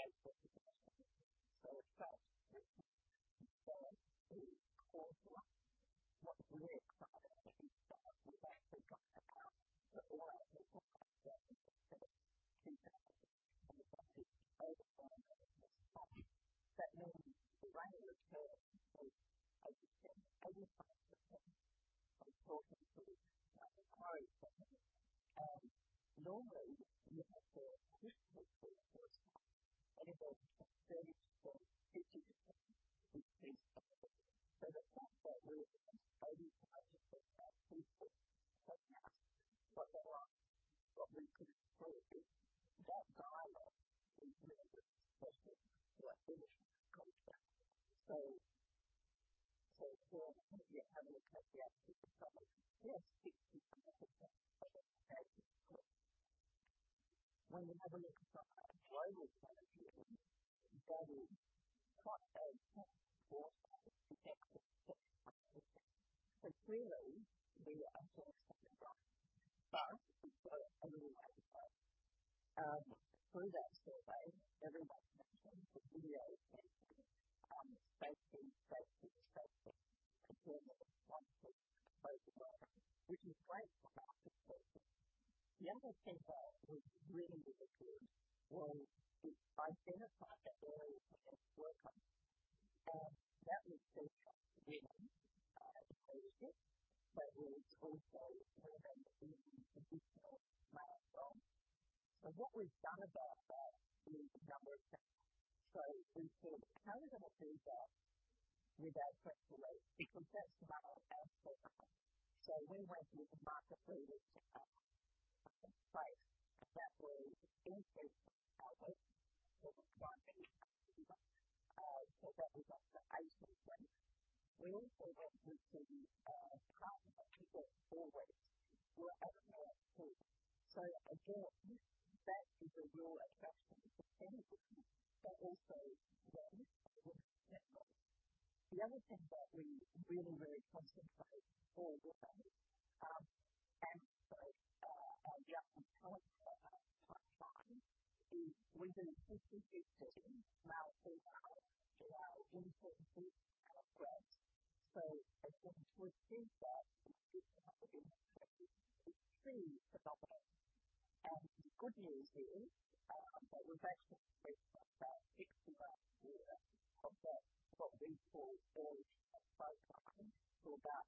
here in the United Kingdom. I'm sure that in the next few years this area will be flying and the trends are just so good. I can't see anything but good. Just some stats from our site is the governance requirements are almost all of those can be completed, but it's not fully turned on to have that level of oversight still coming from your government. It's also just deciding when the greater value is to have an external review house that you do sort of things to challenge your access and the value for everybody. Gary, I understand that the Bank of New South Wales has recently just won half of all active accounts by the bank. That's 2 just under 1 billion at the moment. I was just interested in your thoughts on how or what is driving that? Okay. The first thing I would say is that I mentioned that I'm a statistician, and here's the fact that people forget. The first time I went to visit my sister-in-law in the United States was in 2008. It's about 10 years ago. We flew from London to New York. When we got to Heathrow, we went through customs. When I looked up at the screen, it said, "Please identify yourself." I thought, "Oh, my God, this is such that nobody's flying with a passport." I was getting the only passport I'd brought with me was my card. Normally you have to produce your passport either at the stage of ticketing which is when you book your ticket or at the stage of boarding which is when you actually get on the plane. There are problems with both of these. You can't travel with your passport especially if you are finishing a contract. For many people having a copy of your passport is risky because that copy can get lost. When you have a look at global travel, you don't want to take that risk. Clearly we are seeing a shift. We've got a new way of life. Through that survey, everybody mentioned that we know it can be spacey to deal with one piece of paperwork, which is great for us of course. The other thing that was really good was we identified an area for improvement and that was to do with age groups. We also found that there was a need for additional milestones. What we've done about that is a number of things. We've seen a considerable feedback with our current release because that's about our fourth one. We went with a market research firm to find a place that will increase our reach with the flying public. That was up to 18-20. We also wanted to target people already who are out of their twenties. Again, that is a real attraction for any business but also one for the travel network. The other thing that we really concentrate all the time, I'll be up to current time frame is within 56% now of our general input is out of date. According to his feedback, this is becoming a pretty predominant. The good news is that we've actually spent about 6 months a year of that what we call audit of profiling to about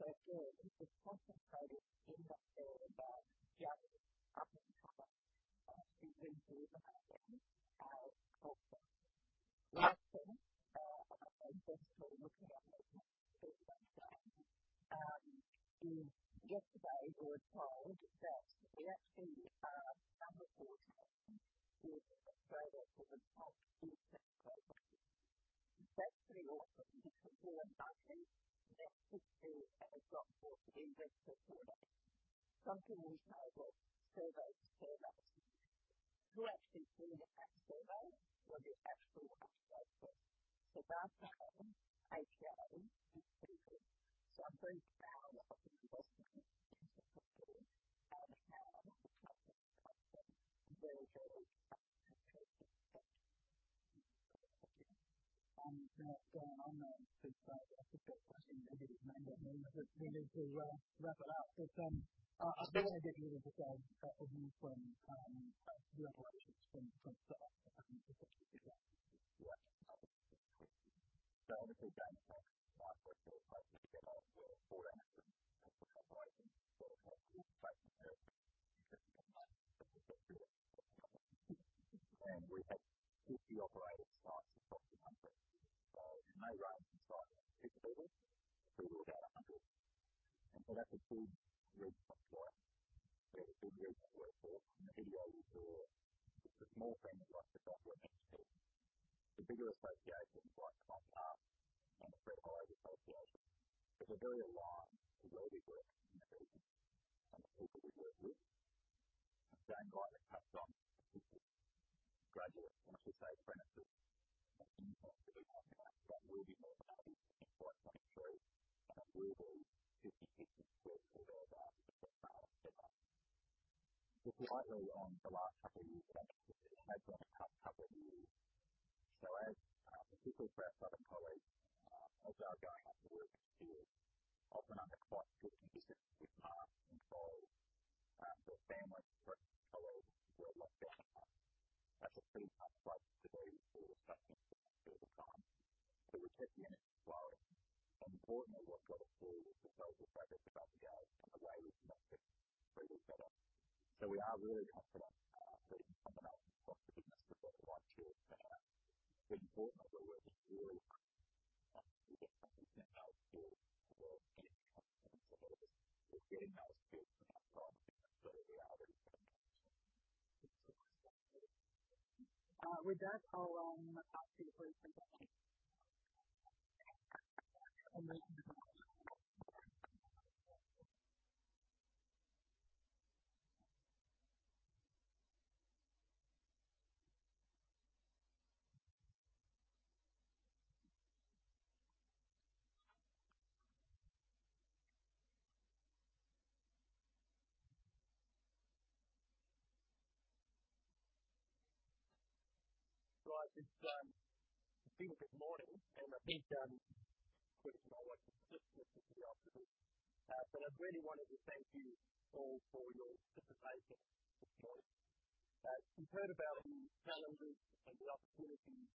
18. Again, we've concentrated in that area about getting up to date in delivering our output. Lastly, I'm just sort of looking at my notes here. Yesterday we were told that we actually are number one in Australia for the past 2 tax returns. That's pretty awesome because we're a budget next to a big four investor firm, companies like Survey to Survey. Who actually did that survey was the actual tax office. That's from ATO and people. I'm very proud of the investment into the product and how it's helping people really, really take control of their tax. Now going on to, I think that question maybe it might end on me. We need to wrap it up. I do want to get you to just wrap up on the regulations from the office of the Australian Securities and Investments Commission. Obviously Dan, like last week or so we came out with 450 operators sort of like moving back into the system. We had 50 operator sites across the country. In my realm, sites is people. People about 100. That's a big red flag where the big groups were caught and the video will show it. The small things like the software entity, the bigger associations like on the Fred Harvey Association. It's very alarming for where we work in the region and the people we work with. Dan Guy that cuts off graduates. Really move that into what comes through and it really is 50-50 split for both different. If you look lightly on the last couple of years and actually the headline profit couple of years. As people breastfed and colleagues also are going off to work this year, often on a close to 50% with half in roles. Families, breastfed colleagues who are locked down now. That's a pretty high price to pay for taking some of that build time. We take the units growing. Importantly, we've got a pool with the social fabric around the edges and the way we connect with people better. We are really confident that combining profitability and stability, long-term plan. Importantly, we're really confident that we get something in our pool for getting customers in the doors. We're getting those people to come from further out in the community.
With that, I'll ask people to.
Right. It's been a good morning, and I think quick, and I won't sit and listen to the afternoon. I really wanted to thank you all for your participation this morning. We've heard about the challenges and the opportunities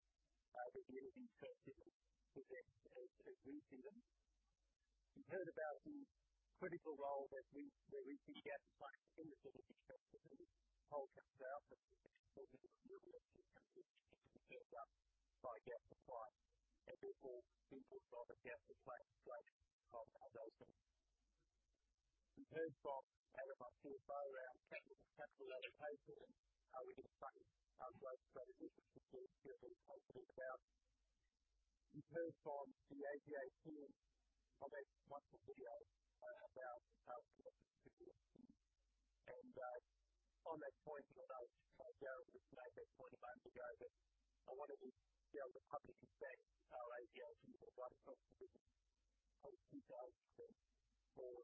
that the energy transition presents and brings in them. We've heard about the critical role that we think gas plays in the sort of decarbonization toolkit now, but we've also heard about the real risks and the risks that are posed by gas supply and therefore the importance of a gas supply strategy going forward also. We've heard from Adam Watson about the capital allocation and how we can fund our growth transitions and build zero net carbon capacity. We've heard from the AGA team, from Ed, Michael, and Theo about our opportunities. On that point about James Fazzino, I made a point about James Fazzino, but I wanted to be able to publicly thank our AGM Chair, James Fazzino, for really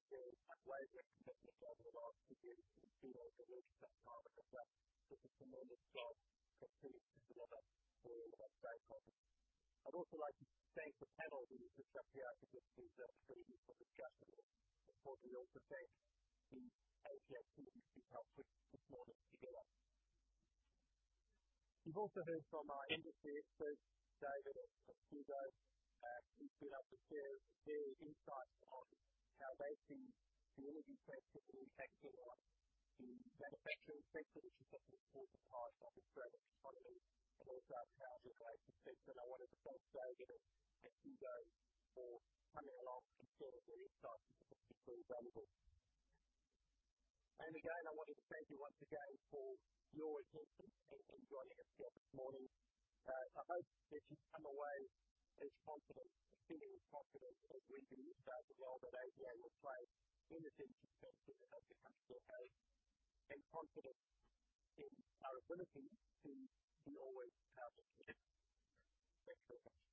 great representation over the last few years and being able to lead that charge and accept such a tremendous job continuing to deliver for all of our stakeholders. I'd also like to thank the panel that we just wrapped the afternoon with, for the useful discussion. Of course, we also thank the AGA team who've been helping to pull this morning together. We've also heard from our industry experts, David Pursell and Sue, who've been able to share their insights on how they see the energy transition impacting on the manufacturing sector, which of course is part of Australia's economy, and also how it relates to things. I wanted to thank Dave and Sue for coming along to share their insights, which was particularly valuable. Again, I wanted to thank you once again for your interest in joining us here this morning. I hope that you've come away as confident, feeling confident of where we start the role that AGA will play in the energy transition to help your customers okay, and confident in our ability to be always powerful together. Thanks very much.